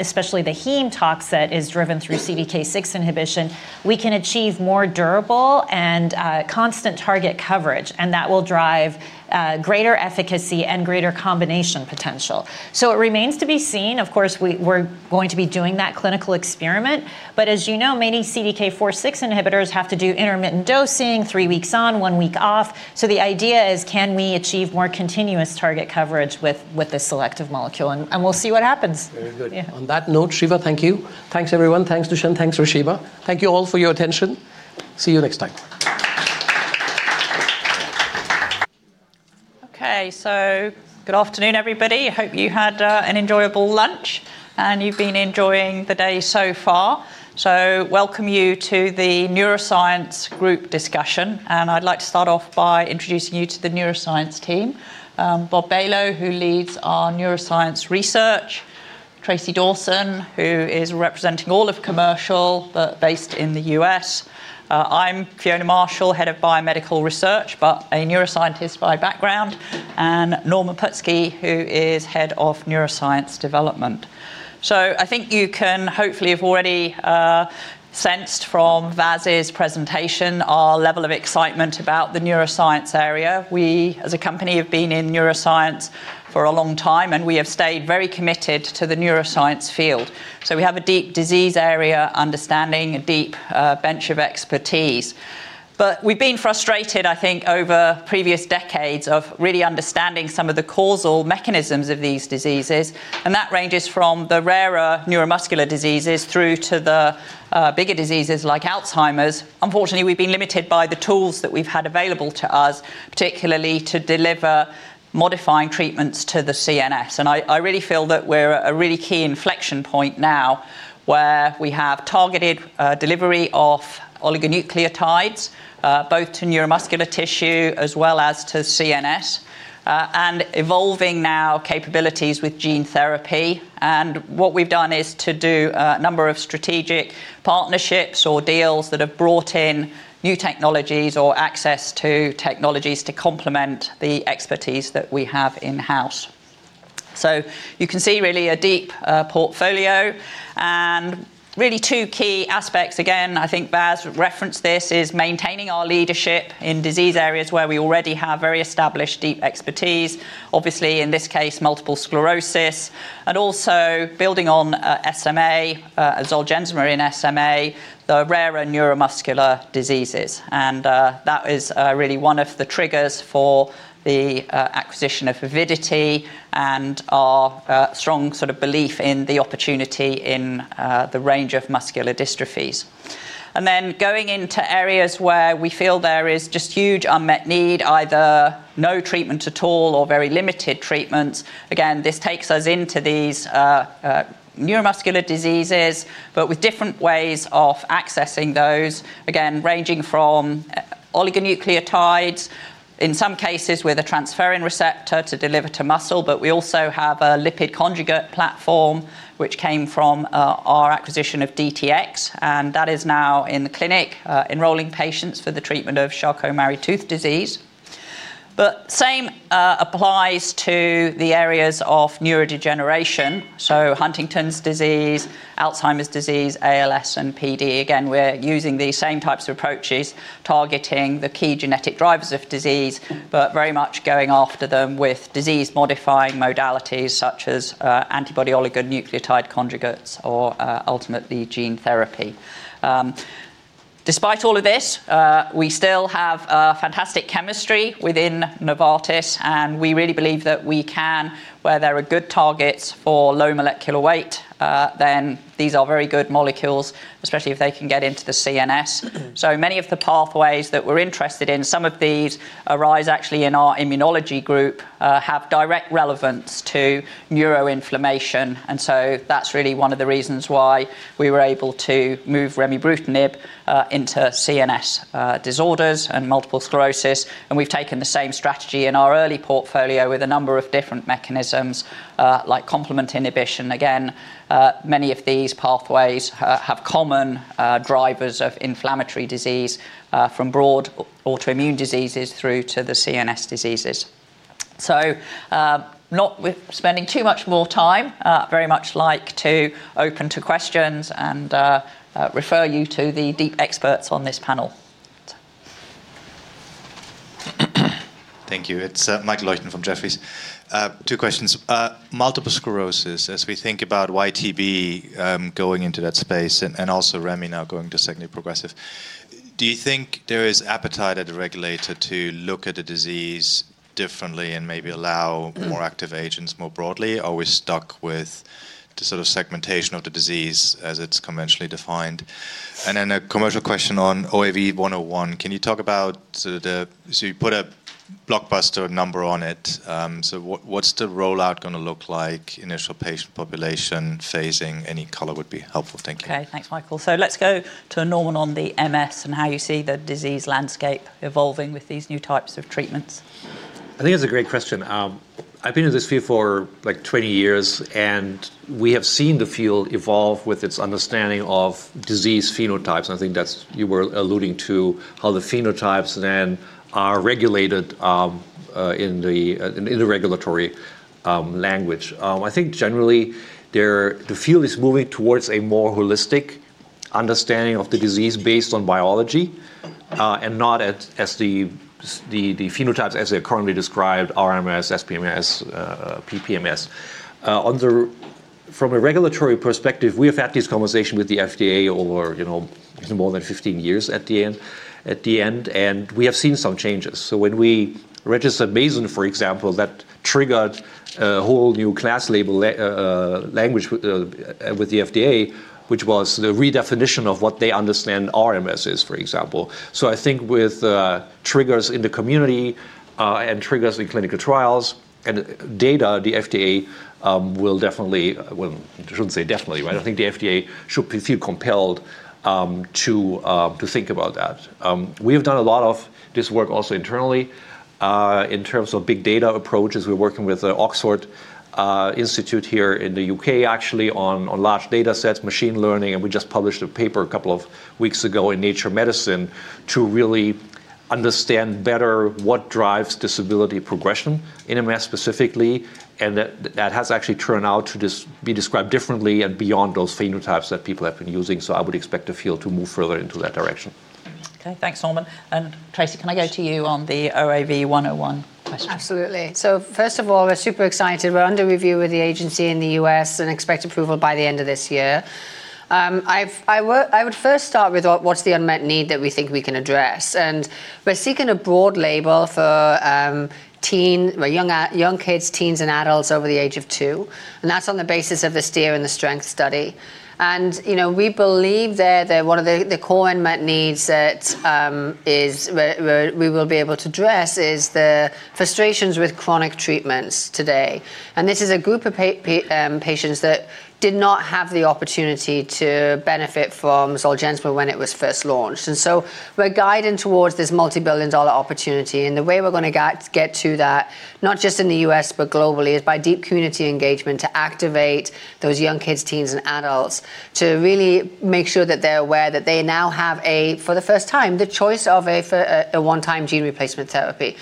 especially the heme tox that is driven through CDK6 inhibition, we can achieve more durable and constant target coverage. That will drive greater efficacy and greater combination potential. It remains to be seen. Of course, we're going to be doing that clinical experiment. As you know, many CDK4/6 inhibitors have to do intermittent dosing, three weeks on, one week off. The idea is, can we achieve more continuous target coverage with the selective molecule? We'll see what happens. Very good. On that note, Shiva, thank you. Thanks, everyone. Thanks, Dushen. Thanks, Reshema. Thank you all for your attention. See you next time. Good afternoon, everybody. I hope you had an enjoyable lunch. You have been enjoying the day so far. Welcome you to the Neuroscience Group discussion. I'd like to start off by introducing you to the Neuroscience team. Bob Baloh, who leads our neuroscience research. Tracey Dawson, who is representing all of commercial but based in the U.S. I'm Fiona Marshall, Head of Biomedical Research, but a neuroscientist by background. Norman Putzki, who is Head of Neuroscience Development. I think you can hopefully have already sensed from Vas's presentation our level of excitement about the neuroscience area. We, as a company, have been in neuroscience for a long time. We have stayed very committed to the neuroscience field. We have a deep disease area understanding, a deep bench of expertise. We have been frustrated, I think, over previous decades of really understanding some of the causal mechanisms of these diseases. That ranges from the rarer neuromuscular diseases through to the bigger diseases like Alzheimer's. Unfortunately, we have been limited by the tools that we have had available to us, particularly to deliver modifying treatments to the CNS. I really feel that we are at a really key inflection point now where we have targeted delivery of oligonucleotides, both to neuromuscular tissue as well as to CNS, and evolving now capabilities with gene therapy. What we have done is to do a number of strategic partnerships or deals that have brought in new technologies or access to technologies to complement the expertise that we have in-house. You can see really a deep portfolio. Really two key aspects, again, I think Vas referenced this, is maintaining our leadership in disease areas where we already have very established deep expertise, obviously, in this case, multiple sclerosis, and also building on SMA, Zolgensma in SMA, the rarer neuromuscular diseases. That is really one of the triggers for the acquisition of Avidity and our strong sort of belief in the opportunity in the range of muscular dystrophies. Going into areas where we feel there is just huge unmet need, either no treatment at all or very limited treatments. Again, this takes us into these neuromuscular diseases, but with different ways of accessing those, again, ranging from oligonucleotides, in some cases with a transferrin receptor, to deliver to muscle. We also have a lipid conjugate platform, which came from our acquisition of DTx. That is now in the clinic, enrolling patients for the treatment of Charcot-Marie-Tooth disease. The same applies to the areas of neurodegeneration, so Huntington's disease, Alzheimer's disease, ALS, and PD. Again, we're using these same types of approaches, targeting the key genetic drivers of disease, but very much going after them with disease-modifying modalities such as antibody oligonucleotide conjugates or ultimately gene therapy. Despite all of this, we still have fantastic chemistry within Novartis. We really believe that we can, where there are good targets for low molecular weight, then these are very good molecules, especially if they can get into the CNS. Many of the pathways that we're interested in, some of these arise actually in our immunology group, have direct relevance to neuroinflammation. That is really one of the reasons why we were able to move remibrutinib into CNS disorders and multiple sclerosis. We have taken the same strategy in our early portfolio with a number of different mechanisms, like complement inhibition. Again, many of these pathways have common drivers of inflammatory disease from broad autoimmune diseases through to the CNS diseases. Not spending too much more time, I'd very much like to open to questions and refer you to the deep experts on this panel. Thank you. It's Michael Leuchten from Jefferies. Two questions. Multiple sclerosis, as we think about YTB323 going into that space and also remi now going to secondary progressive, do you think there is appetite at the regulator to look at the disease differently and maybe allow more active agents more broadly? Are we stuck with the sort of segmentation of the disease as it's conventionally defined? A commercial question on OAV101. Can you talk about the, so you put a blockbuster number on it. What's the rollout going to look like, initial patient population phasing? Any color would be helpful. Thank you. Okay, thanks, Michael. Let's go to Norman on the MS and how you see the disease landscape evolving with these new types of treatments. I think it's a great question. I've been in this field for like 20 years. We have seen the field evolve with its understanding of disease phenotypes. I think you were alluding to how the phenotypes then are regulated in the regulatory language. I think generally, the field is moving towards a more holistic understanding of the disease based on biology and not as the phenotypes as they're currently described, RMS, SPMS, PPMS. From a regulatory perspective, we have had these conversations with the FDA over more than 15 years in the end. We have seen some changes. When we registered [Kesimpta], for example, that triggered a whole new class label language with the FDA, which was the redefinition of what they understand RMS is, for example. I think with triggers in the community and triggers in clinical trials and data, the FDA will definitely, well, I shouldn't say definitely, but I think the FDA should feel compelled to think about that. We have done a lot of this work also internally in terms of big data approaches. We're working with the Oxford Institute here in the U.K., actually, on large data sets, machine learning. We just published a paper a couple of weeks ago in Nature Medicine to really understand better what drives disability progression in MS specifically. That has actually turned out to be described differently and beyond those phenotypes that people have been using. I would expect the field to move further into that direction. Okay, thanks, Norman. Tracey, can I go to you on the OAV101 question? Absolutely. First of all, we're super excited. We're under review with the agency in the U.S. and expect approval by the end of this year. I would first start with what's the unmet need that we think we can address. We're seeking a broad label for young kids, teens, and adults over the age of two. That's on the basis of the STEER and the STRENGTH study. We believe that one of the core unmet needs that we will be able to address is the frustrations with chronic treatments today. This is a group of patients that did not have the opportunity to benefit from Zolgensma when it was first launched. We're guiding towards this multi-billion dollar opportunity. The way we're going to get to that, not just in the U.S., but globally, is by deep community engagement to activate those young kids, teens, and adults to really make sure that they're aware that they now have, for the first time, the choice of a one-time gene replacement therapy.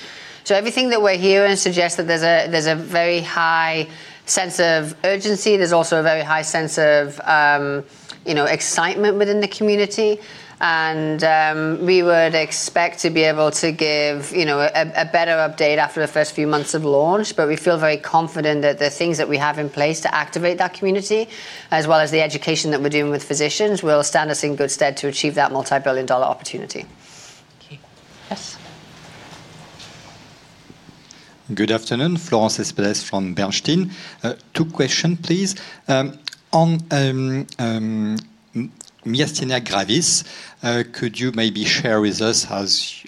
Everything that we're hearing suggests that there's a very high sense of urgency. There's also a very high sense of excitement within the community. We would expect to be able to give a better update after the first few months of launch. We feel very confident that the things that we have in place to activate that community, as well as the education that we're doing with physicians, will stand us in good stead to achieve that multi-billion dollar opportunity. Yes. Good afternoon. Florent Cespedes from Bernstein. Two questions, please. On myasthenia gravis, could you maybe share with us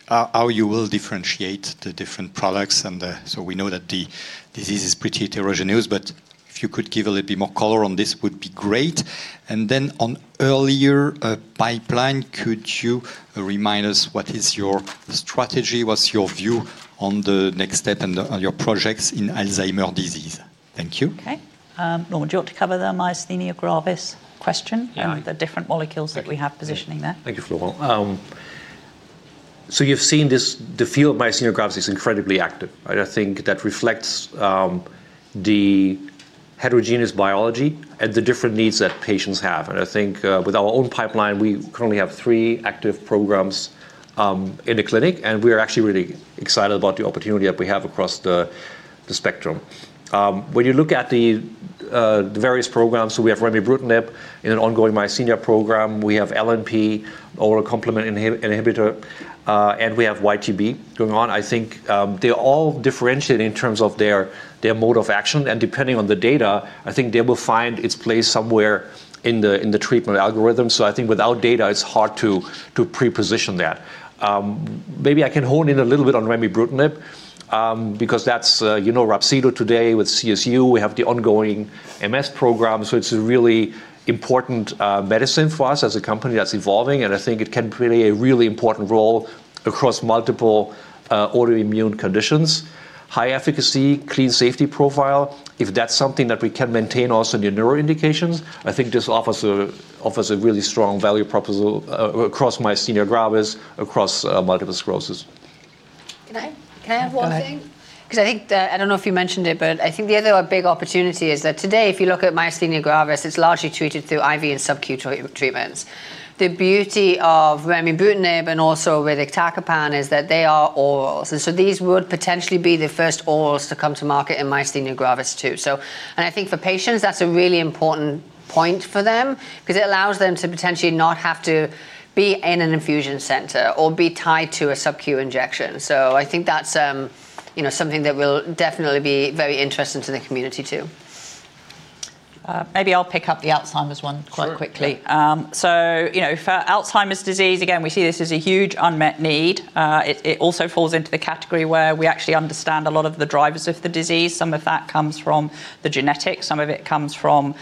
how you will differentiate the different products? We know that the disease is pretty heterogeneous. If you could give a little bit more color on this, it would be great. On earlier pipeline, could you remind us what is your strategy? What's your view on the next step and your projects in Alzheimer's disease? Thank you. Okay. Norman, do you want to cover the myasthenia gravis question and the different molecules that we have positioning there? Thank you, Florent. You have seen this. The field of myasthenia gravis is incredibly active. I think that reflects the heterogeneous biology and the different needs that patients have. I think with our own pipeline, we currently have three active programs in the clinic. We are actually really excited about the opportunity that we have across the spectrum. When you look at the various programs, we have remibrutinib in an ongoing myasthenia program. We have LNP, oral complement inhibitor. We have YTB323 going on. I think they are all differentiated in terms of their mode of action. Depending on the data, I think they will find its place somewhere in the treatment algorithm. I think without data, it is hard to pre-position that. Maybe I can hone in a little bit on remibrutinib because that is Rhapsido today with CSU. We have the ongoing MS program. It is a really important medicine for us as a company that is evolving. I think it can play a really important role across multiple autoimmune conditions. High efficacy, clean safety profile, if that is something that we can maintain also in the neuroindications, I think this offers a really strong value proposal across myasthenia gravis, across multiple sclerosis. Can I have one thing? Because I think, I don't know if you mentioned it, but I think the other big opportunity is that today, if you look at myasthenia gravis, it's largely treated through IV and subcutaneous treatments. The beauty of remibrutinib and also with iptacopan is that they are orals. These would potentially be the first orals to come to market in myasthenia gravis too. I think for patients, that's a really important point for them because it allows them to potentially not have to be in an infusion center or be tied to a subcutaneous injection. I think that's something that will definitely be very interesting to the community too. Maybe I'll pick up the Alzheimer's one quite quickly. For Alzheimer's disease, again, we see this as a huge unmet need. It also falls into the category where we actually understand a lot of the drivers of the disease. Some of that comes from the genetics. Some of it comes from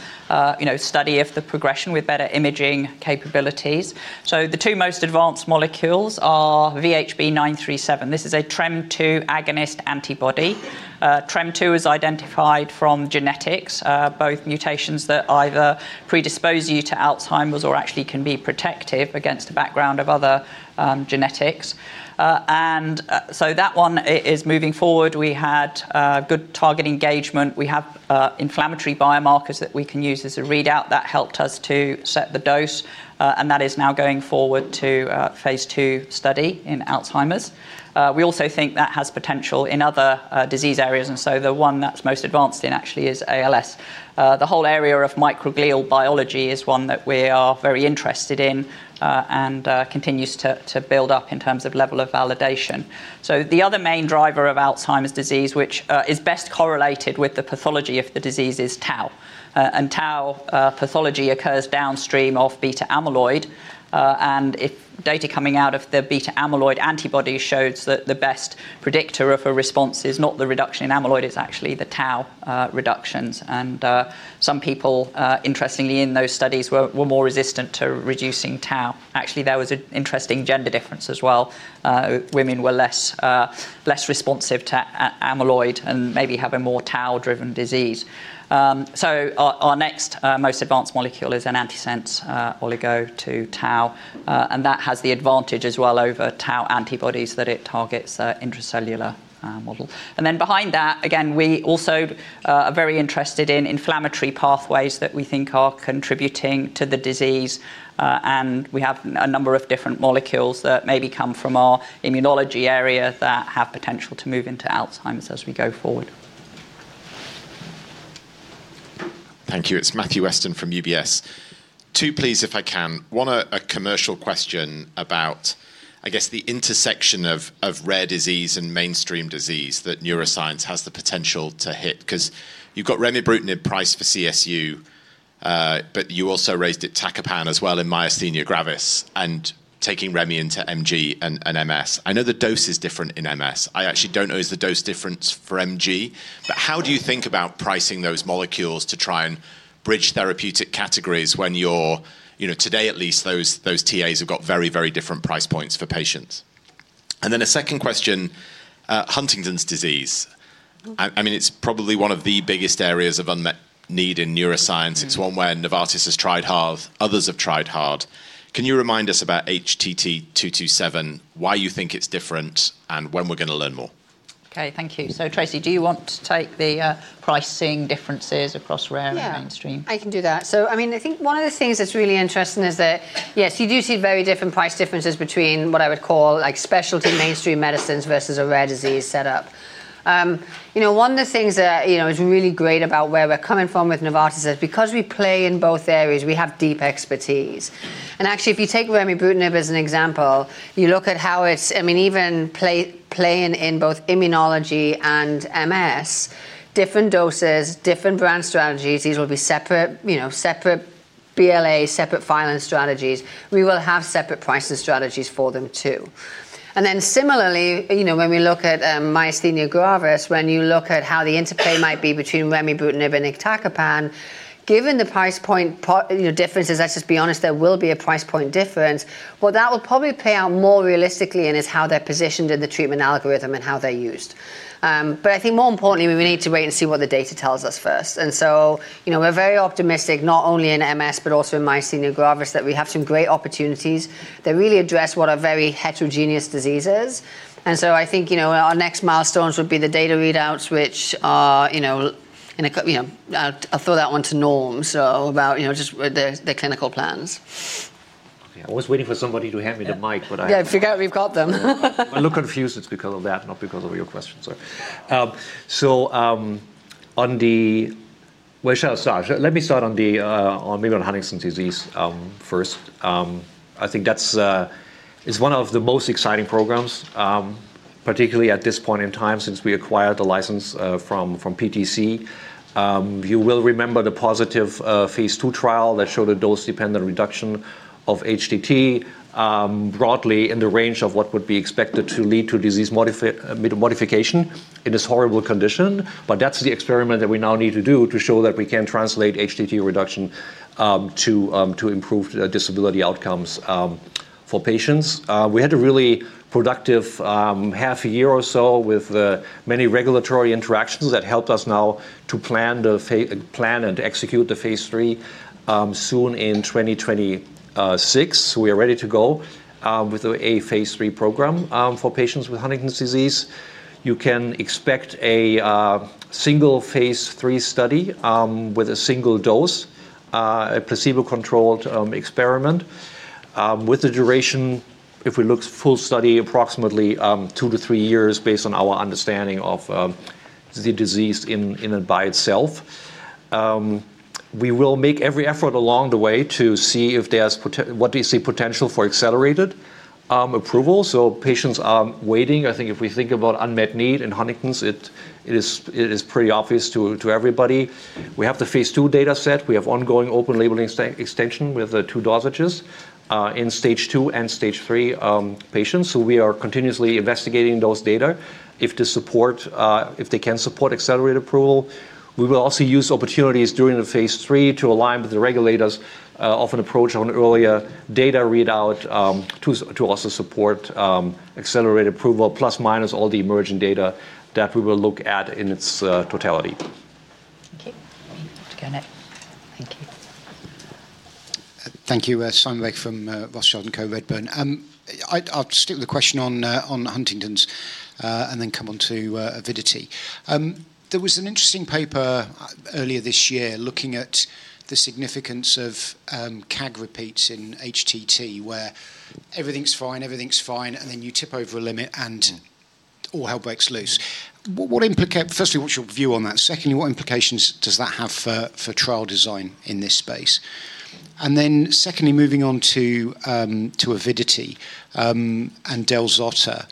study of the progression with better imaging capabilities. The two most advanced molecules are VHB937. This is a TREM2 agonist antibody. TREM2 is identified from genetics, both mutations that either predispose you to Alzheimer's or actually can be protective against the background of other genetics. That one is moving forward. We had good target engagement. We have inflammatory biomarkers that we can use as a readout that helped us to set the dose. That is now going forward to phase II study in Alzheimer's. We also think that has potential in other disease areas. The one that's most advanced in actually is ALS. The whole area of microglial biology is one that we are very interested in and continues to build up in terms of level of validation. The other main driver of Alzheimer's disease, which is best correlated with the pathology of the disease, is tau. Tau pathology occurs downstream of beta amyloid. Data coming out of the beta amyloid antibody shows that the best predictor of a response is not the reduction in amyloid. It's actually the tau reductions. Some people, interestingly, in those studies were more resistant to reducing tau. Actually, there was an interesting gender difference as well. Women were less responsive to amyloid and maybe having more tau-driven disease. Our next most advanced molecule is an antisense oligo to tau. That has the advantage as well over tau antibodies that it targets the intracellular model. Behind that, again, we also are very interested in inflammatory pathways that we think are contributing to the disease. We have a number of different molecules that maybe come from our immunology area that have potential to move into Alzheimer's as we go forward. Thank you. It's Matthew Weston from UBS. Two, please, if I can. One a commercial question about, I guess, the intersection of rare disease and mainstream disease that neuroscience has the potential to hit. Because you've got remibrutinib priced for CSU, but you also raised iptacopan as well in myasthenia gravis and taking remi into MG and MS. I know the dose is different in MS. I actually don't know. Is the dose different for MG? How do you think about pricing those molecules to try and bridge therapeutic categories when you're, today at least, those TAs have got very, very different price points for patients? A second question, Huntington's disease. I mean, it's probably one of the biggest areas of unmet need in neuroscience. It's one where Novartis has tried hard. Others have tried hard. Can you remind us about HTT227, why you think it's different, and when we're going to learn more? OK, thank you. Tracey, do you want to take the pricing differences across rare and mainstream? Yeah, I can do that. I mean, I think one of the things that's really interesting is that, yes, you do see very different price differences between what I would call specialty mainstream medicines versus a rare disease setup. One of the things that is really great about where we're coming from with Novartis is because we play in both areas, we have deep expertise. Actually, if you take remibrutinib as an example, you look at how it's, I mean, even playing in both immunology and MS, different doses, different brand strategies. These will be separate BLA, separate violence strategies. We will have separate pricing strategies for them too. Similarly, when we look at myasthenia gravis, when you look at how the interplay might be between remibrutinib and iptacopan, given the price point differences, let's just be honest, there will be a price point difference. What that will probably play out more realistically in is how they're positioned in the treatment algorithm and how they're used. I think more importantly, we need to wait and see what the data tells us first. We are very optimistic, not only in MS, but also in myasthenia gravis, that we have some great opportunities that really address what are very heterogeneous diseases. I think our next milestones would be the data readouts, which I'll throw that one to Norman about just the clinical plans. I was waiting for somebody to hand me the mic, but I. Yeah, I forgot we have got them. I look confused because of that, not because of your question. On the, let me start on maybe on Huntington's disease first. I think that is one of the most exciting programs, particularly at this point in time, since we acquired the license from PTC. You will remember the positive phase II trial that showed a dose-dependent reduction of HTT broadly in the range of what would be expected to lead to disease modification in this horrible condition. That's the experiment that we now need to do to show that we can translate HTT reduction to improve disability outcomes for patients. We had a really productive half a year or so with many regulatory interactions that helped us now to plan and execute the phase III soon in 2026. We are ready to go with a phase III program for patients with Huntington's disease. You can expect a single phase III study with a single dose, a placebo-controlled experiment with a duration, if we look at full study, approximately two to three years based on our understanding of the disease in and by itself. We will make every effort along the way to see if there is what is the potential for accelerated approval. Patients are waiting. I think if we think about unmet need in Huntington's, it is pretty obvious to everybody. We have the phase II data set. We have ongoing open label extension with the two dosages in stage two and stage three patients. We are continuously investigating those data. If they can support accelerated approval, we will also use opportunities during the phase III to align with the regulators, often approach on earlier data readout to also support accelerated approval, plus minus all the emerging data that we will look at in its totality. Okay. Thank you. Thank you, Simon Baker from Rothschild & Co Redburn. I'll stick with the question on Huntington's and then come on to Avidity. There was an interesting paper earlier this year looking at the significance of CAG repeats in HTT, where everything's fine, everything's fine, and then you tip over a limit and all hell breaks loose. Firstly, what's your view on that? Secondly, what implications does that have for trial design in this space? Secondly, moving on to Avidity and Del-zota,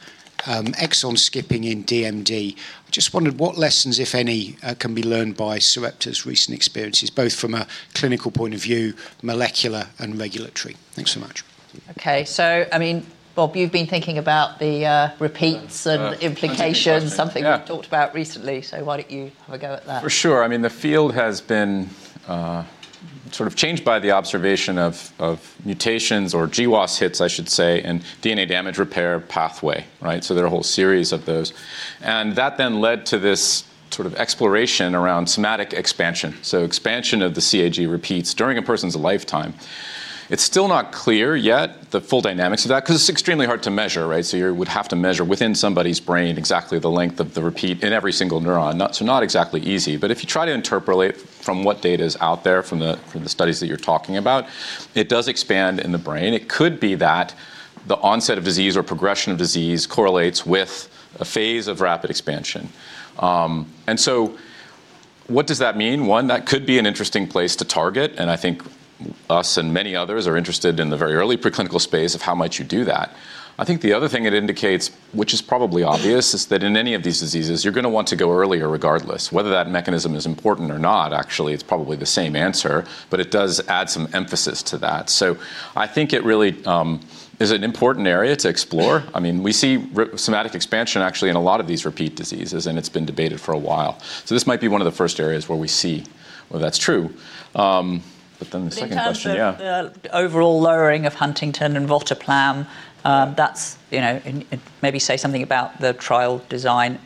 exon skipping in DMD. I just wondered what lessons, if any, can be learned by Sarepta's recent experiences, both from a clinical point of view, molecular and regulatory? Thanks so much. OK. I mean, Bob, you've been thinking about the repeats and implications, something we've talked about recently. Why don't you have a go at that? For sure. I mean, the field has been sort of changed by the observation of mutations or GWAS hits, I should say, in DNA damage repair pathway. There are a whole series of those. That then led to this sort of exploration around somatic expansion, expansion of the CAG repeats during a person's lifetime. It is still not clear yet the full dynamics of that because it is extremely hard to measure. You would have to measure within somebody's brain exactly the length of the repeat in every single neuron. Not exactly easy. If you try to interpolate from what data is out there from the studies that you are talking about, it does expand in the brain. It could be that the onset of disease or progression of disease correlates with a phase of rapid expansion. What does that mean? One, that could be an interesting place to target. I think us and many others are interested in the very early preclinical space of how might you do that. I think the other thing it indicates, which is probably obvious, is that in any of these diseases, you're going to want to go earlier regardless. Whether that mechanism is important or not, actually, it's probably the same answer. It does add some emphasis to that. I think it really is an important area to explore. I mean, we see somatic expansion actually in a lot of these repeat diseases. It's been debated for a while. This might be one of the first areas where we see whether that's true. The second question, yeah. Overall lowering of Huntington and Voltaflam, that's maybe say something about the trial design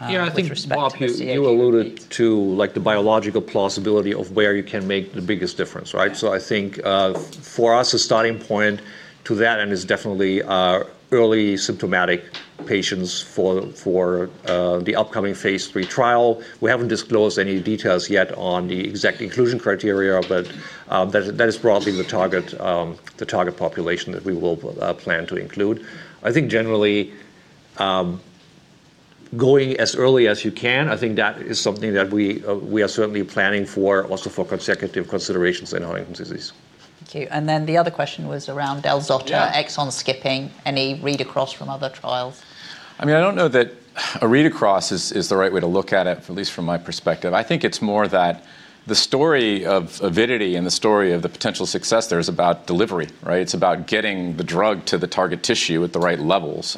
with respect to CAG. You alluded to the biological plausibility of where you can make the biggest difference. I think for us, a starting point to that, and it's definitely early symptomatic patients for the upcoming phase III trial. We haven't disclosed any details yet on the exact inclusion criteria. That is broadly the target population that we will plan to include. I think generally, going as early as you can, I think that is something that we are certainly planning for, also for consecutive considerations in Huntington's disease. Thank you. The other question was around Del-zota, exon skipping, any read across from other trials? I mean, I don't know that a read across is the right way to look at it, at least from my perspective. I think it's more that the story of Avidity and the story of the potential success there is about delivery. It's about getting the drug to the target tissue at the right levels.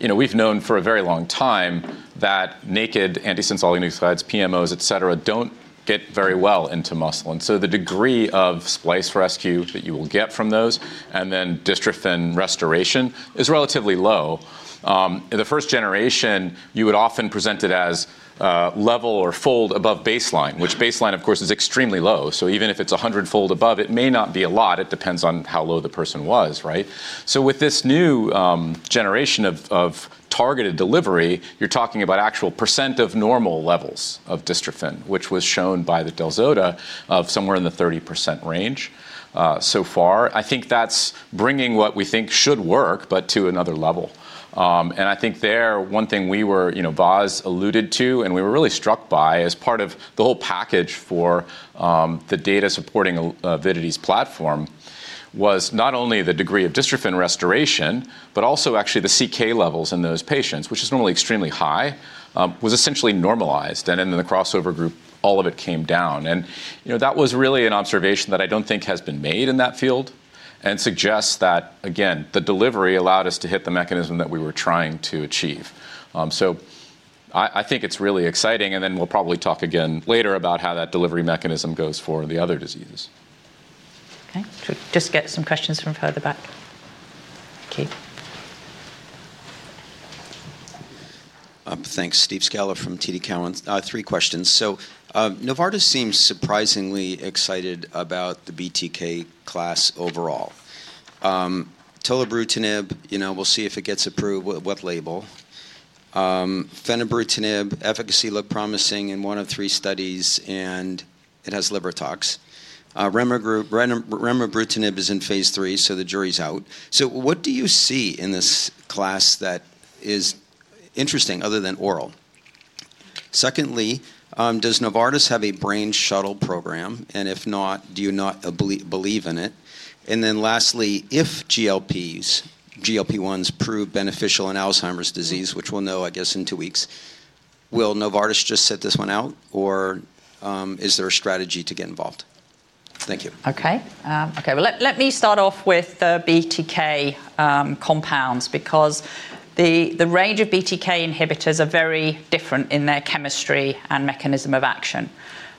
We've known for a very long time that naked antisense oligonucleotides, PMOs, et cetera, don't get very well into muscle. The degree of splice rescue that you will get from those and then dystrophin restoration is relatively low. In the 1st generation, you would often present it as level or fold above baseline, which baseline, of course, is extremely low. Even if it's 100 fold above, it may not be a lot. It depends on how low the person was. With this new generation of targeted delivery, you're talking about actual percent of normal levels of dystrophin, which was shown by the Del-zota of somewhere in the 30% range so far. I think that's bringing what we think should work, but to another level. I think there, one thing we were, Vas alluded to, and we were really struck by as part of the whole package for the data supporting Avidity's platform was not only the degree of dystrophin restoration, but also actually the CK levels in those patients, which is normally extremely high, was essentially normalized. In the crossover group, all of it came down. That was really an observation that I don't think has been made in that field and suggests that, again, the delivery allowed us to hit the mechanism that we were trying to achieve. I think it's really exciting. We will probably talk again later about how that delivery mechanism goes for the other diseases. Okay. Just get some questions from further back. Thanks. Steve Scala from TD Cowen. Three questions. Novartis seems surprisingly excited about the BTK class overall. Tolebrutinib, we'll see if it gets approved. What label? Fenebrutinib, efficacy looked promising in one of three studies. And it has liver tox. Remibrutinib is in phase III. The jury's out. What do you see in this class that is interesting other than oral? Secondly, does Novartis have a brain shuttle program? If not, do you not believe in it? Lastly, if GLPs, GLP-1s prove beneficial in Alzheimer's disease, which we'll know, I guess, in two weeks, will Novartis just sit this one out? Or is there a strategy to get involved? Thank you. Okay. Okay, let me start off with the BTK compounds because the range of BTK inhibitors are very different in their chemistry and mechanism of action.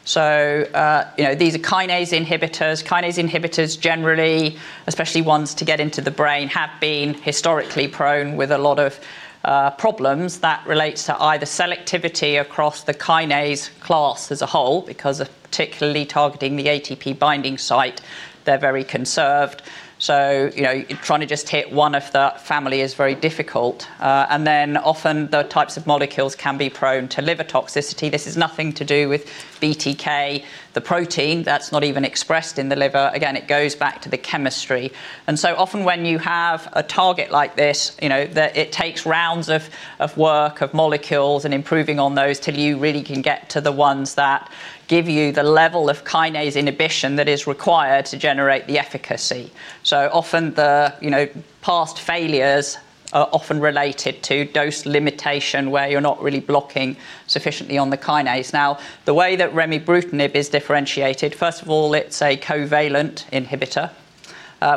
These are kinase inhibitors. Kinase inhibitors generally, especially ones to get into the brain, have been historically prone with a lot of problems that relates to either selectivity across the kinase class as a whole because of particularly targeting the ATP binding site. They are very conserved. Trying to just hit one of the family is very difficult. Often the types of molecules can be prone to liver toxicity. This has nothing to do with BTK, the protein that is not even expressed in the liver. Again, it goes back to the chemistry. Often when you have a target like this, it takes rounds of work, of molecules, and improving on those till you really can get to the ones that give you the level of kinase inhibition that is required to generate the efficacy. Often the past failures are often related to dose limitation where you're not really blocking sufficiently on the kinase. Now, the way that remibrutinib is differentiated, first of all, it's a covalent inhibitor,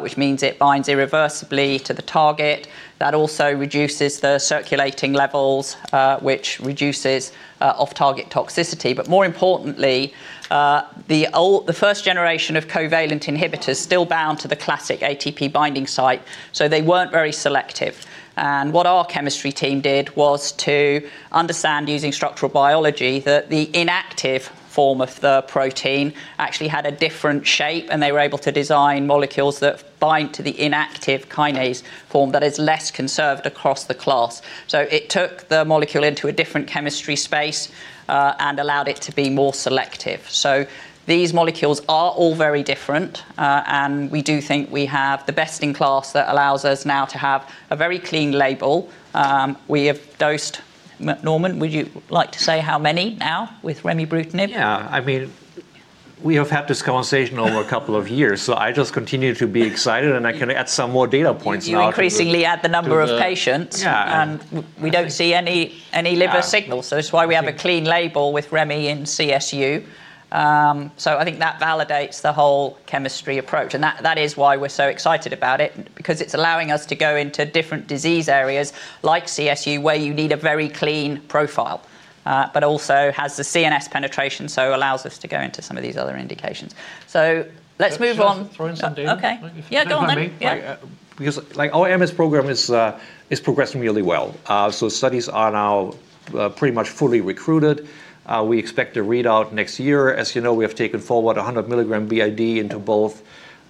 which means it binds irreversibly to the target. That also reduces the circulating levels, which reduces off-target toxicity. More importantly, the 1st generation of covalent inhibitors still bound to the classic ATP binding site. They weren't very selective. What our chemistry team did was to understand using structural biology that the inactive form of the protein actually had a different shape. They were able to design molecules that bind to the inactive kinase form that is less conserved across the class. It took the molecule into a different chemistry space and allowed it to be more selective. These molecules are all very different. We do think we have the best in class that allows us now to have a very clean label. We have dosed. Norman, would you like to say how many now with remibrutinib? Yeah. I mean, we have had this conversation over a couple of years. I just continue to be excited. I can add some more data points now. You increasingly add the number of patients. Yeah. We do not see any liver signal. That is why we have a clean label with Remibrutinib in CSU. I think that validates the whole chemistry approach. That is why we are so excited about it because it is allowing us to go into different disease areas like CSU where you need a very clean profile, but it also has the CNS penetration. It allows us to go into some of these other indications. Let us move on. Throw in some. Okay. Yeah, go on, Bob. Because our MS program is progressing really well. Studies are now pretty much fully recruited. We expect the readout next year. As you know, we have taken forward 100 mg b.i.d. into both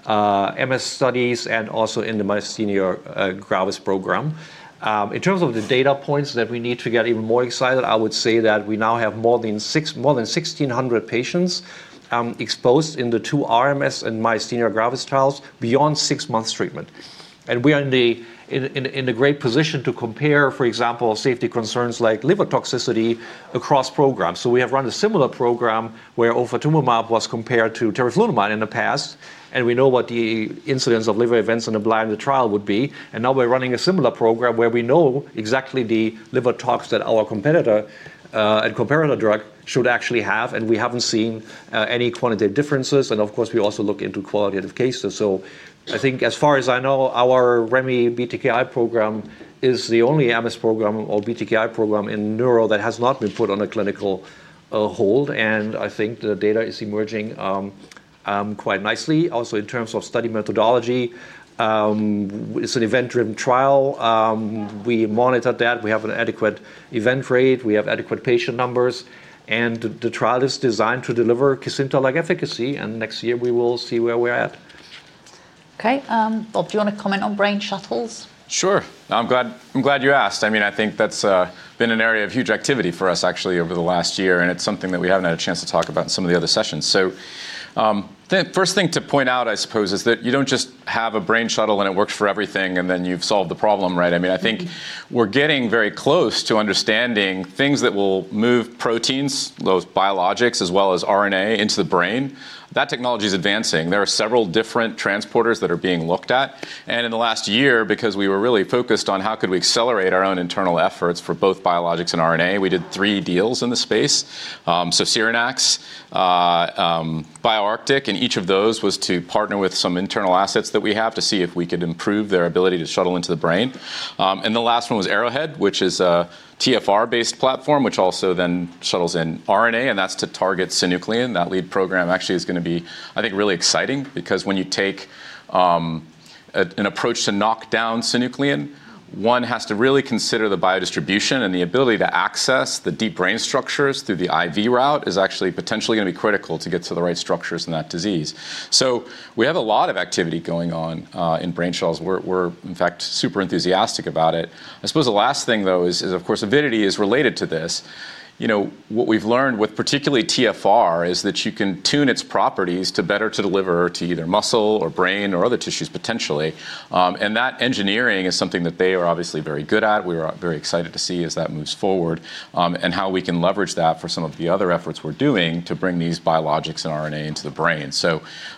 MS studies and also in the myasthenia gravis program. In terms of the data points that we need to get even more excited, I would say that we now have more than 1,600 patients exposed in the two RMS and myasthenia gravis trials beyond six months treatment. We are in a great position to compare, for example, safety concerns like liver toxicity across programs. We have run a similar program where ofatumumab was compared to teriflunomide in the past. We know what the incidence of liver events in the blind trial would be. We are running a similar program where we know exactly the liver tox that our competitor and comparator drug should actually have. We have not seen any quantitative differences. Of course, we also look into qualitative cases. I think as far as I know, our remibrutinib BTK inhibitor program is the only MS program or BTK inhibitor program in neuro that has not been put on a clinical hold. I think the data is emerging quite nicely. Also, in terms of study methodology, it is an event-driven trial. We monitor that. We have an adequate event rate. We have adequate patient numbers. The trial is designed to deliver Kisqali-like efficacy. Next year, we will see where we are at. OK. Bob, do you want to comment on brain shuttles? Sure. I'm glad you asked. I mean, I think that's been an area of huge activity for us actually over the last year. It's something that we haven't had a chance to talk about in some of the other sessions. The first thing to point out, I suppose, is that you don't just have a brain shuttle and it works for everything, and then you've solved the problem. I mean, I think we're getting very close to understanding things that will move proteins, those biologics, as well as RNA into the brain. That technology is advancing. There are several different transporters that are being looked at. In the last year, because we were really focused on how could we accelerate our own internal efforts for both biologics and RNA, we did three deals in the space. Sironax, BioArctic, and each of those was to partner with some internal assets that we have to see if we could improve their ability to shuttle into the brain. The last one was Arrowhead, which is a TFR-based platform, which also then shuttles in RNA. That is to target synuclein. That lead program actually is going to be, I think, really exciting because when you take an approach to knock down synuclein, one has to really consider the biodistribution. The ability to access the deep brain structures through the IV route is actually potentially going to be critical to get to the right structures in that disease. We have a lot of activity going on in brain shuttles. We're, in fact, super enthusiastic about it. I suppose the last thing, though, is, of course, Avidity is related to this. What we've learned with particularly TFR is that you can tune its properties to better deliver to either muscle or brain or other tissues potentially. That engineering is something that they are obviously very good at. We are very excited to see as that moves forward and how we can leverage that for some of the other efforts we're doing to bring these biologics and RNA into the brain.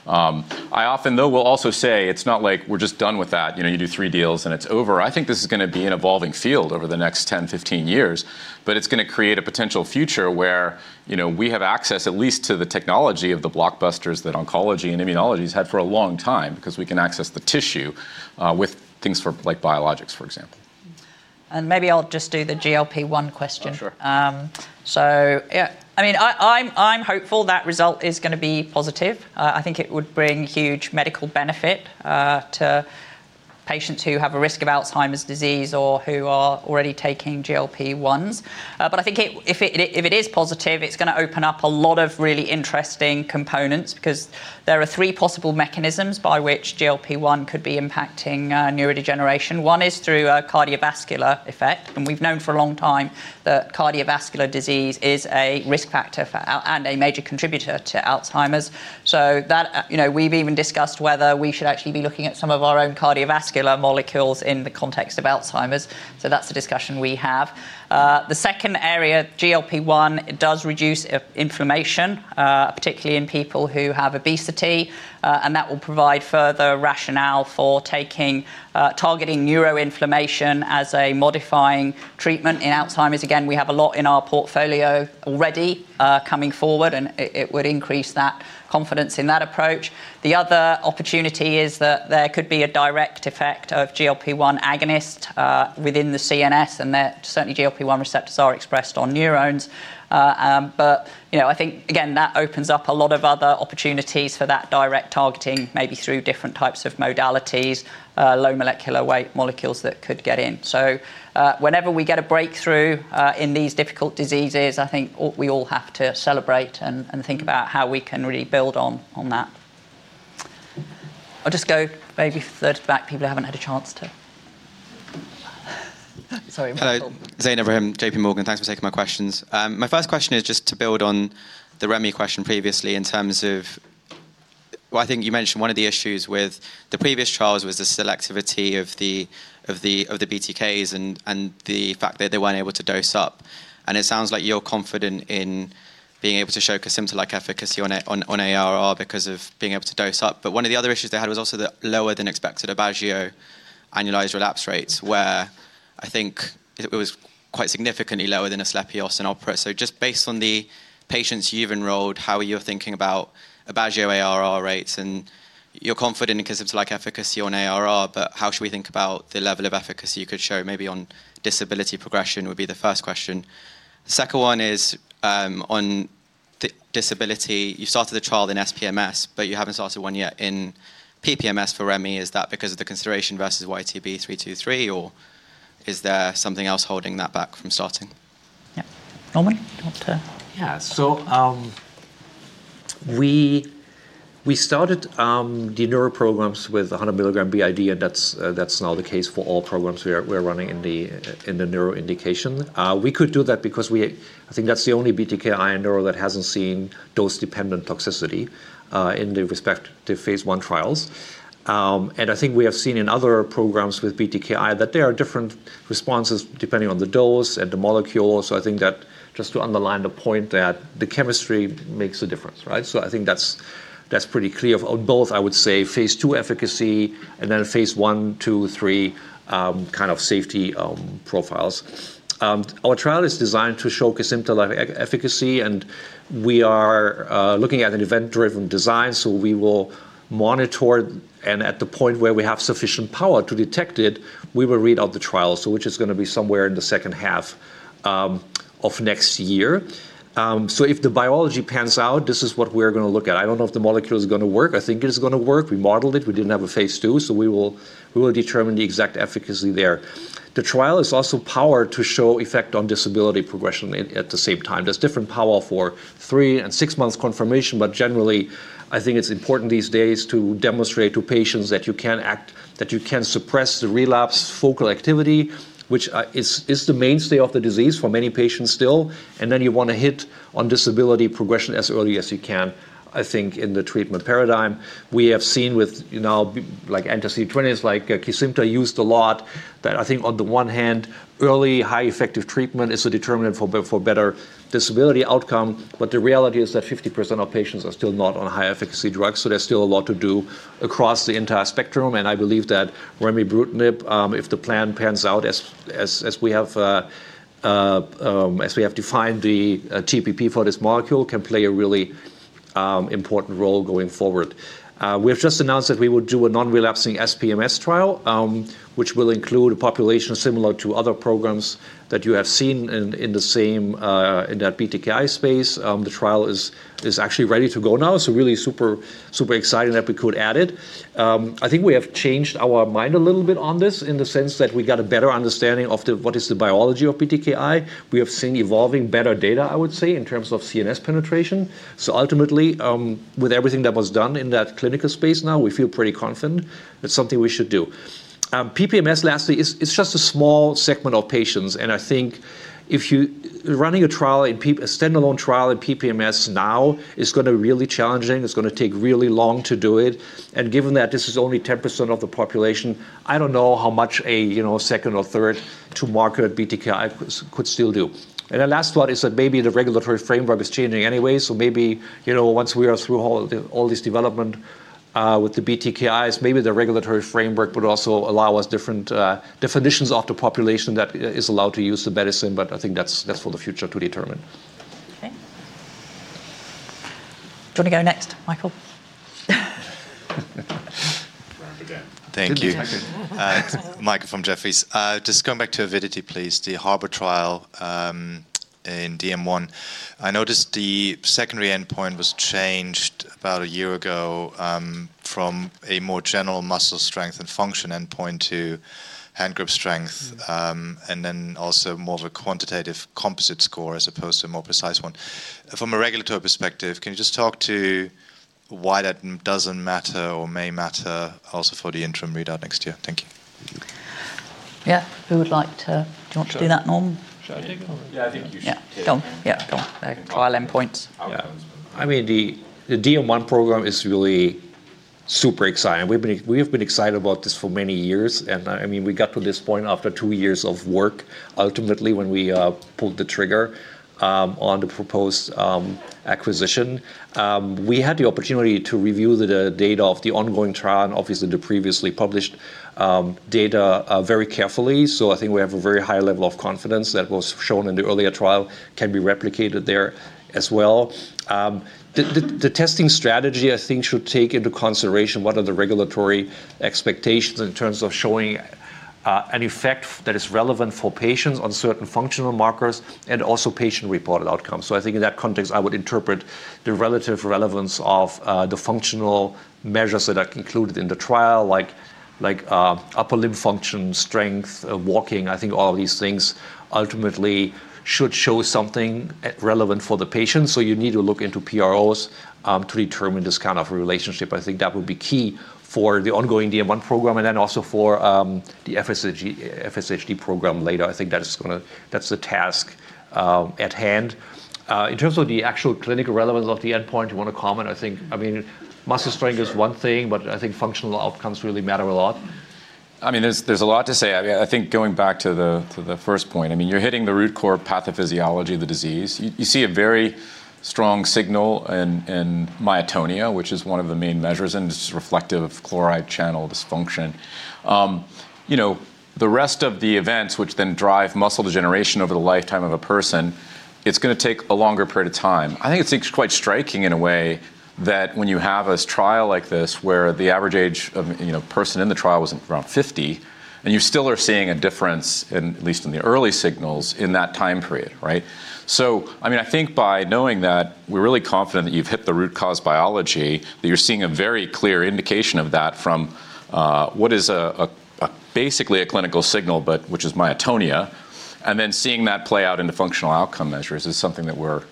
I often, though, will also say it's not like we're just done with that. You do three deals, and it's over. I think this is going to be an evolving field over the next 10-15 years. It is going to create a potential future where we have access at least to the technology of the blockbusters that oncology and immunology has had for a long time because we can access the tissue with things like biologics, for example. Maybe I'll just do the GLP-1 question. Sure. Yeah, I mean, I'm hopeful that result is going to be positive. I think it would bring huge medical benefit to patients who have a risk of Alzheimer's disease or who are already taking GLP-1s. I think if it is positive, it's going to open up a lot of really interesting components because there are three possible mechanisms by which GLP-1 could be impacting neurodegeneration. One is through a cardiovascular effect. We've known for a long time that cardiovascular disease is a risk factor and a major contributor to Alzheimer's. We've even discussed whether we should actually be looking at some of our own cardiovascular molecules in the context of Alzheimer's. That's a discussion we have. The second area, GLP-1, it does reduce inflammation, particularly in people who have obesity. That will provide further rationale for targeting neuroinflammation as a modifying treatment in Alzheimer's. Again, we have a lot in our portfolio already coming forward. It would increase that confidence in that approach. The other opportunity is that there could be a direct effect of GLP-1 agonist within the CNS. Certainly, GLP-1 receptors are expressed on neurones. I think, again, that opens up a lot of other opportunities for that direct targeting maybe through different types of modalities, low molecular weight molecules that could get in. Whenever we get a breakthrough in these difficult diseases, I think we all have to celebrate and think about how we can really build on that. I'll just go maybe third back, people who haven't had a chance to. Sorry. Hi, Zain Ebrahim, JPMorgan. Thanks for taking my questions. My first question is just to build on the remi question previously in terms of I think you mentioned one of the issues with the previous trials was the selectivity of the BTKs and the fact that they were not able to dose up. It sounds like you are confident in being able to show Kisqali-like efficacy on ARR because of being able to dose up. One of the other issues they had was also the lower-than-expected Aubagio annualized relapse rates, where I think it was quite significantly lower than ASCLEPIOS and OPERA. Just based on the patients you have enrolled, how are you thinking about Aubagio ARR rates? You are confident in Kisqali-like efficacy on ARR. How should we think about the level of efficacy you could show maybe on disability progression would be the first question. The second one is on disability. You started the trial in SPMS, but you haven't started one yet in PPMS for remi. Is that because of the consideration versus YTB323? Or is there something else holding that back from starting? Yeah. Norman, you want to? Yeah. We started the neuro programs with 100 mg b.i.d. That is not the case for all programs we are running in the neuro indication. We could do that because I think that is the only BTK inhibitor in neuro that has not seen dose-dependent toxicity in respect to phase I trials. I think we have seen in other programs with BTK inhibitors that there are different responses depending on the dose and the molecule. I think that just underlines the point that the chemistry makes a difference. I think that is pretty clear on both, I would say, phase II efficacy and then phase I, II, III kind of safety profiles. Our trial is designed to show Kisqali efficacy. We are looking at an event-driven design. We will monitor. At the point where we have sufficient power to detect it, we will read out the trials, which is going to be somewhere in the second half of next year. If the biology pans out, this is what we're going to look at. I don't know if the molecule is going to work. I think it is going to work. We modeled it. We didn't have a phase II. We will determine the exact efficacy there. The trial is also powered to show effect on disability progression at the same time. There is different power for three and six months confirmation. Generally, I think it's important these days to demonstrate to patients that you can suppress the relapse focal activity, which is the mainstay of the disease for many patients still. You want to hit on disability progression as early as you can, I think, in the treatment paradigm. We have seen with now anti-CD20s like Kisqali used a lot that I think on the one hand, early high-effective treatment is a determinant for better disability outcome. The reality is that 50% of patients are still not on high-efficacy drugs. There is still a lot to do across the entire spectrum. I believe that remibrutinib, if the plan pans out as we have defined the TPP for this molecule, can play a really important role going forward. We have just announced that we will do a non-relapsing SPMS trial, which will include a population similar to other programs that you have seen in that BTK inhibitor space. The trial is actually ready to go now. It is really super exciting that we could add it. I think we have changed our mind a little bit on this in the sense that we got a better understanding of what is the biology of BTKi. We have seen evolving better data, I would say, in terms of CNS penetration. Ultimately, with everything that was done in that clinical space now, we feel pretty confident that's something we should do. PPMS, lastly, it's just a small segment of patients. I think running a standalone trial in PPMS now is going to be really challenging. It's going to take really long to do it. Given that this is only 10% of the population, I don't know how much a second or third to market BTKi could still do. The last part is that maybe the regulatory framework is changing anyway. Maybe once we are through all this development with the BTKis, maybe the regulatory framework would also allow us different definitions of the population that is allowed to use the medicine. I think that's for the future to determine. OK. Do you want to go next, Michael? Thank you. Michael from Jefferies. Just going back to Avidity, please, the HARBOR trial in DM1. I noticed the secondary endpoint was changed about a year ago from a more general muscle strength and function endpoint to hand grip strength and then also more of a quantitative composite score as opposed to a more precise one. From a regulatory perspective, can you just talk to why that does not matter or may matter also for the interim readout next year? Thank you. Yeah. Who would like to do that, Norm? Yeah, I think you should. Yeah, go on. The trial endpoints. I mean, the DM1 program is really super exciting. We've been excited about this for many years. I mean, we got to this point after two years of work, ultimately, when we pulled the trigger on the proposed acquisition. We had the opportunity to review the data of the ongoing trial and obviously the previously published data very carefully. I think we have a very high level of confidence that what was shown in the earlier trial can be replicated there as well. The testing strategy, I think, should take into consideration what are the regulatory expectations in terms of showing an effect that is relevant for patients on certain functional markers and also patient reported outcomes. I think in that context, I would interpret the relative relevance of the functional measures that are included in the trial, like upper limb function, strength, walking. I think all of these things ultimately should show something relevant for the patient. You need to look into PROs to determine this kind of relationship. I think that would be key for the ongoing DM1 program and then also for the FSHD program later. I think that's the task at hand. In terms of the actual clinical relevance of the endpoint, you want to comment? I think, I mean, muscle strength is one thing. I think functional outcomes really matter a lot. I mean, there's a lot to say. I think going back to the first point, I mean, you're hitting the root core pathophysiology of the disease. You see a very strong signal in myotonia, which is one of the main measures. And it's reflective of chloride channel dysfunction. The rest of the events, which then drive muscle degeneration over the lifetime of a person, it's going to take a longer period of time. I think it's quite striking in a way that when you have a trial like this where the average age of a person in the trial was around 50, and you still are seeing a difference, at least in the early signals, in that time period. I mean, I think by knowing that we're really confident that you've hit the root cause biology, that you're seeing a very clear indication of that from what is basically a clinical signal, which is myotonia. Then seeing that play out in the functional outcome measures is something that we're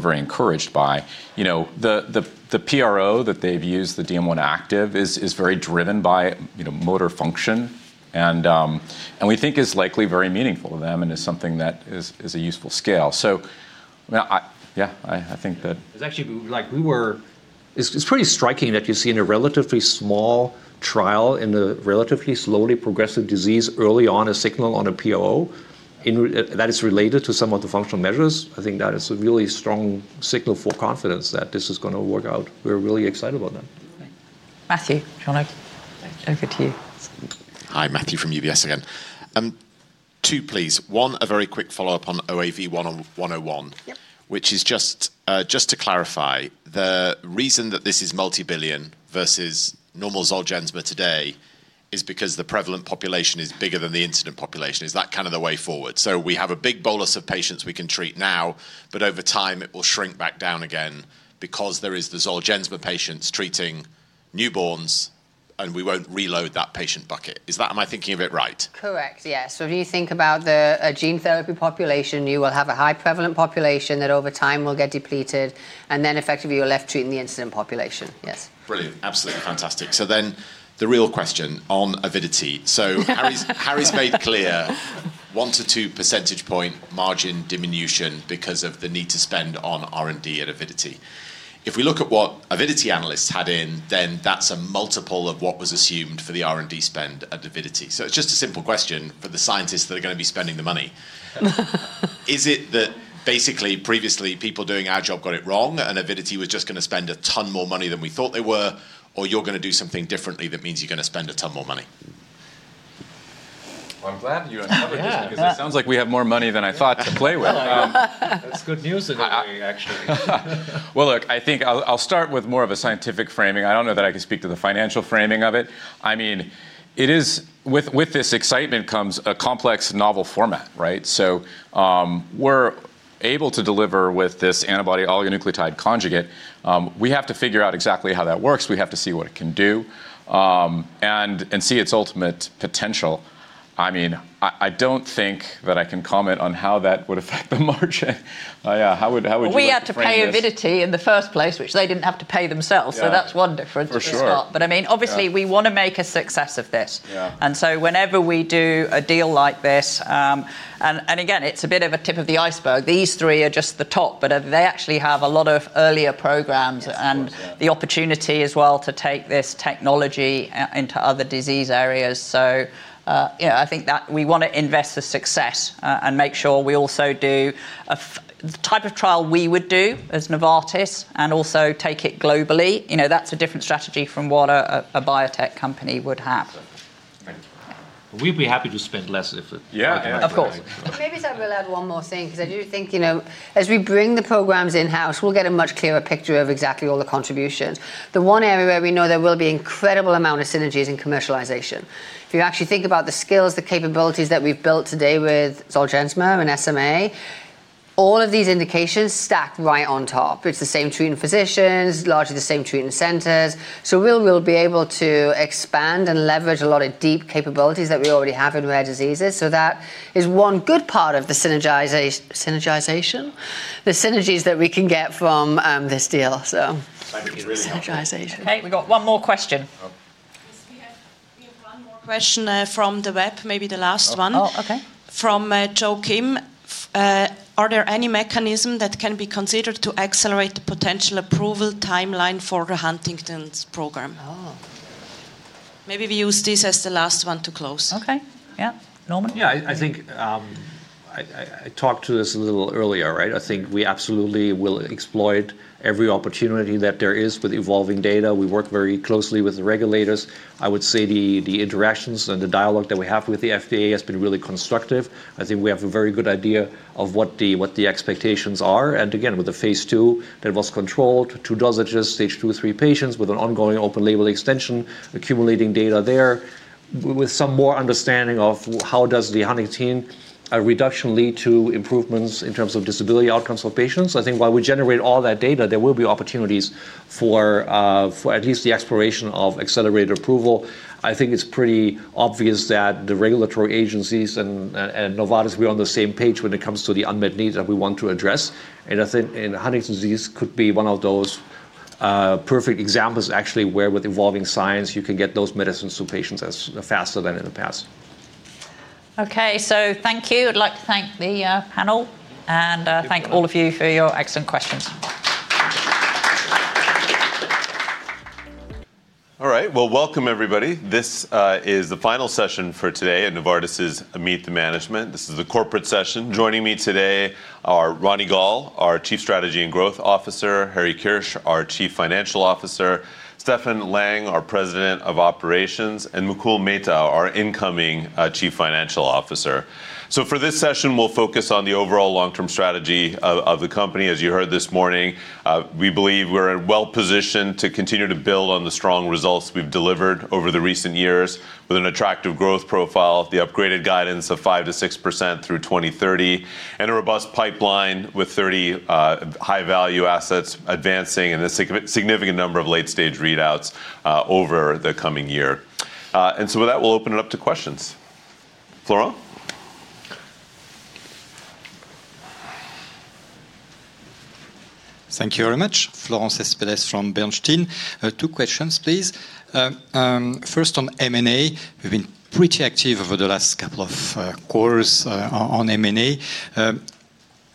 very encouraged by. The PRO that they've used, the DM1 Active, is very driven by motor function and we think is likely very meaningful to them and is something that is a useful scale. Yeah, I think that. It's actually pretty striking that you see in a relatively small trial in a relatively slowly progressive disease early on a signal on a PRO that is related to some of the functional measures. I think that is a really strong signal for confidence that this is going to work out. We're really excited about that. Matthew, if you want to go to you. Hi, Matthew from UBS again. Two, please. One, a very quick follow-up on OAV101, which is just to clarify, the reason that this is multibillion versus normal Zolgensma today is because the prevalent population is bigger than the incident population. Is that kind of the way forward? We have a big bolus of patients we can treat now. Over time, it will shrink back down again because there is the Zolgensma patients treating newborns. We will not reload that patient bucket. Am I thinking of it right? Correct. Yes. If you think about the gene therapy population, you will have a high prevalent population that over time will get depleted. Then effectively, you're left treating the incident population. Yes. Brilliant. Absolutely fantastic. The real question on Avidity. Harry's made clear one to two percentage point margin diminution because of the need to spend on R&D at Avidity. If we look at what Avidity analysts had in, then that's a multiple of what was assumed for the R&D spend at Avidity. It's just a simple question for the scientists that are going to be spending the money. Is it that basically previously people doing our job got it wrong and Avidity was just going to spend a ton more money than we thought they were? Or you're going to do something differently that means you're going to spend a ton more money? I'm glad you uncovered this because it sounds like we have more money than I thought to play with. That's good news to me, actually. I think I'll start with more of a scientific framing. I don't know that I can speak to the financial framing of it. I mean, with this excitement comes a complex novel format. We are able to deliver with this antibody oligonucleotide conjugate. We have to figure out exactly how that works. We have to see what it can do and see its ultimate potential. I mean, I don't think that I can comment on how that would affect the margin. Yeah. How would you? We had to pay Avidity in the first place, which they did not have to pay themselves. That is one difference at the start. I mean, obviously, we want to make a success of this. Whenever we do a deal like this, and again, it is a bit of a tip of the iceberg. These three are just the top, but they actually have a lot of earlier programs and the opportunity as well to take this technology into other disease areas. I think that we want to invest the success and make sure we also do the type of trial we would do as Novartis and also take it globally. That is a different strategy from what a biotech company would have. We'd be happy to spend less if. Yeah, of course. Maybe I will add one more thing because I do think as we bring the programs in-house, we'll get a much clearer picture of exactly all the contributions. The one area where we know there will be an incredible amount of synergies is in commercialization. If you actually think about the skills, the capabilities that we've built today with Zolgensma and SMA, all of these indications stack right on top. It's the same treating physicians, largely the same treating centers. We will be able to expand and leverage a lot of deep capabilities that we already have in rare diseases. That is one good part of the synergization, the synergies that we can get from this deal. Synergization. Hey, we've got one more question. Question from the web, maybe the last one. Oh, OK. From Joe Kim. Are there any mechanisms that can be considered to accelerate the potential approval timeline for the Huntington's program? Maybe we use this as the last one to close. OK. Yeah. Norman? Yeah. I think I talked to this a little earlier. I think we absolutely will exploit every opportunity that there is with evolving data. We work very closely with the regulators. I would say the interactions and the dialogue that we have with the FDA has been really constructive. I think we have a very good idea of what the expectations are. With the phase II, that was controlled two dosages, stage two, three patients with an ongoing open label extension, accumulating data there with some more understanding of how does the Huntington reduction lead to improvements in terms of disability outcomes for patients. I think while we generate all that data, there will be opportunities for at least the exploration of accelerated approval. I think it's pretty obvious that the regulatory agencies and Novartis, we're on the same page when it comes to the unmet needs that we want to address. I think Huntington's disease could be one of those perfect examples, actually, where with evolving science, you can get those medicines to patients faster than in the past. OK. Thank you. I'd like to thank the panel and thank all of you for your excellent questions. All right. Welcome, everybody. This is the final session for today at Novartis's Meet the Management. This is the corporate session. Joining me today are Ronny Gal, our Chief Strategy and Growth Officer; Harry Kirsch, our Chief Financial Officer; Steffen Lang, our President of Operations; and Mukul Mehta, our Incoming Chief Financial Officer. For this session, we'll focus on the overall long-term strategy of the company. As you heard this morning, we believe we're well positioned to continue to build on the strong results we've delivered over the recent years with an attractive growth profile, the upgraded guidance of 5%-6% through 2030, and a robust pipeline with 30 high-value assets advancing in a significant number of late-stage readouts over the coming year. With that, we'll open it up to questions. Florent? Thank you very much. Florent Cespedes from Bernstein. Two questions, please. First, on M&A. We've been pretty active over the last couple of quarters on M&A.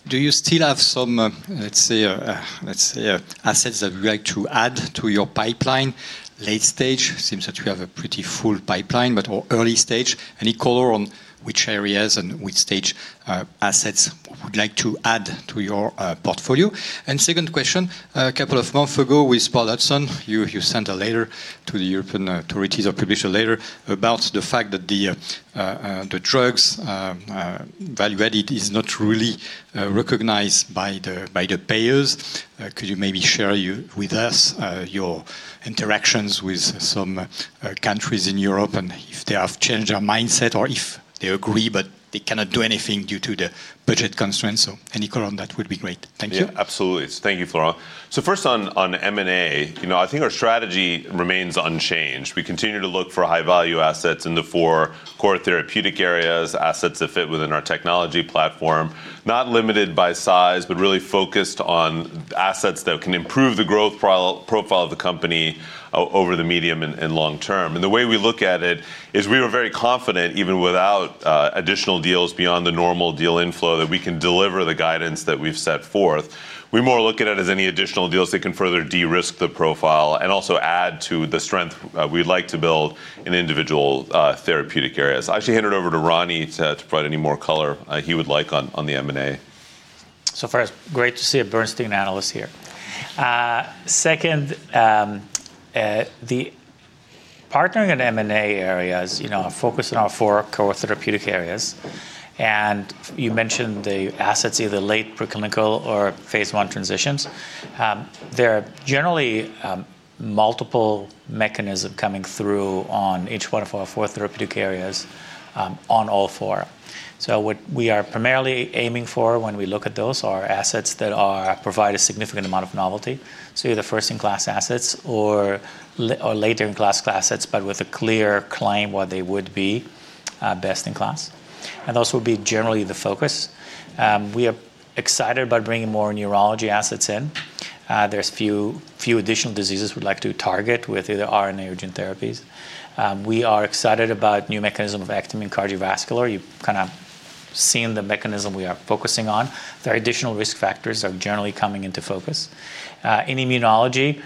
Do you still have some, let's say, assets that you'd like to add to your pipeline? Late stage, it seems that you have a pretty full pipeline. Early stage, any color on which areas and which stage assets you would like to add to your portfolio? Second question, a couple of months ago with Paul Hudson, you sent a letter to the European authorities or published a letter about the fact that the drug's value added is not really recognized by the payers. Could you maybe share with us your interactions with some countries in Europe and if they have changed their mindset or if they agree, but they cannot do anything due to the budget constraints? Any color on that would be great. Thank you. Absolutely. Thank you, Florent. First on M&A, I think our strategy remains unchanged. We continue to look for high-value assets in the four core therapeutic areas, assets that fit within our technology platform, not limited by size, but really focused on assets that can improve the growth profile of the company over the medium and long term. The way we look at it is we were very confident, even without additional deals beyond the normal deal inflow, that we can deliver the guidance that we've set forth. We more look at it as any additional deals that can further de-risk the profile and also add to the strength we'd like to build in individual therapeutic areas. I should hand it over to Ronny to provide any more color he would like on the M&A. First, great to see a Bernstein analyst here. Second, the partnering in M&A areas, focus on our four core therapeutic areas. You mentioned the assets either late preclinical or phase I transitions. There are generally multiple mechanisms coming through on each one of our four therapeutic areas on all four. What we are primarily aiming for when we look at those are assets that provide a significant amount of novelty. Either first-in-class assets or later-in-class assets, but with a clear claim what they would be best in class. Those will be generally the focus. We are excited about bringing more neurology assets in. There's a few additional diseases we'd like to target with either RNA or gene therapies. We are excited about new mechanism of activity in cardiovascular. You've kind of seen the mechanism we are focusing on. There are additional risk factors that are generally coming into focus. In immunology,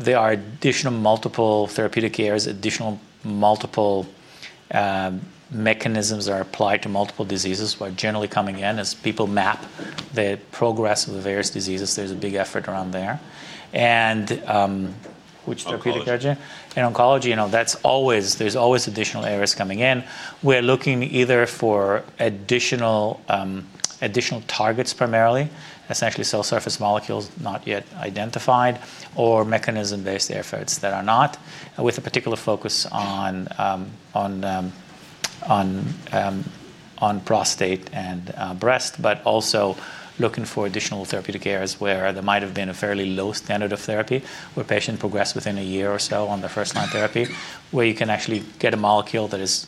there are additional multiple therapeutic areas, additional multiple mechanisms that are applied to multiple diseases that are generally coming in as people map the progress of the various diseases. There is a big effort around there. Which therapeutic area? In oncology, there are always additional areas coming in. We are looking either for additional targets primarily, essentially cell surface molecules not yet identified, or mechanism-based efforts that are not, with a particular focus on prostate and breast, but also looking for additional therapeutic areas where there might have been a fairly low standard of therapy where patients progress within a year or so on their first-line therapy, where you can actually get a molecule that is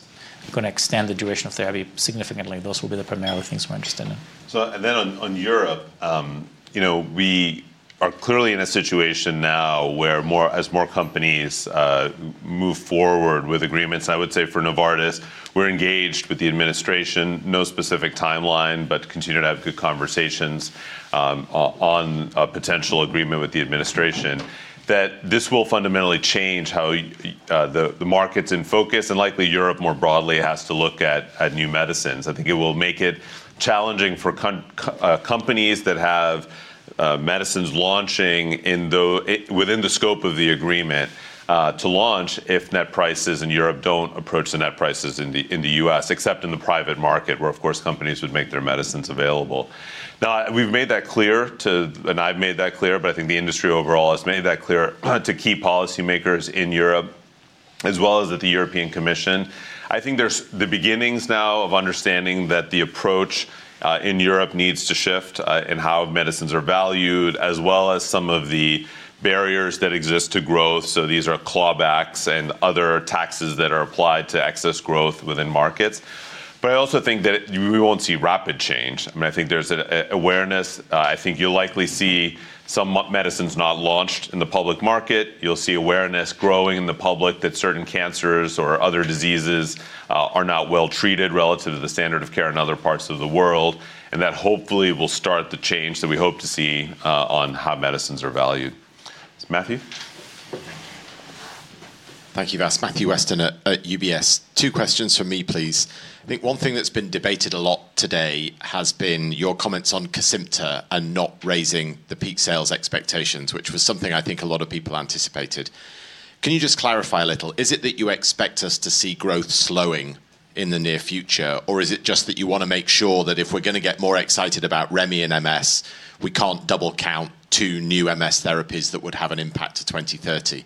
going to extend the duration of therapy significantly. Those will be the primary things we are interested in. On Europe, we are clearly in a situation now where as more companies move forward with agreements, I would say for Novartis, we're engaged with the administration, no specific timeline, but continue to have good conversations on a potential agreement with the administration, that this will fundamentally change how the market's in focus. Likely Europe more broadly has to look at new medicines. I think it will make it challenging for companies that have medicines launching within the scope of the agreement to launch if net prices in Europe do not approach the net prices in the U.S., except in the private market where, of course, companies would make their medicines available. Now, we've made that clear, and I've made that clear, but I think the industry overall has made that clear to key policymakers in Europe, as well as at the European Commission. I think there's the beginnings now of understanding that the approach in Europe needs to shift in how medicines are valued, as well as some of the barriers that exist to growth. These are clawbacks and other taxes that are applied to excess growth within markets. I also think that we won't see rapid change. I mean, I think there's an awareness. I think you'll likely see some medicines not launched in the public market. You'll see awareness growing in the public that certain cancers or other diseases are not well treated relative to the standard of care in other parts of the world. That hopefully will start the change that we hope to see on how medicines are valued. Matthew? Thank you, Vas. Matthew Weston at UBS. Two questions from me, please. I think one thing that's been debated a lot today has been your comments on Cosentyx and not raising the peak sales expectations, which was something I think a lot of people anticipated. Can you just clarify a little? Is it that you expect us to see growth slowing in the near future, or is it just that you want to make sure that if we're going to get more excited about remibrutinib and MS, we can't double count two new MS therapies that would have an impact to 2030?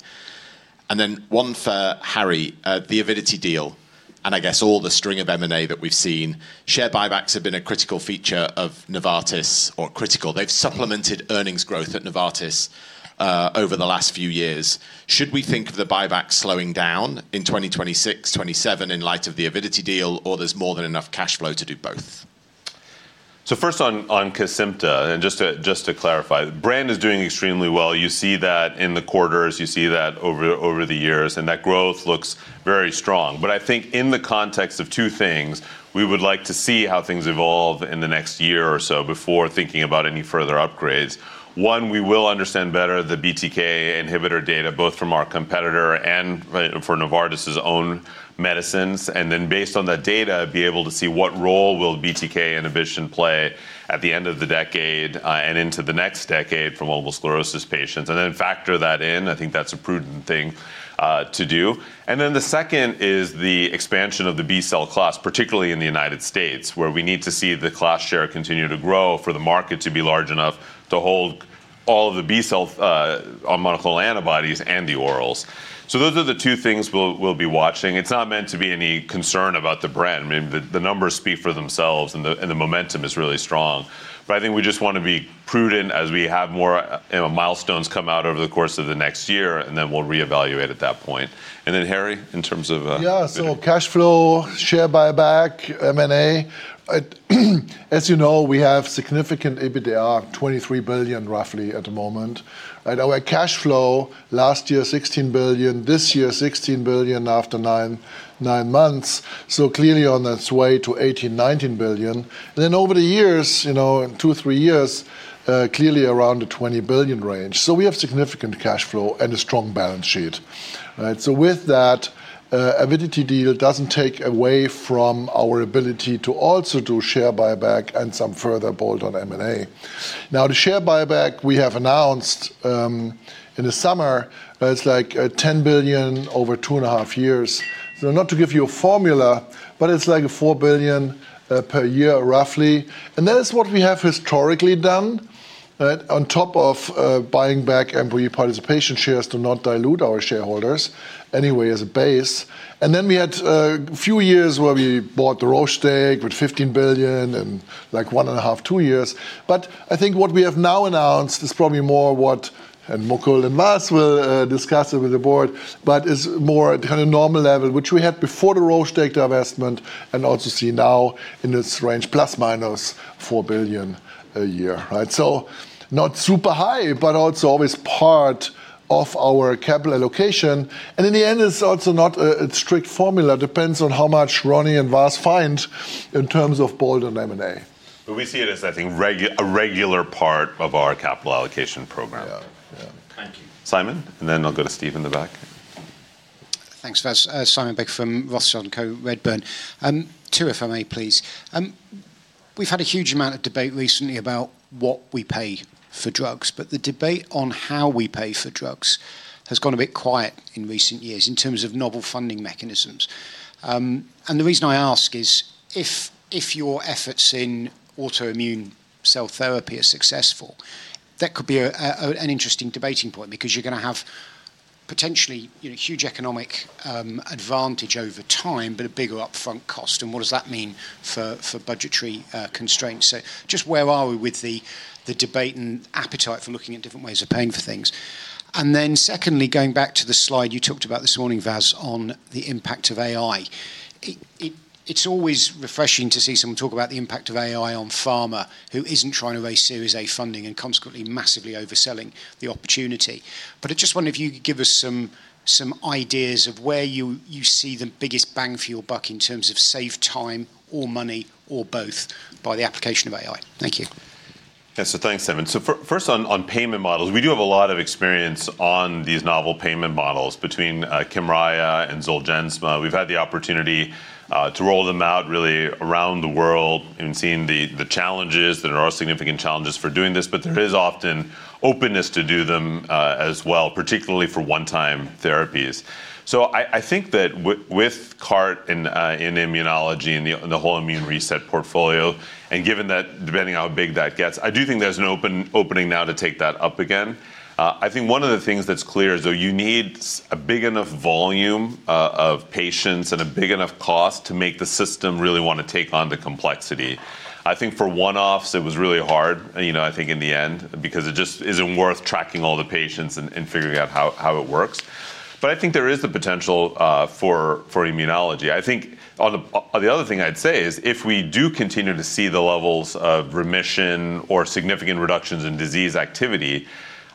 And then one for Harry, the Avidity deal, and I guess all the string of M&A that we've seen, share buybacks have been a critical feature of Novartis or critical. They've supplemented earnings growth at Novartis over the last few years. Should we think of the buyback slowing down in 2026, 2027 in light of the Avidity deal, or there's more than enough cash flow to do both? First, on Cosentyx, and just to clarify, the brand is doing extremely well. You see that in the quarters. You see that over the years. That growth looks very strong. I think in the context of two things, we would like to see how things evolve in the next year or so before thinking about any further upgrades. One, we will understand better the BTK inhibitor data, both from our competitor and for Novartis' own medicines. Then, based on that data, be able to see what role BTK inhibition will play at the end of the decade and into the next decade for multiple sclerosis patients. Then factor that in. I think that is a prudent thing to do. The second is the expansion of the B cell class, particularly in the U.S., where we need to see the class share continue to grow for the market to be large enough to hold all of the B cell monoclonal antibodies and the orals. Those are the two things we'll be watching. It's not meant to be any concern about the brand. I mean, the numbers speak for themselves, and the momentum is really strong. I think we just want to be prudent as we have more milestones come out over the course of the next year, and then we'll reevaluate at that point. Harry, in terms of. Yeah. Cash flow, share buyback, M&A. As you know, we have significant EBITDA, $23 billion roughly at the moment. Our cash flow last year, $16 billion, this year, $16 billion after nine months. Clearly on its way to $18 billion-$19 billion. Over the years, two, three years, clearly around the $20 billion range. We have significant cash flow and a strong balance sheet. With that, the Avidity deal does not take away from our ability to also do share buyback and some further bolt-on M&A. The share buyback we have announced in the summer, it is like $10 billion over two and a half years. Not to give you a formula, but it is like $4 billion per year, roughly. That is what we have historically done on top of buying back employee participation shares to not dilute our shareholders anyway as a base. We had a few years where we bought the Roche with $15 billion in like one and one-half, two years. I think what we have now announced is probably more what Mukul and Vas will discuss with the board, but it is more kind of normal level, which we had before the Roche divestment and also see now in this range ±$4 billion a year. Not super high, but also always part of our capital allocation. In the end, it is also not a strict formula. It depends on how much Ronny and Vas find in terms of bolt-on M&A. We see it as, I think, a regular part of our capital allocation program. Yeah. Thank you. Simon, and then I'll go to Steve in the back. Thanks, Vas. Simon Baker from Rothschild & Co Redburn. Two, if I may, please. We've had a huge amount of debate recently about what we pay for drugs. The debate on how we pay for drugs has gone a bit quiet in recent years in terms of novel funding mechanisms. The reason I ask is if your efforts in autoimmune cell therapy are successful, that could be an interesting debating point because you're going to have potentially huge economic advantage over time, but a bigger upfront cost. What does that mean for budgetary constraints? Just where are we with the debate and appetite for looking at different ways of paying for things? Secondly, going back to the slide you talked about this morning, Vas, on the impact of AI, it's always refreshing to see someone talk about the impact of AI on pharma who isn't trying to raise Series A funding and consequently massively overselling the opportunity. I just wonder if you could give us some ideas of where you see the biggest bang for your buck in terms of saved time or money or both by the application of AI. Thank you. Yeah. Thanks, Simon. First on payment models, we do have a lot of experience on these novel payment models between Kymriah and Zolgensma. We've had the opportunity to roll them out really around the world and seen the challenges that are significant challenges for doing this. There is often openness to do them as well, particularly for one-time therapies. I think that with CAR-T in immunology and the whole immune reset portfolio, and given that depending on how big that gets, I do think there's an opening now to take that up again. I think one of the things that's clear is that you need a big enough volume of patients and a big enough cost to make the system really want to take on the complexity. I think for one-offs, it was really hard, I think, in the end because it just isn't worth tracking all the patients and figuring out how it works. I think there is the potential for immunology. I think the other thing I'd say is if we do continue to see the levels of remission or significant reductions in disease activity,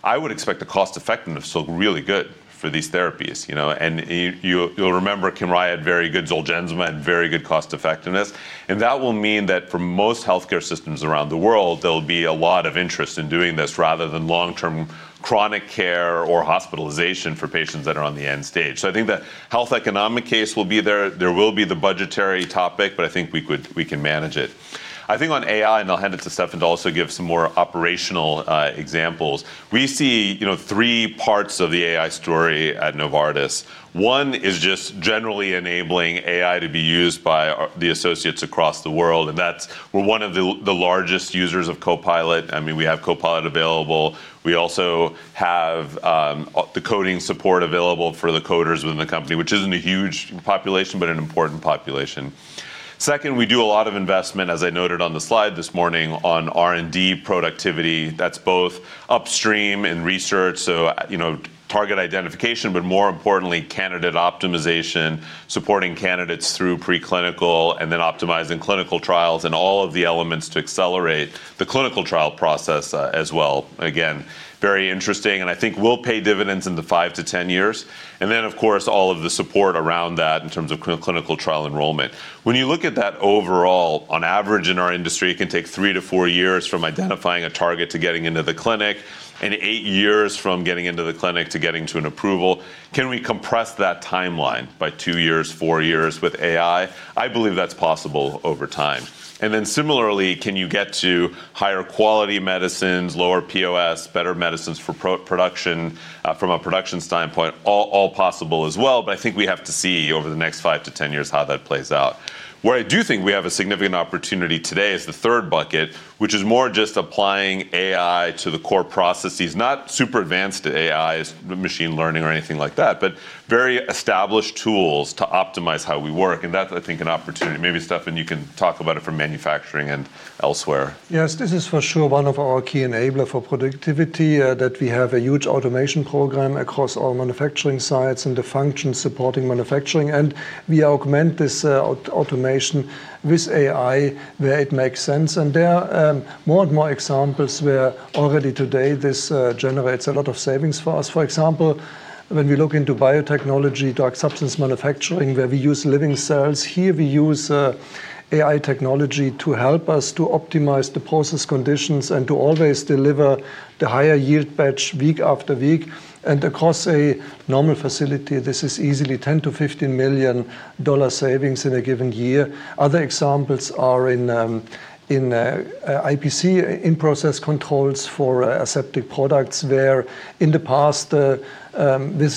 I would expect the cost-effectiveness to look really good for these therapies. You'll remember Kymriah had very good Zolgensma and very good cost-effectiveness. That will mean that for most health care systems around the world, there'll be a lot of interest in doing this rather than long-term chronic care or hospitalization for patients that are on the end stage. I think the health economic case will be there. There will be the budgetary topic, but I think we can manage it. I think on AI, and I'll hand it to Steffen to also give some more operational examples, we see three parts of the AI story at Novartis. One is just generally enabling AI to be used by the associates across the world. We're one of the largest users of Copilot. I mean, we have Copilot available. We also have the coding support available for the coders within the company, which isn't a huge population, but an important population. Second, we do a lot of investment, as I noted on the slide this morning, on R&D productivity. That's both upstream and research, so target identification, but more importantly, candidate optimization, supporting candidates through preclinical and then optimizing clinical trials and all of the elements to accelerate the clinical trial process as well. Again, very interesting. I think we'll pay dividends in the 5-10 years. Then, of course, all of the support around that in terms of clinical trial enrollment. When you look at that overall, on average in our industry, it can take three to four years from identifying a target to getting into the clinic and eight years from getting into the clinic to getting to an approval. Can we compress that timeline by two years, four years with AI? I believe that's possible over time. Then similarly, can you get to higher quality medicines, lower POS, better medicines from a production standpoint? All possible as well. I think we have to see over the next five to ten years how that plays out. Where I do think we have a significant opportunity today is the third bucket, which is more just applying AI to the core processes, not super advanced AIs, machine learning, or anything like that, but very established tools to optimize how we work. That is, I think, an opportunity. Maybe Steffen, you can talk about it for manufacturing and elsewhere. Yes. This is for sure one of our key enablers for productivity that we have a huge automation program across all manufacturing sites and the functions supporting manufacturing. We augment this automation with AI where it makes sense. There are more and more examples where already today this generates a lot of savings for us. For example, when we look into biotechnology, drug substance manufacturing, where we use living cells, here we use AI technology to help us to optimize the process conditions and to always deliver the higher yield batch week after week. Across a normal facility, this is easily $10 million-$15 million savings in a given year. Other examples are in IPC in-process controls for aseptic products where in the past, with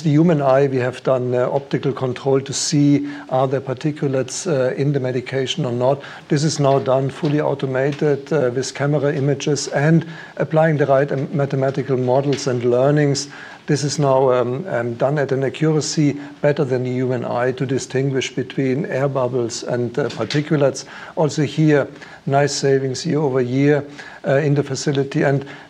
the human eye, we have done optical control to see are there particulates in the medication or not. This is now done fully automated with camera images and applying the right mathematical models and learnings. This is now done at an accuracy better than the human eye to distinguish between air bubbles and particulates. Also here, nice savings year over year in the facility.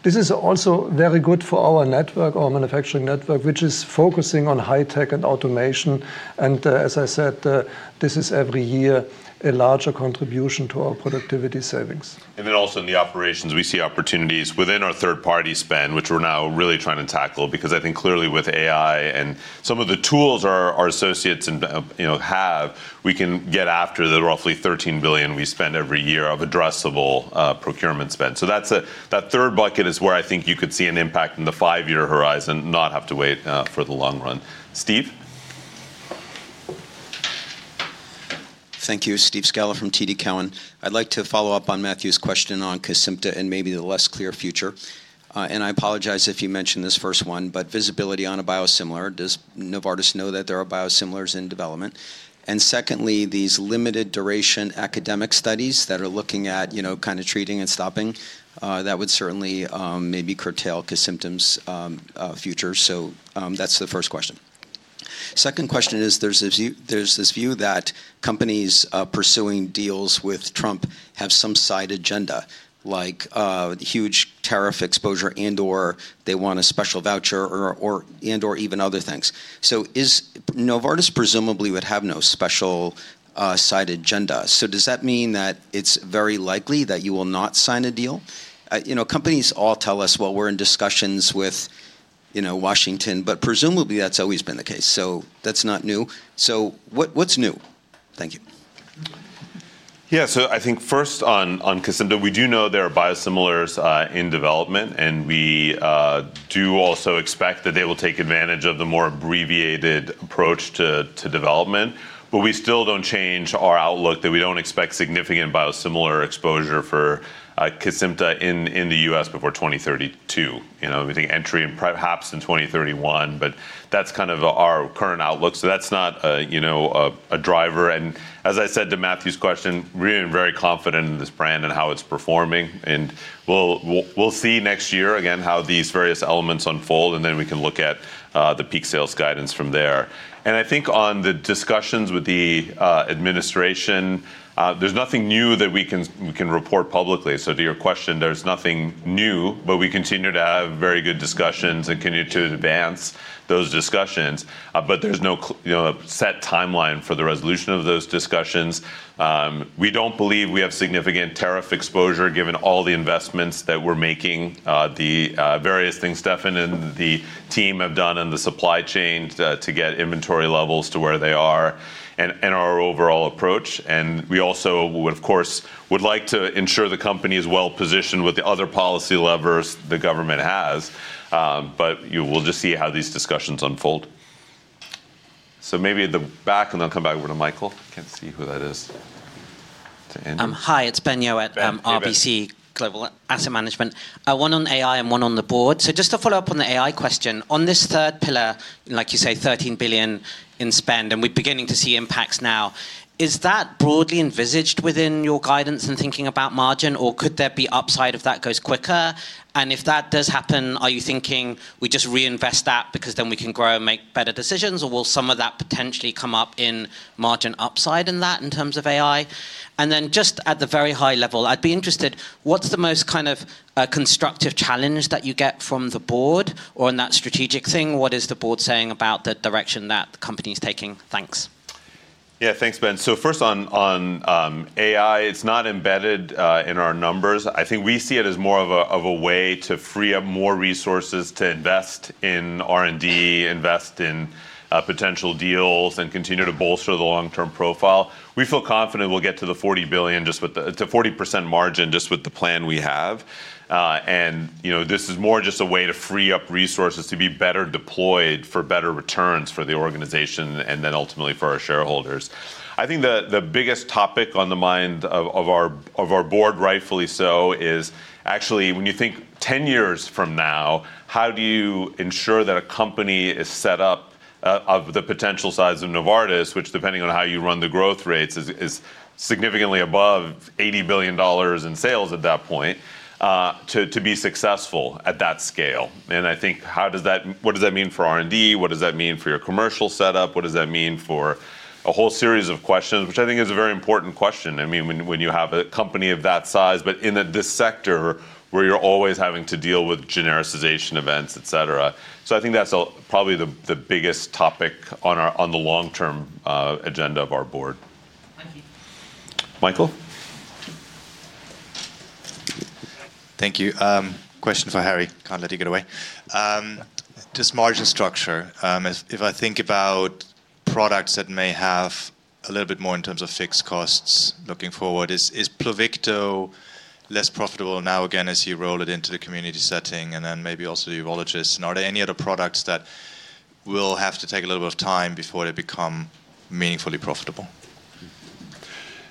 This is also very good for our network, our manufacturing network, which is focusing on high tech and automation. As I said, this is every year a larger contribution to our productivity savings. In the operations, we see opportunities within our third-party spend, which we're now really trying to tackle because I think clearly with AI and some of the tools our associates have, we can get after the roughly $13 billion we spend every year of addressable procurement spend. That third bucket is where I think you could see an impact in the five-year horizon, not have to wait for the long run. Steve? Thank you. Steve Scala from TD Cowen. I'd like to follow up on Matthew's question on Cosentyx and maybe the less clear future. I apologize if you mentioned this first one, but visibility on a biosimilar. Does Novartis know that there are biosimilars in development? Secondly, these limited duration academic studies that are looking at kind of treating and stopping, that would certainly maybe curtail Cosentyx's future. That is the first question. Second question is there's this view that companies pursuing deals with Trump have some side agenda, like huge tariff exposure, and/or they want a special voucher, and/or even other things. Novartis presumably would have no special side agenda. Does that mean that it is very likely that you will not sign a deal? Companies all tell us, well, we're in discussions with Washington, but presumably that has always been the case. That is not new. What's new? Thank you. Yeah. I think first on Cosentyx, we do know there are biosimilars in development. We do also expect that they will take advantage of the more abbreviated approach to development. We still do not change our outlook that we do not expect significant biosimilar exposure for Cosentyx in the U.S. before 2032. We think entry perhaps in 2031. That is kind of our current outlook. That is not a driver. As I said to Matthew's question, we are very confident in this brand and how it is performing. We will see next year again how these various elements unfold. We can look at the peak sales guidance from there. I think on the discussions with the administration, there is nothing new that we can report publicly. To your question, there is nothing new. We continue to have very good discussions and continue to advance those discussions. There is no set timeline for the resolution of those discussions. We do not believe we have significant tariff exposure given all the investments that we are making, the various things Steffen and the team have done in the supply chain to get inventory levels to where they are and our overall approach. We also, of course, would like to ensure the company is well positioned with the other policy levers the government has. We will just see how these discussions unfold. Maybe at the back, and then I will come back over to Michael. I cannot see who that is. Hi. It's Ben Yeoh at RBC Global Asset Management. One on AI and one on the board. Just to follow up on the AI question, on this third pillar, like you say, $13 billion in spend, and we're beginning to see impacts now. Is that broadly envisaged within your guidance and thinking about margin? Could there be upside if that goes quicker? If that does happen, are you thinking we just reinvest that because then we can grow and make better decisions? Will some of that potentially come up in margin upside in that in terms of AI? At the very high level, I'd be interested, what's the most kind of constructive challenge that you get from the board? In that strategic thing, what is the board saying about the direction that the company is taking? Thanks. Yeah. Thanks, Ben. First on AI, it's not embedded in our numbers. I think we see it as more of a way to free up more resources to invest in R&D, invest in potential deals, and continue to bolster the long-term profile. We feel confident we'll get to the $40 billion to 40% margin just with the plan we have. This is more just a way to free up resources to be better deployed for better returns for the organization and then ultimately for our shareholders. I think the biggest topic on the mind of our board, rightfully so, is actually when you think 10 years from now, how do you ensure that a company is set up of the potential size of Novartis, which depending on how you run the growth rates is significantly above $80 billion in sales at that point, to be successful at that scale? I think what does that mean for R&D? What does that mean for your commercial setup? What does that mean for a whole series of questions, which I think is a very important question? I mean, when you have a company of that size, but in this sector where you're always having to deal with genericization events, et cetera. I think that's probably the biggest topic on the long-term agenda of our board. Thank you. Michael? Thank you. Question for Harry. Can't let you get away. Just margin structure. If I think about products that may have a little bit more in terms of fixed costs looking forward, is Pluvicto less profitable now again as you roll it into the community setting and then maybe also the urologists? Are there any other products that will have to take a little bit of time before they become meaningfully profitable?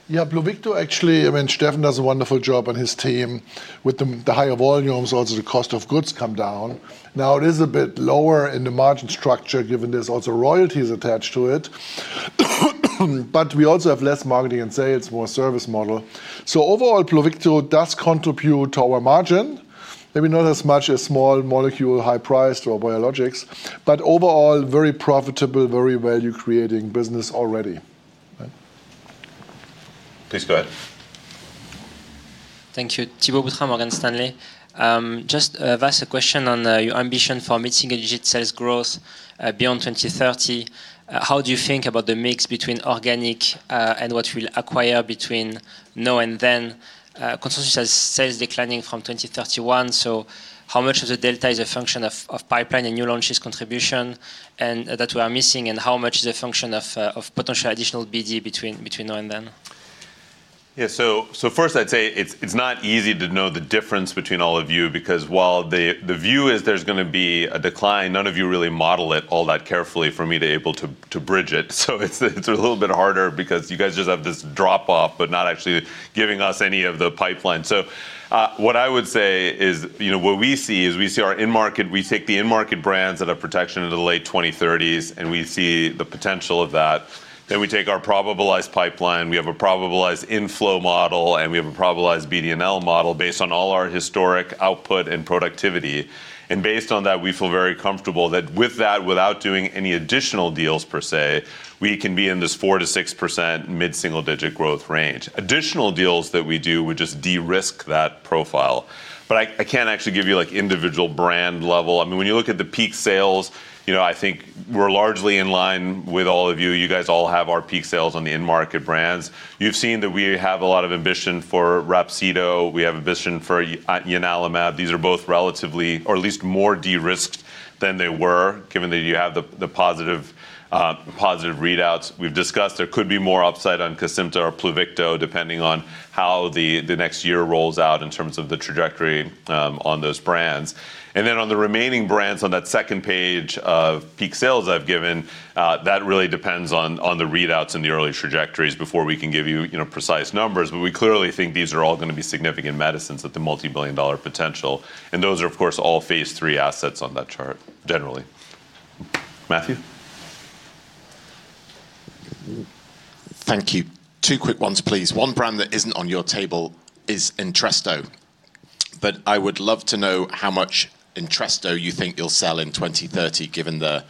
Yeah. Pluvicto actually, I mean, Steffen does a wonderful job on his team with the higher volumes, also the cost of goods come down. Now it is a bit lower in the margin structure given there's also royalties attached to it. We also have less marketing and sales, more service model. Overall, Pluvicto does contribute to our margin, maybe not as much as small molecule high priced or biologics, but overall very profitable, very value creating business already. Please go ahead. Thank you. Thibault Boutherin, Morgan Stanley. Just a vast question on your ambition for meeting a digital sales growth beyond 2030. How do you think about the mix between organic and what we'll acquire between now and then? Consensus has sales declining from 2031. How much of the delta is a function of pipeline and new launches contribution that we are missing? How much is a function of potential additional BD between now and then? Yeah. First, I'd say it's not easy to know the difference between all of you because while the view is there's going to be a decline, none of you really model it all that carefully for me to be able to bridge it. It's a little bit harder because you guys just have this drop off, but not actually giving us any of the pipeline. What I would say is what we see is we see our in-market, we take the in-market brands that have protection in the late 2030s, and we see the potential of that. We take our probabilized pipeline. We have a probabilized inflow model, and we have a probabilized BD&L model based on all our historic output and productivity. Based on that, we feel very comfortable that with that, without doing any additional deals per se, we can be in this 4%-6% mid-single-digit growth range. Additional deals that we do would just de-risk that profile. I can't actually give you individual brand level. I mean, when you look at the peak sales, I think we're largely in line with all of you. You guys all have our peak sales on the in-market brands. You've seen that we have a lot of ambition for Rhapsido. We have ambition for ianalumab. These are both relatively, or at least more de-risked than they were, given that you have the positive readouts. We've discussed there could be more upside on Cosentyx or Pluvicto, depending on how the next year rolls out in terms of the trajectory on those brands. On the remaining brands on that second page of peak sales I have given, that really depends on the readouts and the early trajectories before we can give you precise numbers. We clearly think these are all going to be significant medicines with the multi-billion dollar potential. Those are, of course, all phase III assets on that chart generally. Matthew? Thank you. Two quick ones, please. One brand that isn't on your table is Entresto. I would love to know how much Entresto you think you'll sell in 2030, given the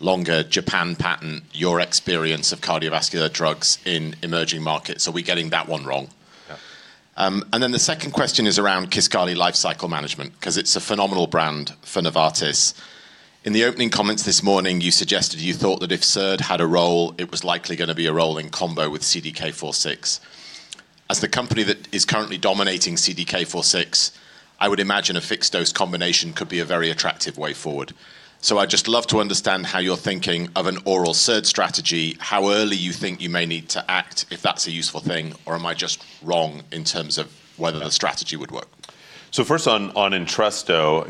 longer Japan patent, your experience of cardiovascular drugs in emerging markets. Are we getting that one wrong? The second question is around Kisqali Lifecycle Management because it's a phenomenal brand for Novartis. In the opening comments this morning, you suggested you thought that if SERD had a role, it was likely going to be a rolling combo with CDK4/6. As the company that is currently dominating CDK4/6, I would imagine a fixed dose combination could be a very attractive way forward. I'd just love to understand how you're thinking of an oral SERD strategy, how early you think you may need to act if that's a useful thing, or am I just wrong in terms of whether the strategy would work? First on Entresto,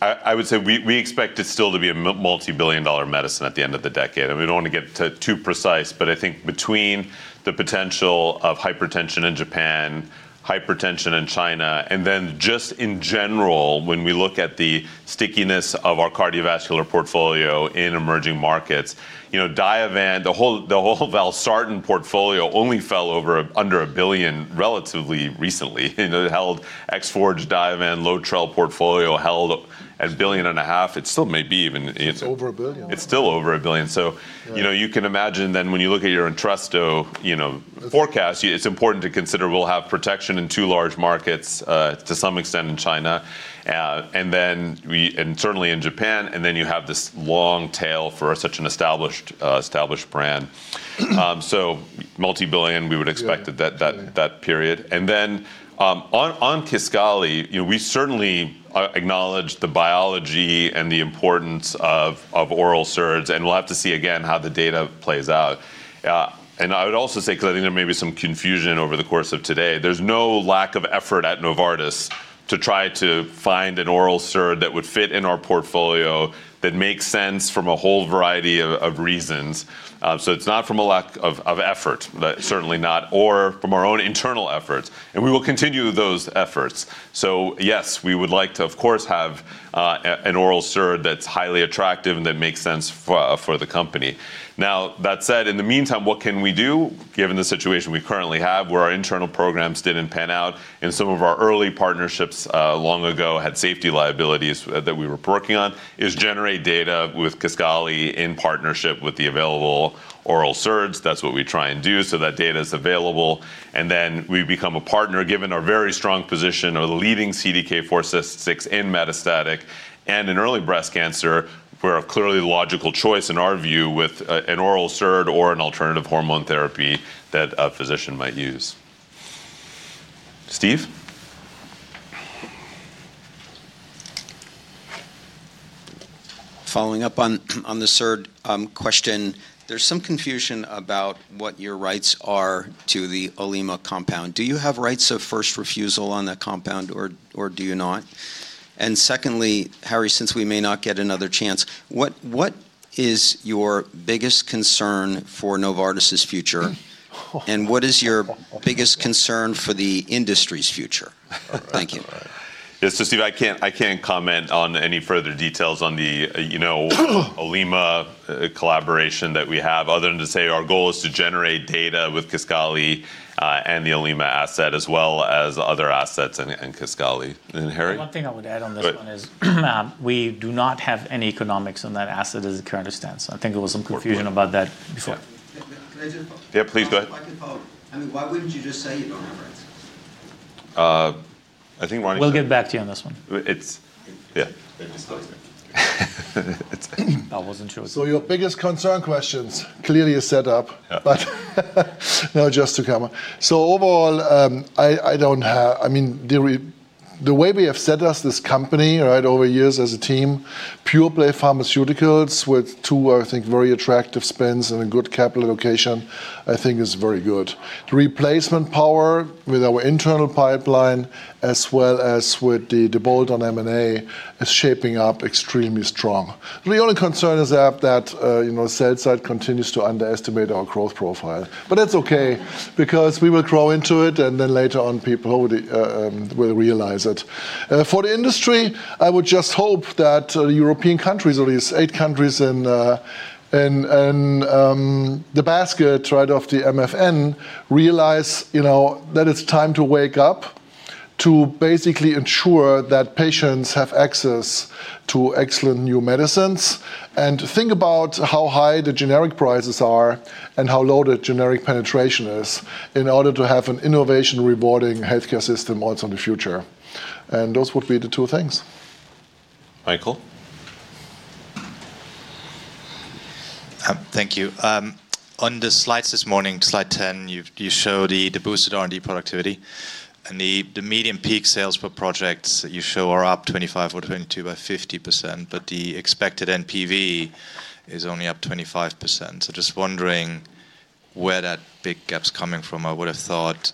I would say we expect it still to be a multi-billion dollar medicine at the end of the decade. We do not want to get too precise. I think between the potential of hypertension in Japan, hypertension in China, and then just in general, when we look at the stickiness of our cardiovascular portfolio in emerging markets, Diovan, the whole Valsartan portfolio only fell under $1 billion relatively recently. It held Exforge, Diovan, Lotrel portfolio held at $1.5 billion. It still may be even. It's over $1 billion. It's still over a billion. You can imagine then when you look at your Entresto forecast, it's important to consider we'll have protection in two large markets to some extent in China, and certainly in Japan. You have this long tail for such an established brand. Multi-billion, we would expect that period. On Kisqali, we certainly acknowledge the biology and the importance of oral SERDs. We'll have to see again how the data plays out. I would also say, because I think there may be some confusion over the course of today, there's no lack of effort at Novartis to try to find an oral SERD that would fit in our portfolio that makes sense from a whole variety of reasons. It's not from a lack of effort, certainly not, or from our own internal efforts. We will continue those efforts. Yes, we would like to, of course, have an oral SERD that's highly attractive and that makes sense for the company. That said, in the meantime, what can we do given the situation we currently have where our internal programs didn't pan out and some of our early partnerships long ago had safety liabilities that we were working on is generate data with Kisqali in partnership with the available oral SERDs. That's what we try and do so that data is available. We become a partner given our very strong position of leading CDK4/6 in metastatic and in early breast cancer, where clearly logical choice in our view with an oral SERD or an alternative hormone therapy that a physician might use. Steve? Following up on the SERD question, there's some confusion about what your rights are to the Olema compound. Do you have rights of first refusal on that compound, or do you not? Secondly, Harry, since we may not get another chance, what is your biggest concern for Novartis' future? What is your biggest concern for the industry's future? Thank you. Steve, I can't comment on any further details on the Olema collaboration that we have other than to say our goal is to generate data with Kisqali and the Olema asset as well as other assets and Kisqali. Harry? One thing I would add on this one is we do not have any economics on that asset as it currently stands. I think there was some confusion about that before. Yeah, please go ahead. I mean, why wouldn't you just say you don't have rights? I think Ronny. We'll get back to you on this one. Yeah. I was not sure. Your biggest concern questions clearly are set up. Just to comment, overall, the way we have set up this company over years as a team, Pure-Play Pharmaceuticals with two, I think, very attractive spends and a good capital allocation, I think is very good. The replacement power with our internal pipeline, as well as with the default on M&A, is shaping up extremely strong. The only concern is that the sales side continues to underestimate our growth profile. That is OK because we will grow into it. Later on, people will realize it. For the industry, I would just hope that the European countries, or these eight countries in the basket of the MFN, realize that it is time to wake up to basically ensure that patients have access to excellent new medicines. Think about how high the generic prices are and how low the generic penetration is in order to have an innovation-rewarding health care system also in the future. Those would be the two things. Michael? Thank you. On the slides this morning, slide 10, you show the boosted R&D productivity. The median peak sales per projects that you show are up 25% or 22% by 50%. The expected NPV is only up 25%. Just wondering where that big gap's coming from. I would have thought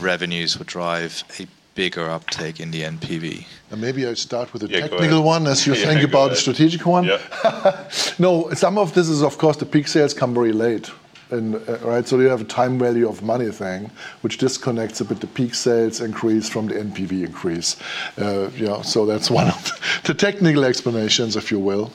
revenues would drive a bigger uptake in the NPV. Maybe I start with a technical one as you think about the strategic one. Yeah. No, some of this is, of course, the peak sales come very late. You have a time value of money thing, which disconnects a bit the peak sales increase from the NPV increase. That is one of the technical explanations, if you will.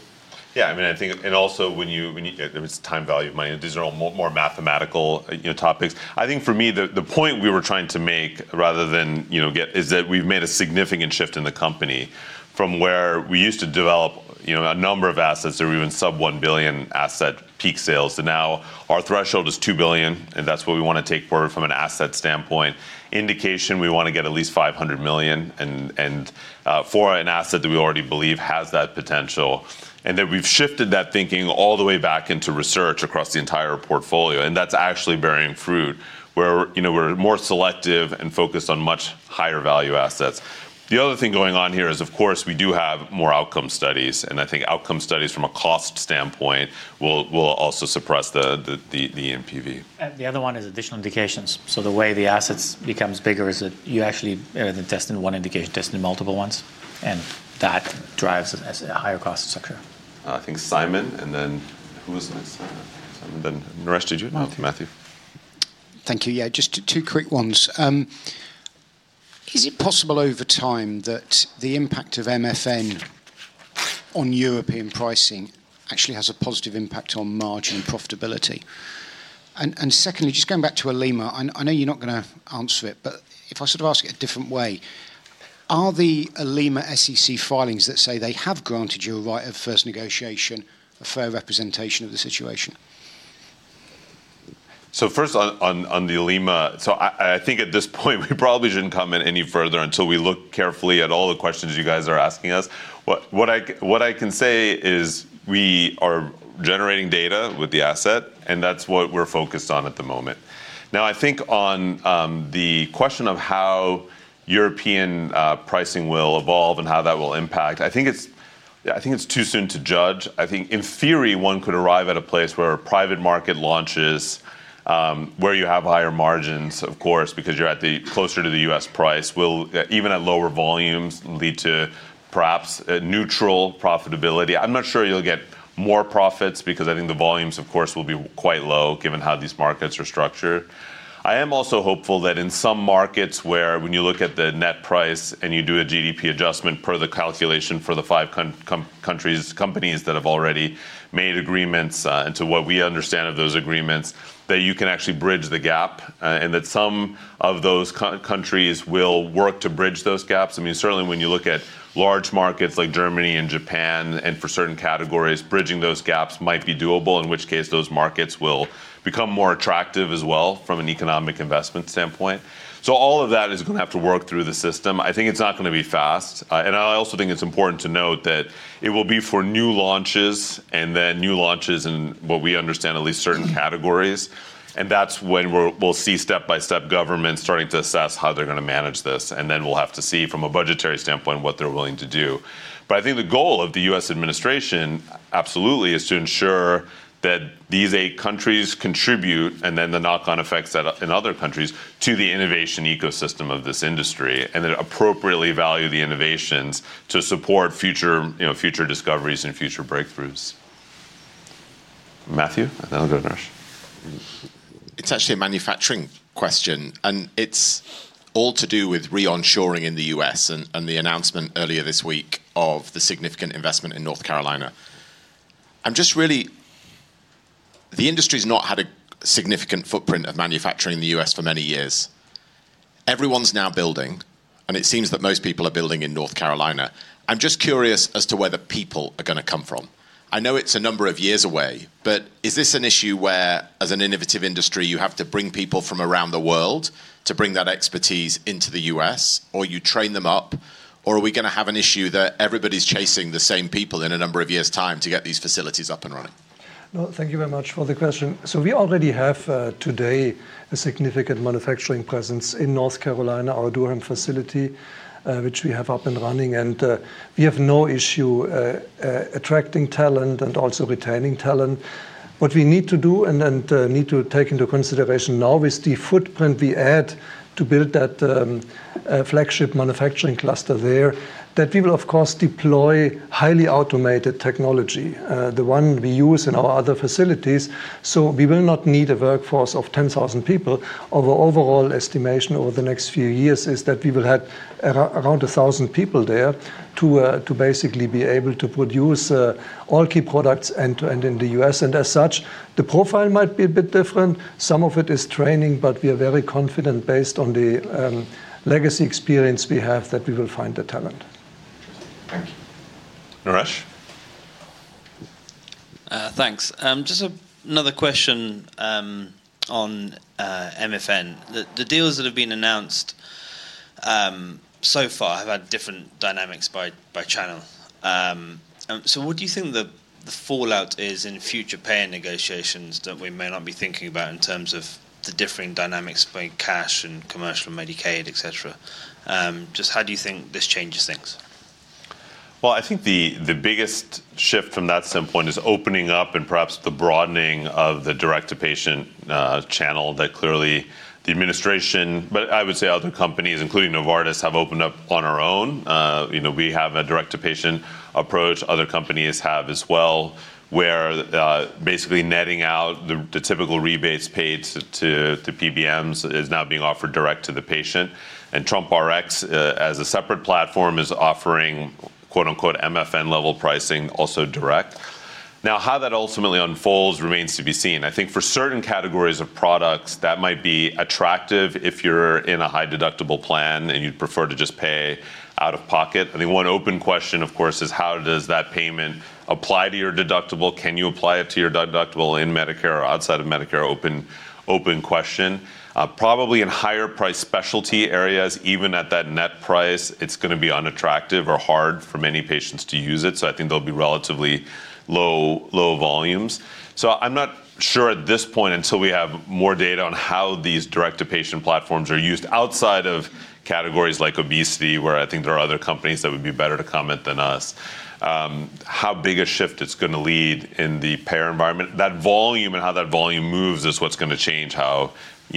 Yeah. I mean, I think, and also when you--it's time value of money. These are all more mathematical topics. I think for me, the point we were trying to make rather than get is that we've made a significant shift in the company from where we used to develop a number of assets that were even sub-$1 billion asset peak sales. And now our threshold is $2 billion. That's what we want to take forward from an asset standpoint, indication we want to get at least $500 million for an asset that we already believe has that potential. We have shifted that thinking all the way back into research across the entire portfolio. That's actually bearing fruit where we're more selective and focused on much higher value assets. The other thing going on here is, of course, we do have more outcome studies. I think outcome studies from a cost standpoint will also suppress the NPV. The other one is additional indications. The way the assets become bigger is that you actually are testing one indication, testing multiple ones. That drives a higher cost structure. I think Simon. And then who was next? And then rest of you. Matthew. Thank you. Yeah, just two quick ones. Is it possible over time that the impact of MFN on European pricing actually has a positive impact on margin profitability? Secondly, just going back to Olema, I know you're not going to answer it. If I sort of ask it a different way, are the Olema SEC filings that say they have granted you a right of first negotiation a fair representation of the situation? First on the Olema, I think at this point, we probably shouldn't comment any further until we look carefully at all the questions you guys are asking us. What I can say is we are generating data with the asset, and that's what we're focused on at the moment. Now, I think on the question of how European pricing will evolve and how that will impact, I think it's too soon to judge. I think in theory, one could arrive at a place where a private market launches where you have higher margins, of course, because you're closer to the U.S. price, will even at lower volumes lead to perhaps neutral profitability. I'm not sure you'll get more profits because I think the volumes, of course, will be quite low given how these markets are structured. I am also hopeful that in some markets where when you look at the net price and you do a GDP adjustment per the calculation for the five countries, companies that have already made agreements and to what we understand of those agreements, that you can actually bridge the gap and that some of those countries will work to bridge those gaps. I mean, certainly when you look at large markets like Germany and Japan, and for certain categories, bridging those gaps might be doable, in which case those markets will become more attractive as well from an economic investment standpoint. All of that is going to have to work through the system. I think it's not going to be fast. I also think it's important to note that it will be for new launches and then new launches in what we understand at least certain categories. That is when we'll see step-by-step governments starting to assess how they're going to manage this. Then we'll have to see from a budgetary standpoint what they're willing to do. I think the goal of the U.S. administration absolutely is to ensure that these eight countries contribute and then the knock-on effects in other countries to the innovation ecosystem of this industry and then appropriately value the innovations to support future discoveries and future breakthroughs. Matthew, and then I'll go to Naresh. It's actually a manufacturing question. It's all to do with re-onshoring in the U.S. and the announcement earlier this week of the significant investment in North Carolina. I'm just really, the industry has not had a significant footprint of manufacturing in the U.S. for many years. Everyone's now building. It seems that most people are building in North Carolina. I'm just curious as to where the people are going to come from. I know it's a number of years away. Is this an issue where, as an innovative industry, you have to bring people from around the world to bring that expertise into the U.S., or you train them up? Are we going to have an issue that everybody's chasing the same people in a number of years' time to get these facilities up and running? Thank you very much for the question. We already have today a significant manufacturing presence in North Carolina, our Durham facility, which we have up and running. We have no issue attracting talent and also retaining talent. What we need to do and need to take into consideration now is the footprint we add to build that flagship manufacturing cluster there. We will, of course, deploy highly automated technology, the one we use in our other facilities. We will not need a workforce of 10,000 people. Our overall estimation over the next few years is that we will have around 1,000 people there to basically be able to produce all key products end-to-end in the U.S. As such, the profile might be a bit different. Some of it is training. We are very confident based on the legacy experience we have that we will find the talent. Naresh? Thanks. Just another question on MFN. The deals that have been announced so far have had different dynamics by channel. What do you think the fallout is in future payer negotiations that we may not be thinking about in terms of the differing dynamics between cash and commercial and Medicaid, et cetera? Just how do you think this changes things? I think the biggest shift from that standpoint is opening up and perhaps the broadening of the direct-to-patient channel that clearly the administration, but I would say other companies, including Novartis, have opened up on our own. We have a direct-to-patient approach. Other companies have as well where basically netting out the typical rebates paid to PBMs is now being offered direct to the patient. TrumpRx, as a separate platform, is offering "mfn-level pricing" also direct. Now, how that ultimately unfolds remains to be seen. I think for certain categories of products, that might be attractive if you're in a high deductible plan and you'd prefer to just pay out of pocket. I think one open question, of course, is how does that payment apply to your deductible? Can you apply it to your deductible in Medicare or outside of Medicare? Open question. Probably in higher-priced specialty areas, even at that net price, it's going to be unattractive or hard for many patients to use it. I think there'll be relatively low volumes. I'm not sure at this point until we have more data on how these direct-to-patient platforms are used outside of categories like obesity, where I think there are other companies that would be better to comment than us, how big a shift it's going to lead in the payer environment. That volume and how that volume moves is what's going to change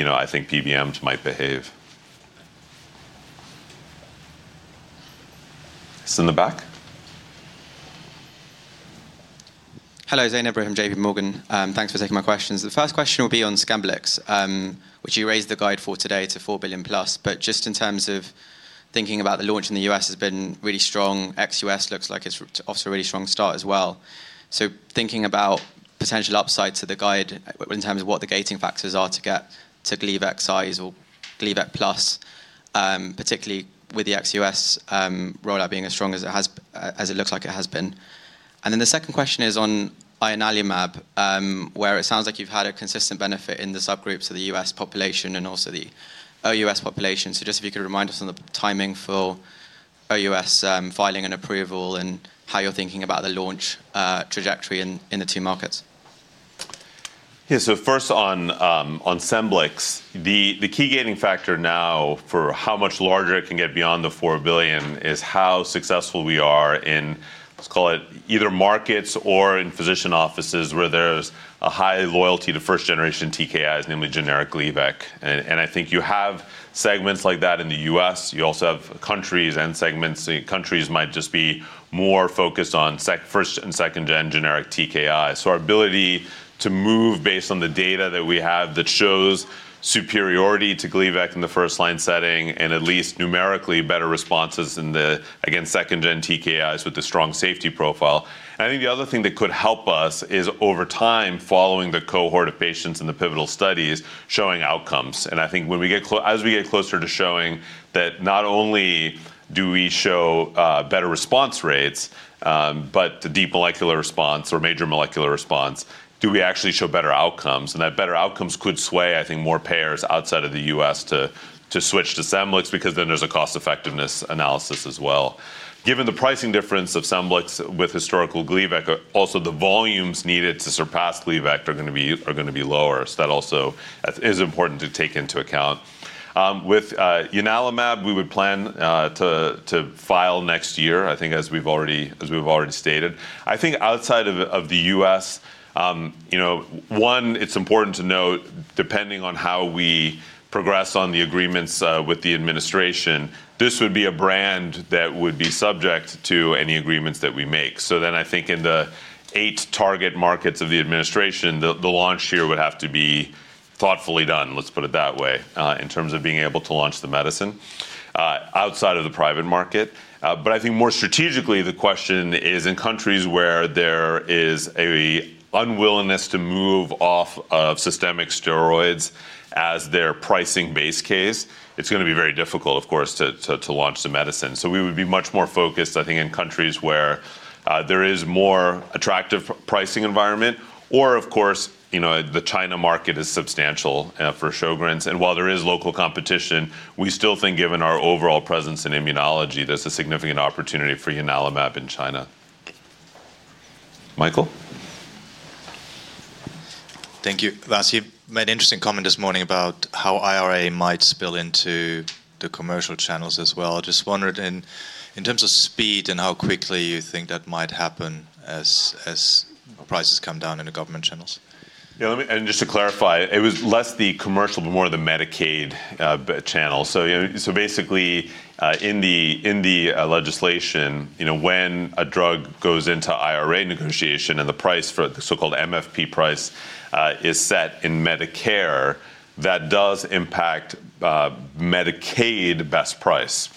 how I think PBMs might behave. It's in the back. Hello. Zain Ebrahim JPMorgan. Thanks for taking my questions. The first question will be on Scemblix, which you raised the guide for today to $4+ billion. Just in terms of thinking about the launch in the U.S. has been really strong. Ex-U.S. looks like it's off to a really strong start as well. Thinking about potential upside to the guide in terms of what the gating factors are to get to Gleevec size or Gleevec plus, particularly with the ex-U.S. rollout being as strong as it looks like it has been. The second question is on ianalumab, where it sounds like you've had a consistent benefit in the subgroups of the U.S. population and also the OUS population. If you could remind us on the timing for OUS filing and approval and how you're thinking about the launch trajectory in the two markets. Yeah, first on Scemblix, the key gating factor now for how much larger it can get beyond the $4 billion is how successful we are in, let's call it, either markets or in physician offices where there's a high loyalty to 1st-gen TKIs, namely generic Gleevec. I think you have segments like that in the U.S. You also have countries and segments. Countries might just be more focused on 1st- and 2nd-gen generic TKI. Our ability to move based on the data that we have that shows superiority to Gleevec in the first-line setting and at least numerically better responses against 2nd-gen TKIs with a strong safety profile. I think the other thing that could help us is over time, following the cohort of patients in the pivotal studies, showing outcomes. I think as we get closer to showing that not only do we show better response rates, but the deep molecular response or major molecular response, do we actually show better outcomes. That better outcomes could sway, I think, more payers outside of the U.S. to switch to Scemblix because then there's a cost-effectiveness analysis as well. Given the pricing difference of Scemblix with historical Gleevec, also the volumes needed to surpass Gleevec are going to be lower. That also is important to take into account. With ianalumab, we would plan to file next year, I think, as we've already stated. I think outside of the U.S., one, it's important to note, depending on how we progress on the agreements with the administration, this would be a brand that would be subject to any agreements that we make. I think in the eight target markets of the administration, the launch here would have to be thoughtfully done, let's put it that way, in terms of being able to launch the medicine outside of the private market. I think more strategically, the question is in countries where there is an unwillingness to move off of systemic steroids as their pricing base case, it's going to be very difficult, of course, to launch the medicine. We would be much more focused, I think, in countries where there is a more attractive pricing environment or, of course, the China market is substantial for Sjögren's. While there is local competition, we still think given our overall presence in immunology, there's a significant opportunity for ianalumab in China. Michael? Thank you. Vas, you made an interesting comment this morning about how IRA might spill into the commercial channels as well. I just wondered in terms of speed and how quickly you think that might happen as prices come down in the government channels. Yeah, and just to clarify, it was less the commercial but more the Medicaid channel. Basically, in the legislation, when a drug goes into IRA negotiation and the price for the so-called MFP price is set in Medicare, that does impact Medicaid best price.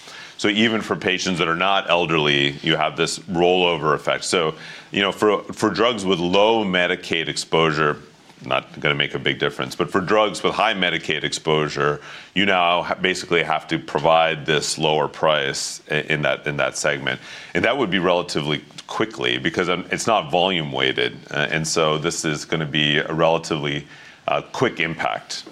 Even for patients that are not elderly, you have this rollover effect. For drugs with low Medicaid exposure, not going to make a big difference. For drugs with high Medicaid exposure, you now basically have to provide this lower price in that segment. That would be relatively quickly because it's not volume-weighted. This is going to be a relatively quick impact.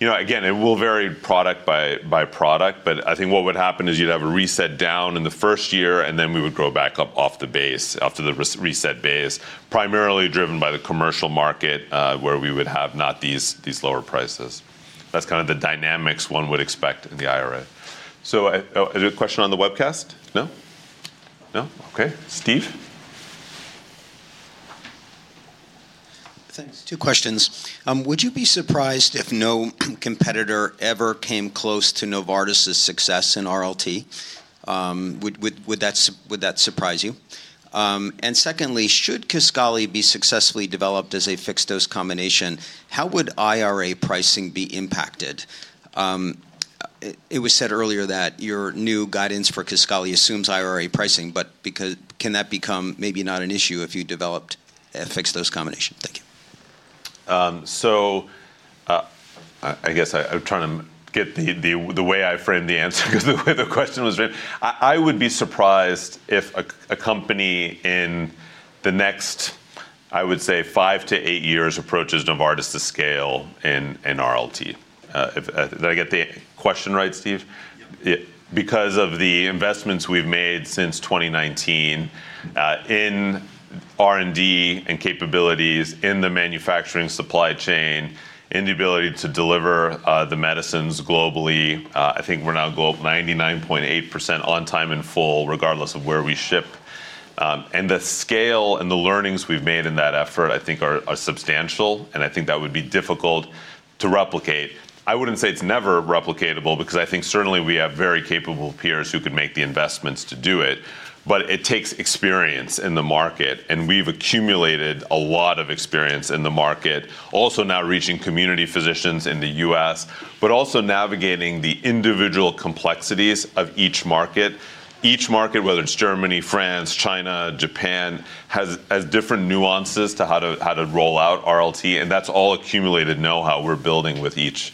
Again, it will vary product by product. I think what would happen is you'd have a reset down in the first year. We would grow back up off the base, off of the reset base, primarily driven by the commercial market where we would have not these lower prices. That is kind of the dynamics one would expect in the IRA. A question on the webcast? No? No? OK, Steve? Thanks. Two questions. Would you be surprised if no competitor ever came close to Novartis' success in RLT? Would that surprise you? Secondly, should Kisqali be successfully developed as a fixed-dose combination, how would IRA pricing be impacted? It was said earlier that your new guidance for Kisqali assumes IRA pricing. Can that become maybe not an issue if you developed a fixed-dose combination? Thank you. I guess I'm trying to get the way I framed the answer because the way the question was framed, I would be surprised if a company in the next, I would say, five to eight years approaches Novartis to scale in RLT. Did I get the question right, Steve? Yeah. Because of the investments we've made since 2019 in R&D and capabilities in the manufacturing supply chain, in the ability to deliver the medicines globally, I think we're now 99.8% on time and full, regardless of where we ship. The scale and the learnings we've made in that effort, I think, are substantial. I think that would be difficult to replicate. I wouldn't say it's never replicatable because I think certainly we have very capable peers who could make the investments to do it. It takes experience in the market. We've accumulated a lot of experience in the market, also now reaching community physicians in the U.S., but also navigating the individual complexities of each market. Each market, whether it's Germany, France, China, Japan, has different nuances to how to roll out RLT. That's all accumulated know-how we're building with each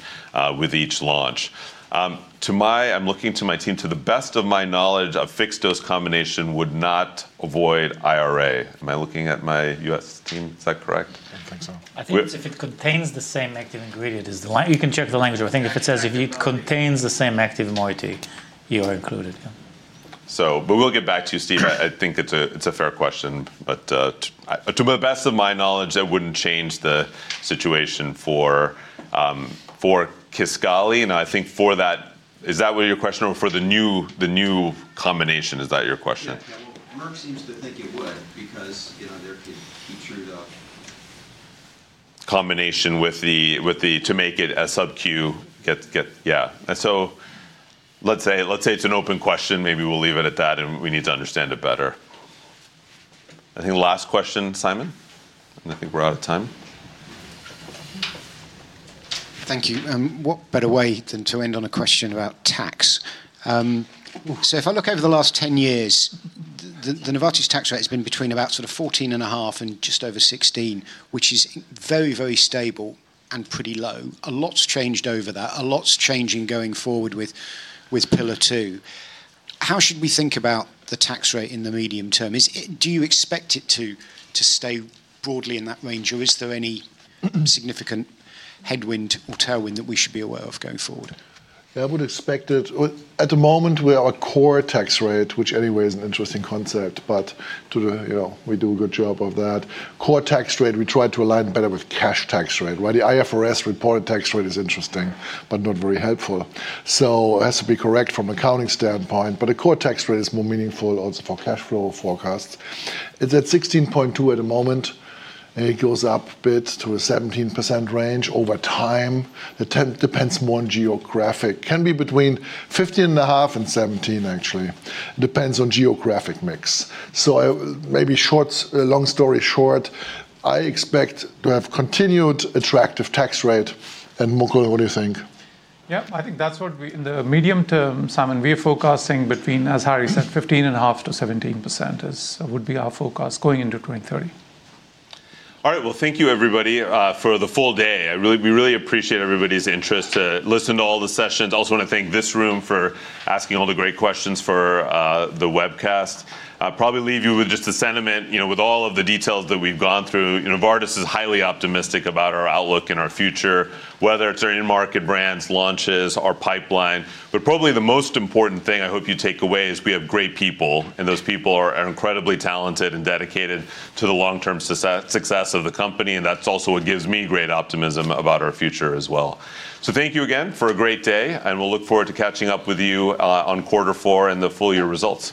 launch. I'm looking to my team. To the best of my knowledge, a fixed-dose combination would not avoid IRA. Am I looking at my U.S. team? Is that correct? I think so. I think if it contains the same active ingredient as the line, you can check the language. I think if it says if it contains the same active moiety, you are included. We'll get back to you, Steve. I think it's a fair question. To the best of my knowledge, that wouldn't change the situation for Kisqali. I think for that, is that what your question? Or for the new combination, is that your question? Yeah, yeah. Merck seems to think it would because they're KEYTRUDA. Combination with the to make it a sub-Q. Yeah. Let's say it's an open question. Maybe we'll leave it at that. We need to understand it better. I think last question, Simon. I think we're out of time. Thank you. What better way than to end on a question about tax? If I look over the last 10 years, the Novartis tax rate has been between about 14.5% and just over 16%, which is very, very stable and pretty low. A lot's changed over that. A lot's changing going forward with Pillar 2. How should we think about the tax rate in the medium term? Do you expect it to stay broadly in that range? Is there any significant headwind or tailwind that we should be aware of going forward? Yeah, I would expect it at the moment we have a core tax rate, which anyway is an interesting concept. We do a good job of that. Core tax rate, we try to align better with cash tax rate. While the IFRS reported tax rate is interesting but not very helpful. It has to be correct from an accounting standpoint. The core tax rate is more meaningful also for cash flow forecasts. It is at 16.2% at the moment. It goes up a bit to a 17% range over time. It depends more on geographic. Can be between 15 and 1/2 and 17, actually. Depends on geographic mix. Maybe, long story short, I expect to have continued attractive tax rate. Mukul, what do you think? Yeah, I think that's what in the medium term, Simon, we are forecasting between, as Harry said, 15.5%-17% would be our forecast going into 2030. All right. Thank you, everybody, for the full day. We really appreciate everybody's interest to listen to all the sessions. I also want to thank this room for asking all the great questions for the webcast. Probably leave you with just a sentiment with all of the details that we've gone through. Novartis is highly optimistic about our outlook and our future, whether it's our in-market brands, launches, our pipeline. Probably the most important thing I hope you take away is we have great people. Those people are incredibly talented and dedicated to the long-term success of the company. That is also what gives me great optimism about our future as well. Thank you again for a great day. We'll look forward to catching up with you on Quarter 4 and the full-year results.